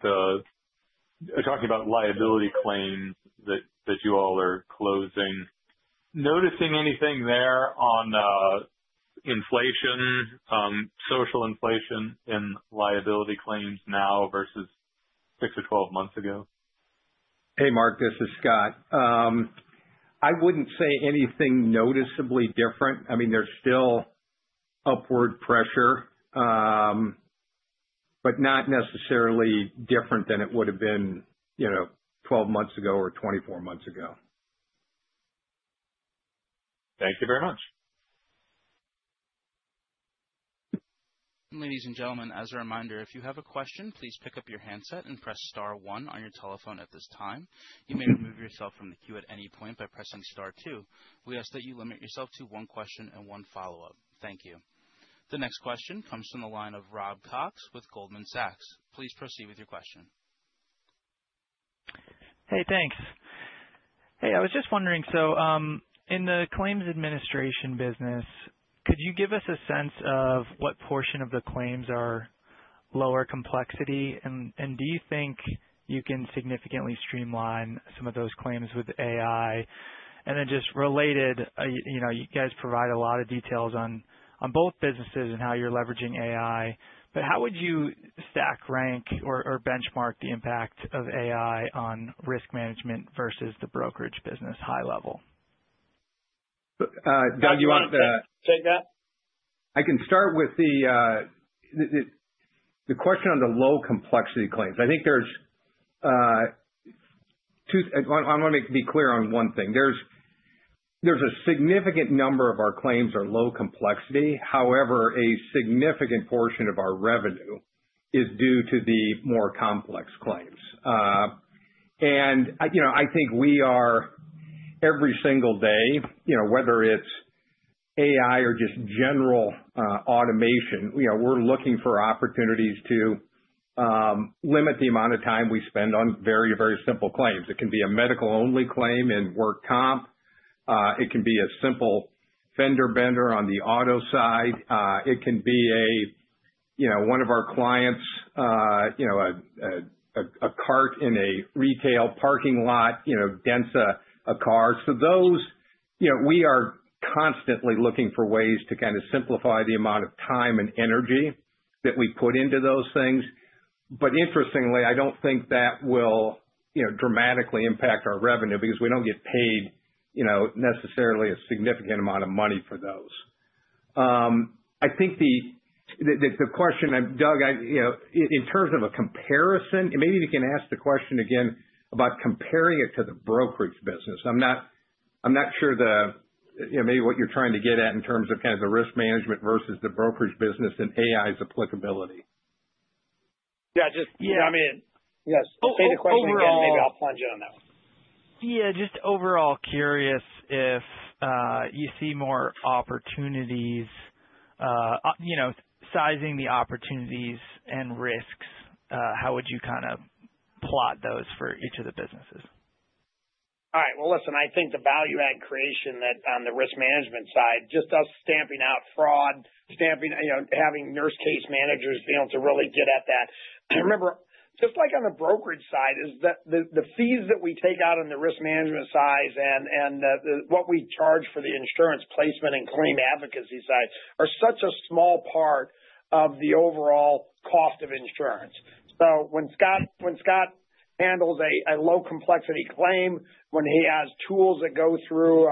talking about liability claims that you all are closing, noticing anything there on inflation, social inflation in liability claims now versus six or 12 months ago? Hey, Mark, this is Scott. I wouldn't say anything noticeably different. I mean, there's still upward pressure, but not necessarily different than it would've been, you know, 12 months ago or 24 months ago. Thank you very much. Ladies and gentlemen, as a reminder, if you have a question, please pick up your handset and press star one on your telephone at this time. You may remove yourself from the queue at any point by pressing star two. We ask that you limit yourself to one question and one follow-up. Thank you. The next question comes from the line of Robert Cox with Goldman Sachs. Please proceed with your question. Hey, thanks. Hey, I was just wondering, in the claims administration business, could you give us a sense of what portion of the claims are lower complexity? Do you think you can significantly streamline some of those claims with AI? Just related, you know, you guys provide a lot of details on both businesses and how you're leveraging AI, but how would you stack rank or benchmark the impact of AI on risk management versus the brokerage business, high level? Doug, do you want to take that? I can start with the question on the low complexity claims. I wanna be clear on one thing. There's a significant number of our claims are low complexity. However, a significant portion of our revenue is due to the more complex claims. You know, I think we are every single day, you know, whether it's AI or just general automation, you know, we're looking for opportunities to limit the amount of time we spend on very, very simple claims. It can be a medical-only claim in work comp. It can be a simple fender bender on the auto side. It can be, you know, one of our clients, you know, a cart in a retail parking lot, you know, dents a car. Those, you know, we are constantly looking for ways to kind of simplify the amount of time and energy that we put into those things. But interestingly, I don't think that will, you know, dramatically impact our revenue because we don't get paid, you know, necessarily a significant amount of money for those. I think the question, and Doug, I, you know, in terms of a comparison, maybe we can ask the question again about comparing it to the brokerage business. I'm not sure the, you know, maybe what you're trying to get at in terms of kind of the risk management versus the brokerage business and AI's applicability. Yeah, just, you know, I mean. Yes. Say the question again, maybe I'll plunge on that one. Yeah, just overall curious if you see more opportunities, you know, sizing the opportunities and risks, how would you kind of plot those for each of the businesses? All right. Well, listen, I think the value add creation that on the risk management side, just us stamping out fraud, you know, having nurse case managers be able to really get at that. Remember, just like on the brokerage side, is that the fees that we take out on the risk management side and the what we charge for the insurance placement and claim advocacy side are such a small part of the overall cost of insurance. When Scott handles a low complexity claim, when he has tools that go through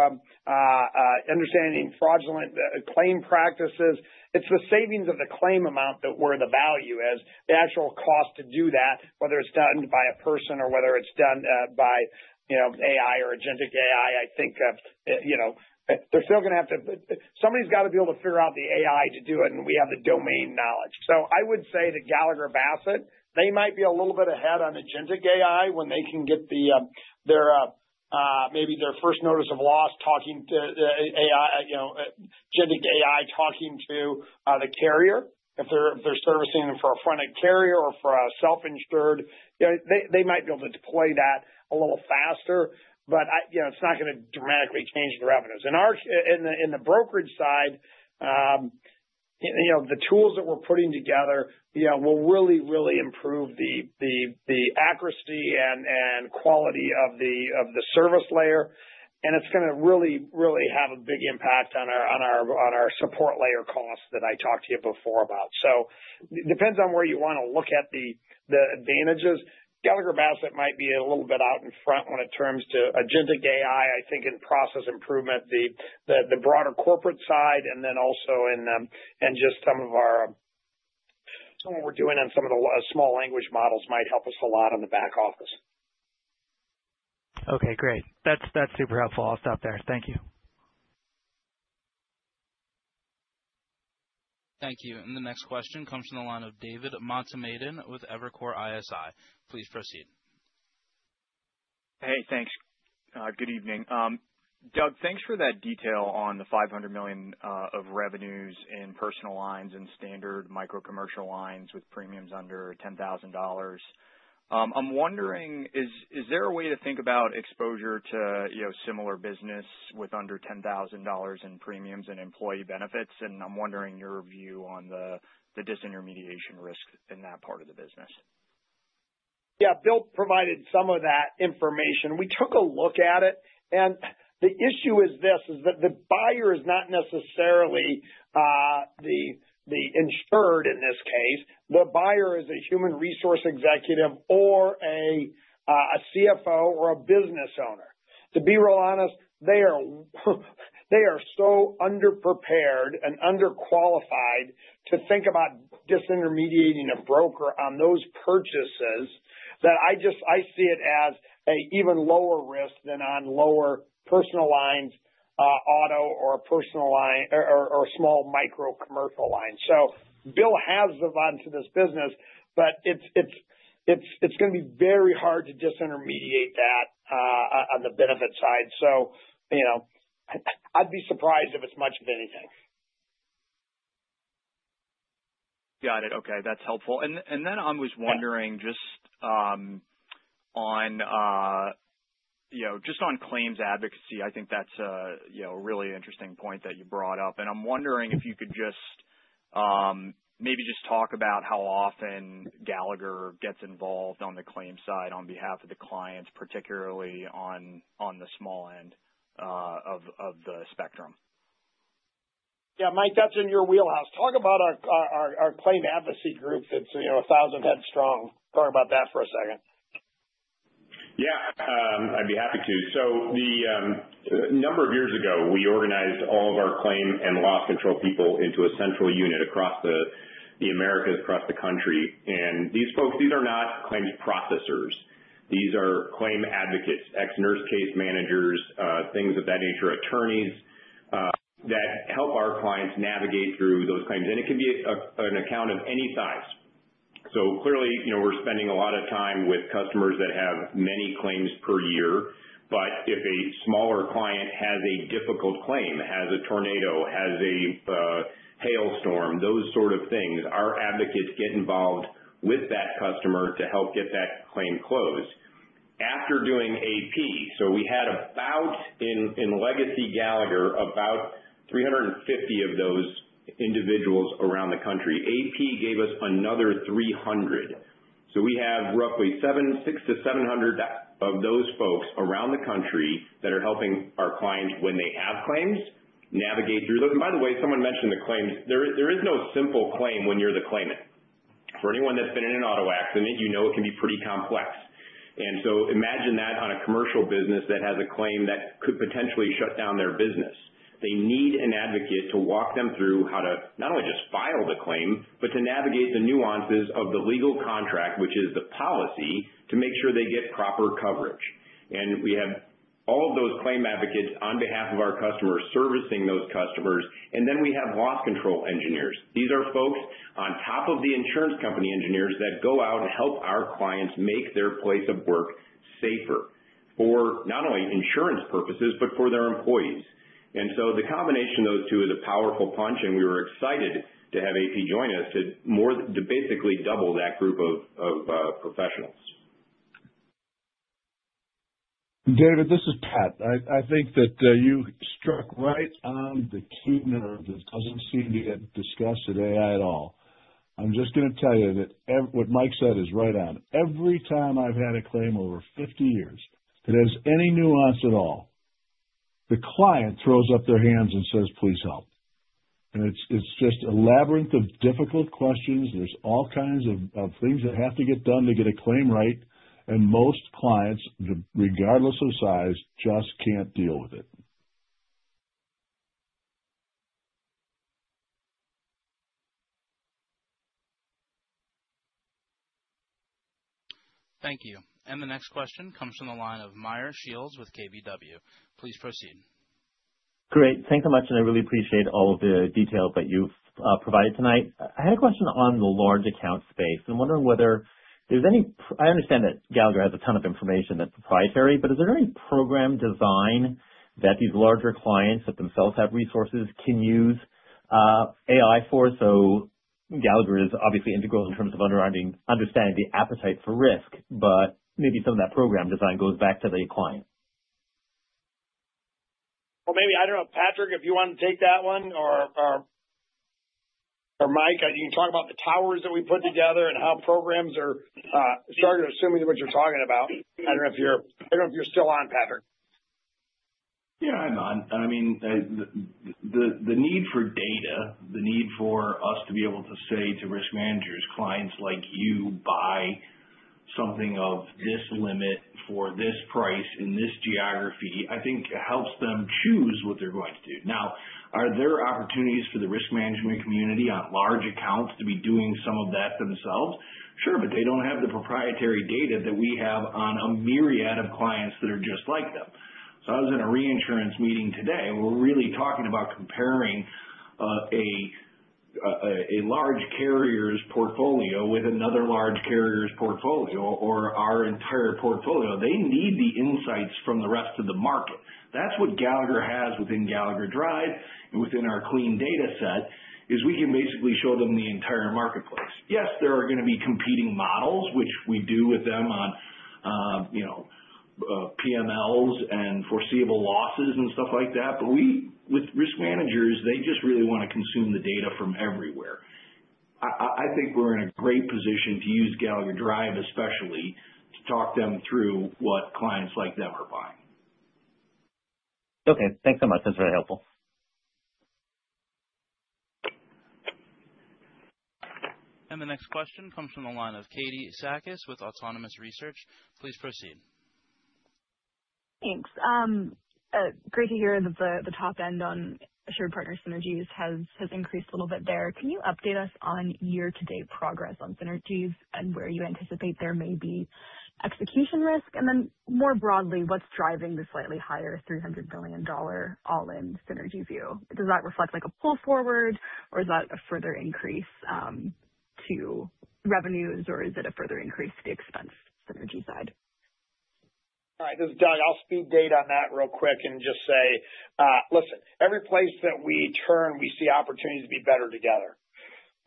understanding fraudulent claim practices, it's the savings of the claim amount that we're the value is. The actual cost to do that, whether it's done by a person or whether it's done by, you know, AI or agentic AI, I think, you know, they're still gonna have to. Somebody's got to be able to figure out the AI to do it, and we have the domain knowledge. I would say that Gallagher Bassett, they might be a little bit ahead on agentic AI when they can get, maybe, their first notice of loss talking to AI, you know, agentic AI talking to the carrier. If they're servicing them for a fronting carrier or for a self-insured, you know, they might be able to deploy that a little faster, but I, you know, it's not going to dramatically change the revenues. In the brokerage side, you know, the tools that we're putting together, you know, will really improve the accuracy and quality of the service layer, and it's gonna really have a big impact on our support layer costs that I talked to you before about. Depends on where you want to look at the advantages. Gallagher Bassett might be a little bit out in front when it turns to agentic AI, I think, in process improvement, the broader corporate side and then also in just some of what we're doing on some of the small language models might help us a lot on the back office. Okay, great. That's super helpful. I'll stop there. Thank you. Thank you. The next question comes from the line of David Motemaden with Evercore ISI. Please proceed. Hey, thanks. Good evening. Doug, thanks for that detail on the $500 million of revenues in personal lines and standard micro commercial lines with premiums under $10,000. I'm wondering, is there a way to think about exposure to, you know, similar business with under $10,000 in premiums and employee benefits? I'm wondering your view on the disintermediation risk in that part of the business. Yeah. Bill provided some of that information. We took a look at it, and the issue is this, is that the buyer is not necessarily the insured in this case. The buyer is a human resources executive or a CFO or a business owner. To be real honest, they are so underprepared and underqualified to think about disintermediating a broker on those purchases that I just see it as an even lower risk than on lower personal lines, auto or personal line or small micro commercial lines. Bill has the run of this business, but it's gonna be very hard to disintermediate that on the benefit side. You know, I'd be surprised if it's much of anything. Got it. Okay, that's helpful. I was wondering just on you know just on claims advocacy. I think that's you know a really interesting point that you brought up. I'm wondering if you could just maybe just talk about how often Gallagher gets involved on the claims side on behalf of the clients, particularly on the small end of the spectrum. Yeah, Mike, that's in your wheelhouse. Talk about our claim advocacy group that's, you know, 1,000 heads strong. Talk about that for a second. Yeah. I'd be happy to. A number of years ago, we organized all of our claim and loss control people into a central unit across the Americas, across the country. These folks are not claims processors. These are claim advocates, ex-nurse case managers, things of that nature, attorneys, that help our clients navigate through those claims. It can be an account of any size. Clearly, you know, we're spending a lot of time with customers that have many claims per year. If a smaller client has a difficult claim, has a tornado, has a hailstorm, those sort of things, our advocates get involved with that customer to help get that claim closed. After doing AP, in Legacy Gallagher, we had about 350 of those individuals around the country. AP gave us another 300. We have roughly 600-700 of those folks around the country that are helping our clients when they have claims navigate through those. By the way, someone mentioned the claims. There is no simple claim when you're the claimant. For anyone that's been in an auto accident, you know it can be pretty complex. Imagine that on a commercial business that has a claim that could potentially shut down their business. They need an advocate to walk them through how to not only just file the claim, but to navigate the nuances of the legal contract, which is the policy, to make sure they get proper coverage. We have all of those claim advocates on behalf of our customers servicing those customers. We have loss control engineers. These are folks on top of the insurance company engineers that go out and help our clients make their place of work safer for not only insurance purposes, but for their employees. The combination of those two is a powerful punch, and we were excited to have AP join us to basically double that group of professionals. David, this is Pat. I think that you struck right on the key nerve that doesn't seem to get discussed today at all. I'm just gonna tell you that what Mike said is right on. Every time I've had a claim over 50 years that has any nuance at all, the client throws up their hands and says, "Please help." It's just a labyrinth of difficult questions. There's all kinds of things that have to get done to get a claim right. Most clients, regardless of size, just can't deal with it. Thank you. The next question comes from the line of Meyer Shields with KBW. Please proceed. Great. Thank you so much, and I really appreciate all of the details that you've provided tonight. I had a question on the large account space. I'm wondering whether there's any. I understand that Gallagher has a ton of information that's proprietary, but is there any program design that these larger clients that themselves have resources can use AI for? Gallagher is obviously integral in terms of underwriting, understanding the appetite for risk, but maybe some of that program design goes back to the client. Maybe I don't know, Patrick, if you want to take that one or Mike, you can talk about the towers that we put together and how programs are starting, assuming what you're talking about. I don't know if you're still on, Patrick. Yeah, I'm on. I mean, the need for data, the need for us to be able to say to risk managers, clients like you buy something of this limit for this price in this geography, I think helps them choose what they're going to do. Now, are there opportunities for the risk management community on large accounts to be doing some of that themselves? Sure, but they don't have the proprietary data that we have on a myriad of clients that are just like them. I was in a reinsurance meeting today, and we're really talking about comparing a large carrier's portfolio with another large carrier's portfolio or our entire portfolio. They need the insights from the rest of the market. That's what Gallagher has within Gallagher Drive and within our clean data set, is we can basically show them the entire marketplace. Yes, there are going to be competing models, which we do with them on, you know, PMLs and foreseeable losses and stuff like that. We, with risk managers, they just really want to consume the data from everywhere. I think we're in a great position to use Gallagher Drive, especially to talk them through what clients like them are buying. Okay, thanks so much. That's very helpful. The next question comes from the line of Katie Sakys with Autonomous Research. Please proceed. Thanks. Great to hear the top end on AssuredPartners synergies has increased a little bit there. Can you update us on year-to-date progress on synergies and where you anticipate there may be execution risk? More broadly, what's driving the slightly higher $300 million all-in synergy view? Does that reflect like a pull forward, or is that a further increase to revenues, or is it a further increase to the expense synergy side? All right, this is Doug. I'll speak to that real quick and just say, listen, every place that we turn, we see opportunities to be better together.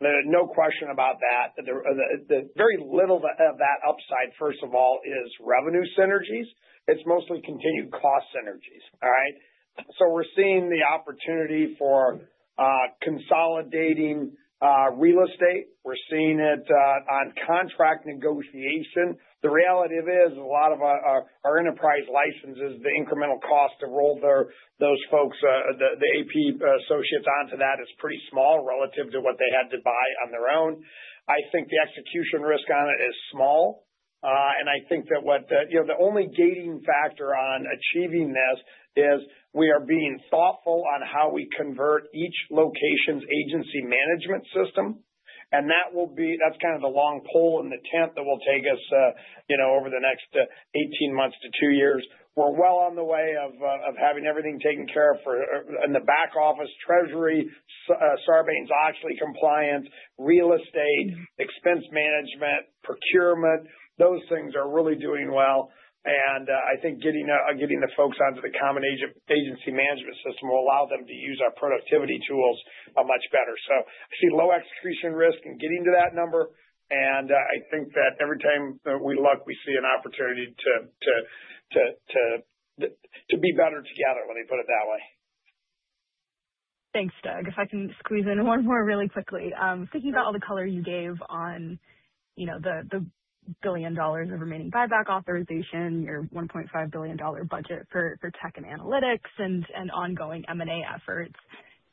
There's no question about that. The very little of that upside, first of all, is revenue synergies. It's mostly continued cost synergies. All right. We're seeing the opportunity for consolidating real estate. We're seeing it on contract negotiation. The reality of it is, a lot of our enterprise licenses, the incremental cost to roll those folks, the AP associates onto that is pretty small relative to what they had to buy on their own. I think the execution risk on it is small. I think that what the. You know, the only gating factor on achieving this is we are being thoughtful on how we convert each location's agency management system, and that will be that's kind of the long pole in the tent that will take us, you know, over the next 18 months to two years. We're well on the way of having everything taken care of for in the back office treasury, Sarbanes-Oxley compliance, real estate, expense management, procurement. Those things are really doing well. I think getting the folks onto the common agency management system will allow them to use our productivity tools much better. I see low execution risk in getting to that number, and I think that every time that we look, we see an opportunity to be better together. Let me put it that way. Thanks, Doug. If I can squeeze in one more really quickly. Thinking about all the color you gave on, you know, the $1 billion of remaining buyback authorization or $1.5 billion budget for tech and analytics and ongoing M&A efforts,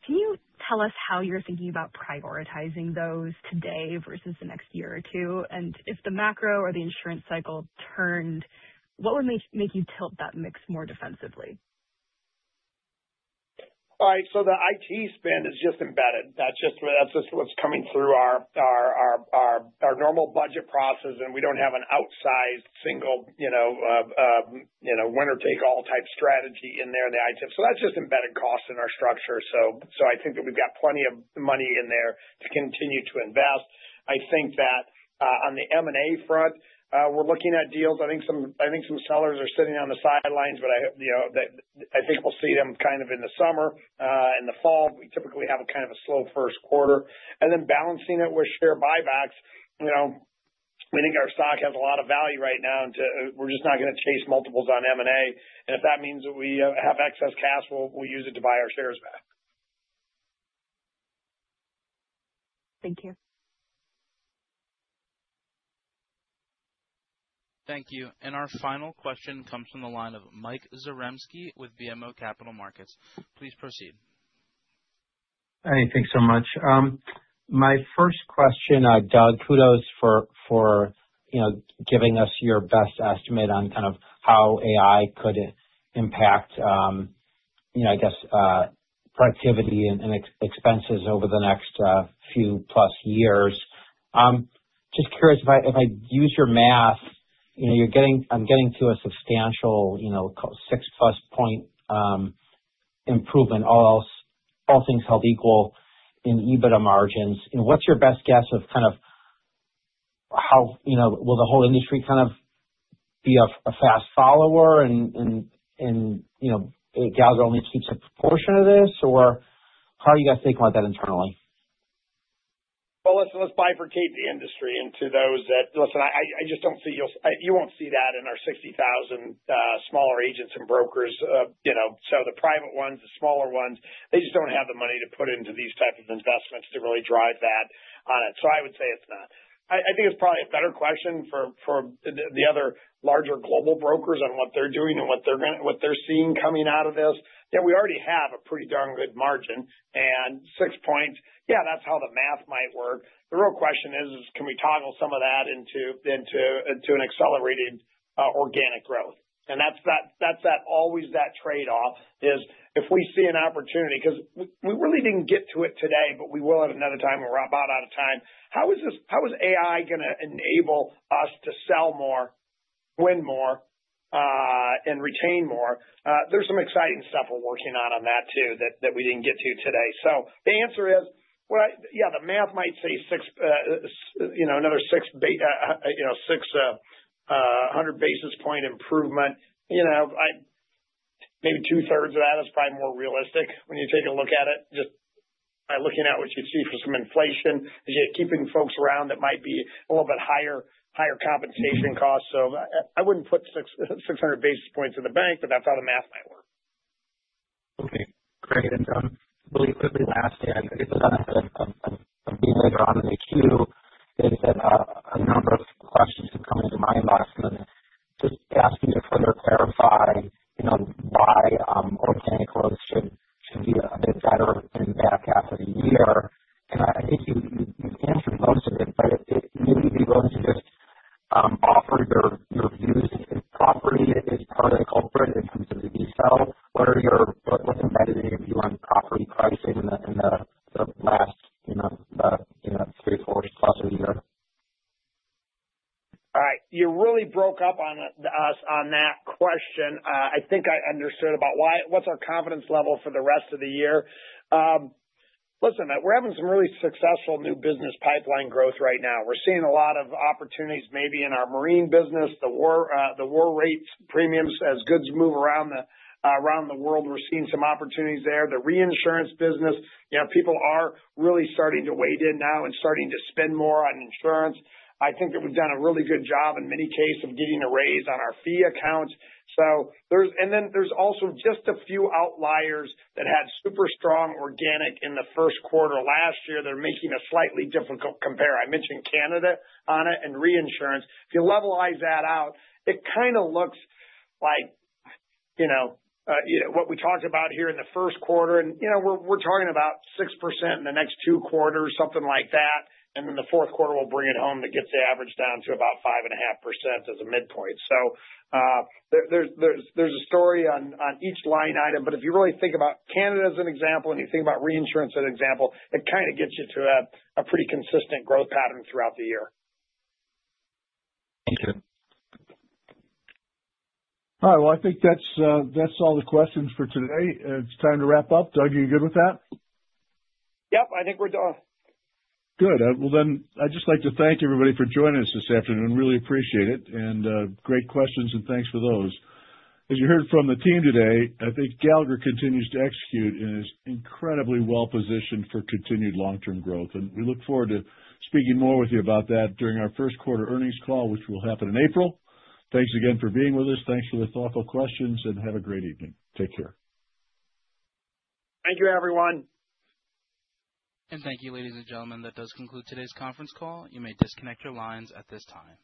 can you tell us how you're thinking about prioritizing those today versus the next year or two? If the macro or the insurance cycle turned, what would make you tilt that mix more defensively? All right. The IT spend is just embedded. That's just what's coming through our normal budget process, and we don't have an outsized single, you know, winner-take-all type strategy in there in the IT. That's just embedded costs in our structure. I think that we've got plenty of money in there to continue to invest. I think that, on the M&A front, we're looking at deals. I think some sellers are sitting on the sidelines, but I hope, you know, that I think we'll see them kind of in the summer, in the fall. We typically have a kind of a slow first quarter. Balancing it with share buybacks, you know, we think our stock has a lot of value right now, and we're just not gonna chase multiples on M&A. If that means that we have excess cash, we'll use it to buy our shares back. Thank you. Thank you. Our final question comes from the line of Mike Zaremski with BMO Capital Markets. Please proceed. Hey, thanks so much. My first question, Doug, kudos for you know, giving us your best estimate on kind of how AI could impact, you know, I guess, productivity and expenses over the next few plus years. Just curious, if I use your math, you know, I'm getting to a substantial, you know, 6+ point improvement, all things held equal in EBITDA margins. You know, what's your best guess of kind of how, you know, will the whole industry kind of be a fast follower and you know, Gallagher only keeps a portion of this? Or how are you guys thinking about that internally? Listen, let's bifurcate the industry into those that. Listen, I just don't see you won't see that in our 60,000 smaller agents and brokers. You know, so the private ones, the smaller ones, they just don't have the money to put into these type of investments to really drive that on it. So I would say it's not. I think it's probably a better question for the other larger global brokers on what they're doing and what they're seeing coming out of this, that we already have a pretty darn good margin. Six points, yeah, that's how the math might work. The real question is, can we toggle some of that into an accelerated organic growth? That's always that trade-off, if we see an opportunity. 'Cause we really didn't get to it today, but we will at another time, and we're about out of time. How is AI gonna enable us to sell more, win more, and retain more? There's some exciting stuff we're working on that too that we didn't get to today. The answer is, yeah, the math might say, you know, another 600 basis points improvement. You know, maybe two-thirds of that is probably more realistic when you take a look at it, just by looking at what you see for some inflation, keeping folks around that might be a little bit higher compensation costs. I wouldn't put 600 basis points in the bank, but that's how the math might work. Okay, great. All right. You really broke up on us on that question. I think I understood about what's our confidence level for the rest of the year. Listen, we're having some really successful new business pipeline growth right now. We're seeing a lot of opportunities maybe in our marine business, the war risk premiums as goods move around the world. We're seeing some opportunities there. The reinsurance business, you know, people are really starting to wade in now and starting to spend more on insurance. I think that we've done a really good job in many cases of getting a raise on our fee accounts. So there's then there's also just a few outliers that had super strong organic in the first quarter last year. They're making a slightly difficult compare. I mentioned Canada on it and reinsurance. If you levelize that out, it kind of looks like, you know, you know, what we talked about here in the first quarter. You know, we're talking about 6% in the next two quarters, something like that. Then the fourth quarter will bring it home. That gets the average down to about 5.5% as a midpoint. There's a story on each line item. If you really think about Canada as an example, and you think about reinsurance as an example, it kind of gets you to a pretty consistent growth pattern throughout the year. Thank you. All right. Well, I think that's all the questions for today. It's time to wrap up. Doug, are you good with that? Yep. I think we're done. Good. Well then, I'd just like to thank everybody for joining us this afternoon. Really appreciate it. Great questions, and thanks for those. As you heard from the team today, I think Gallagher continues to execute and is incredibly well positioned for continued long-term growth. We look forward to speaking more with you about that during our first quarter earnings call, which will happen in April. Thanks again for being with us. Thanks for the thoughtful questions, and have a great evening. Take care. Thank you, everyone. Thank you, ladies and gentlemen. That does conclude today's conference call. You may disconnect your lines at this time.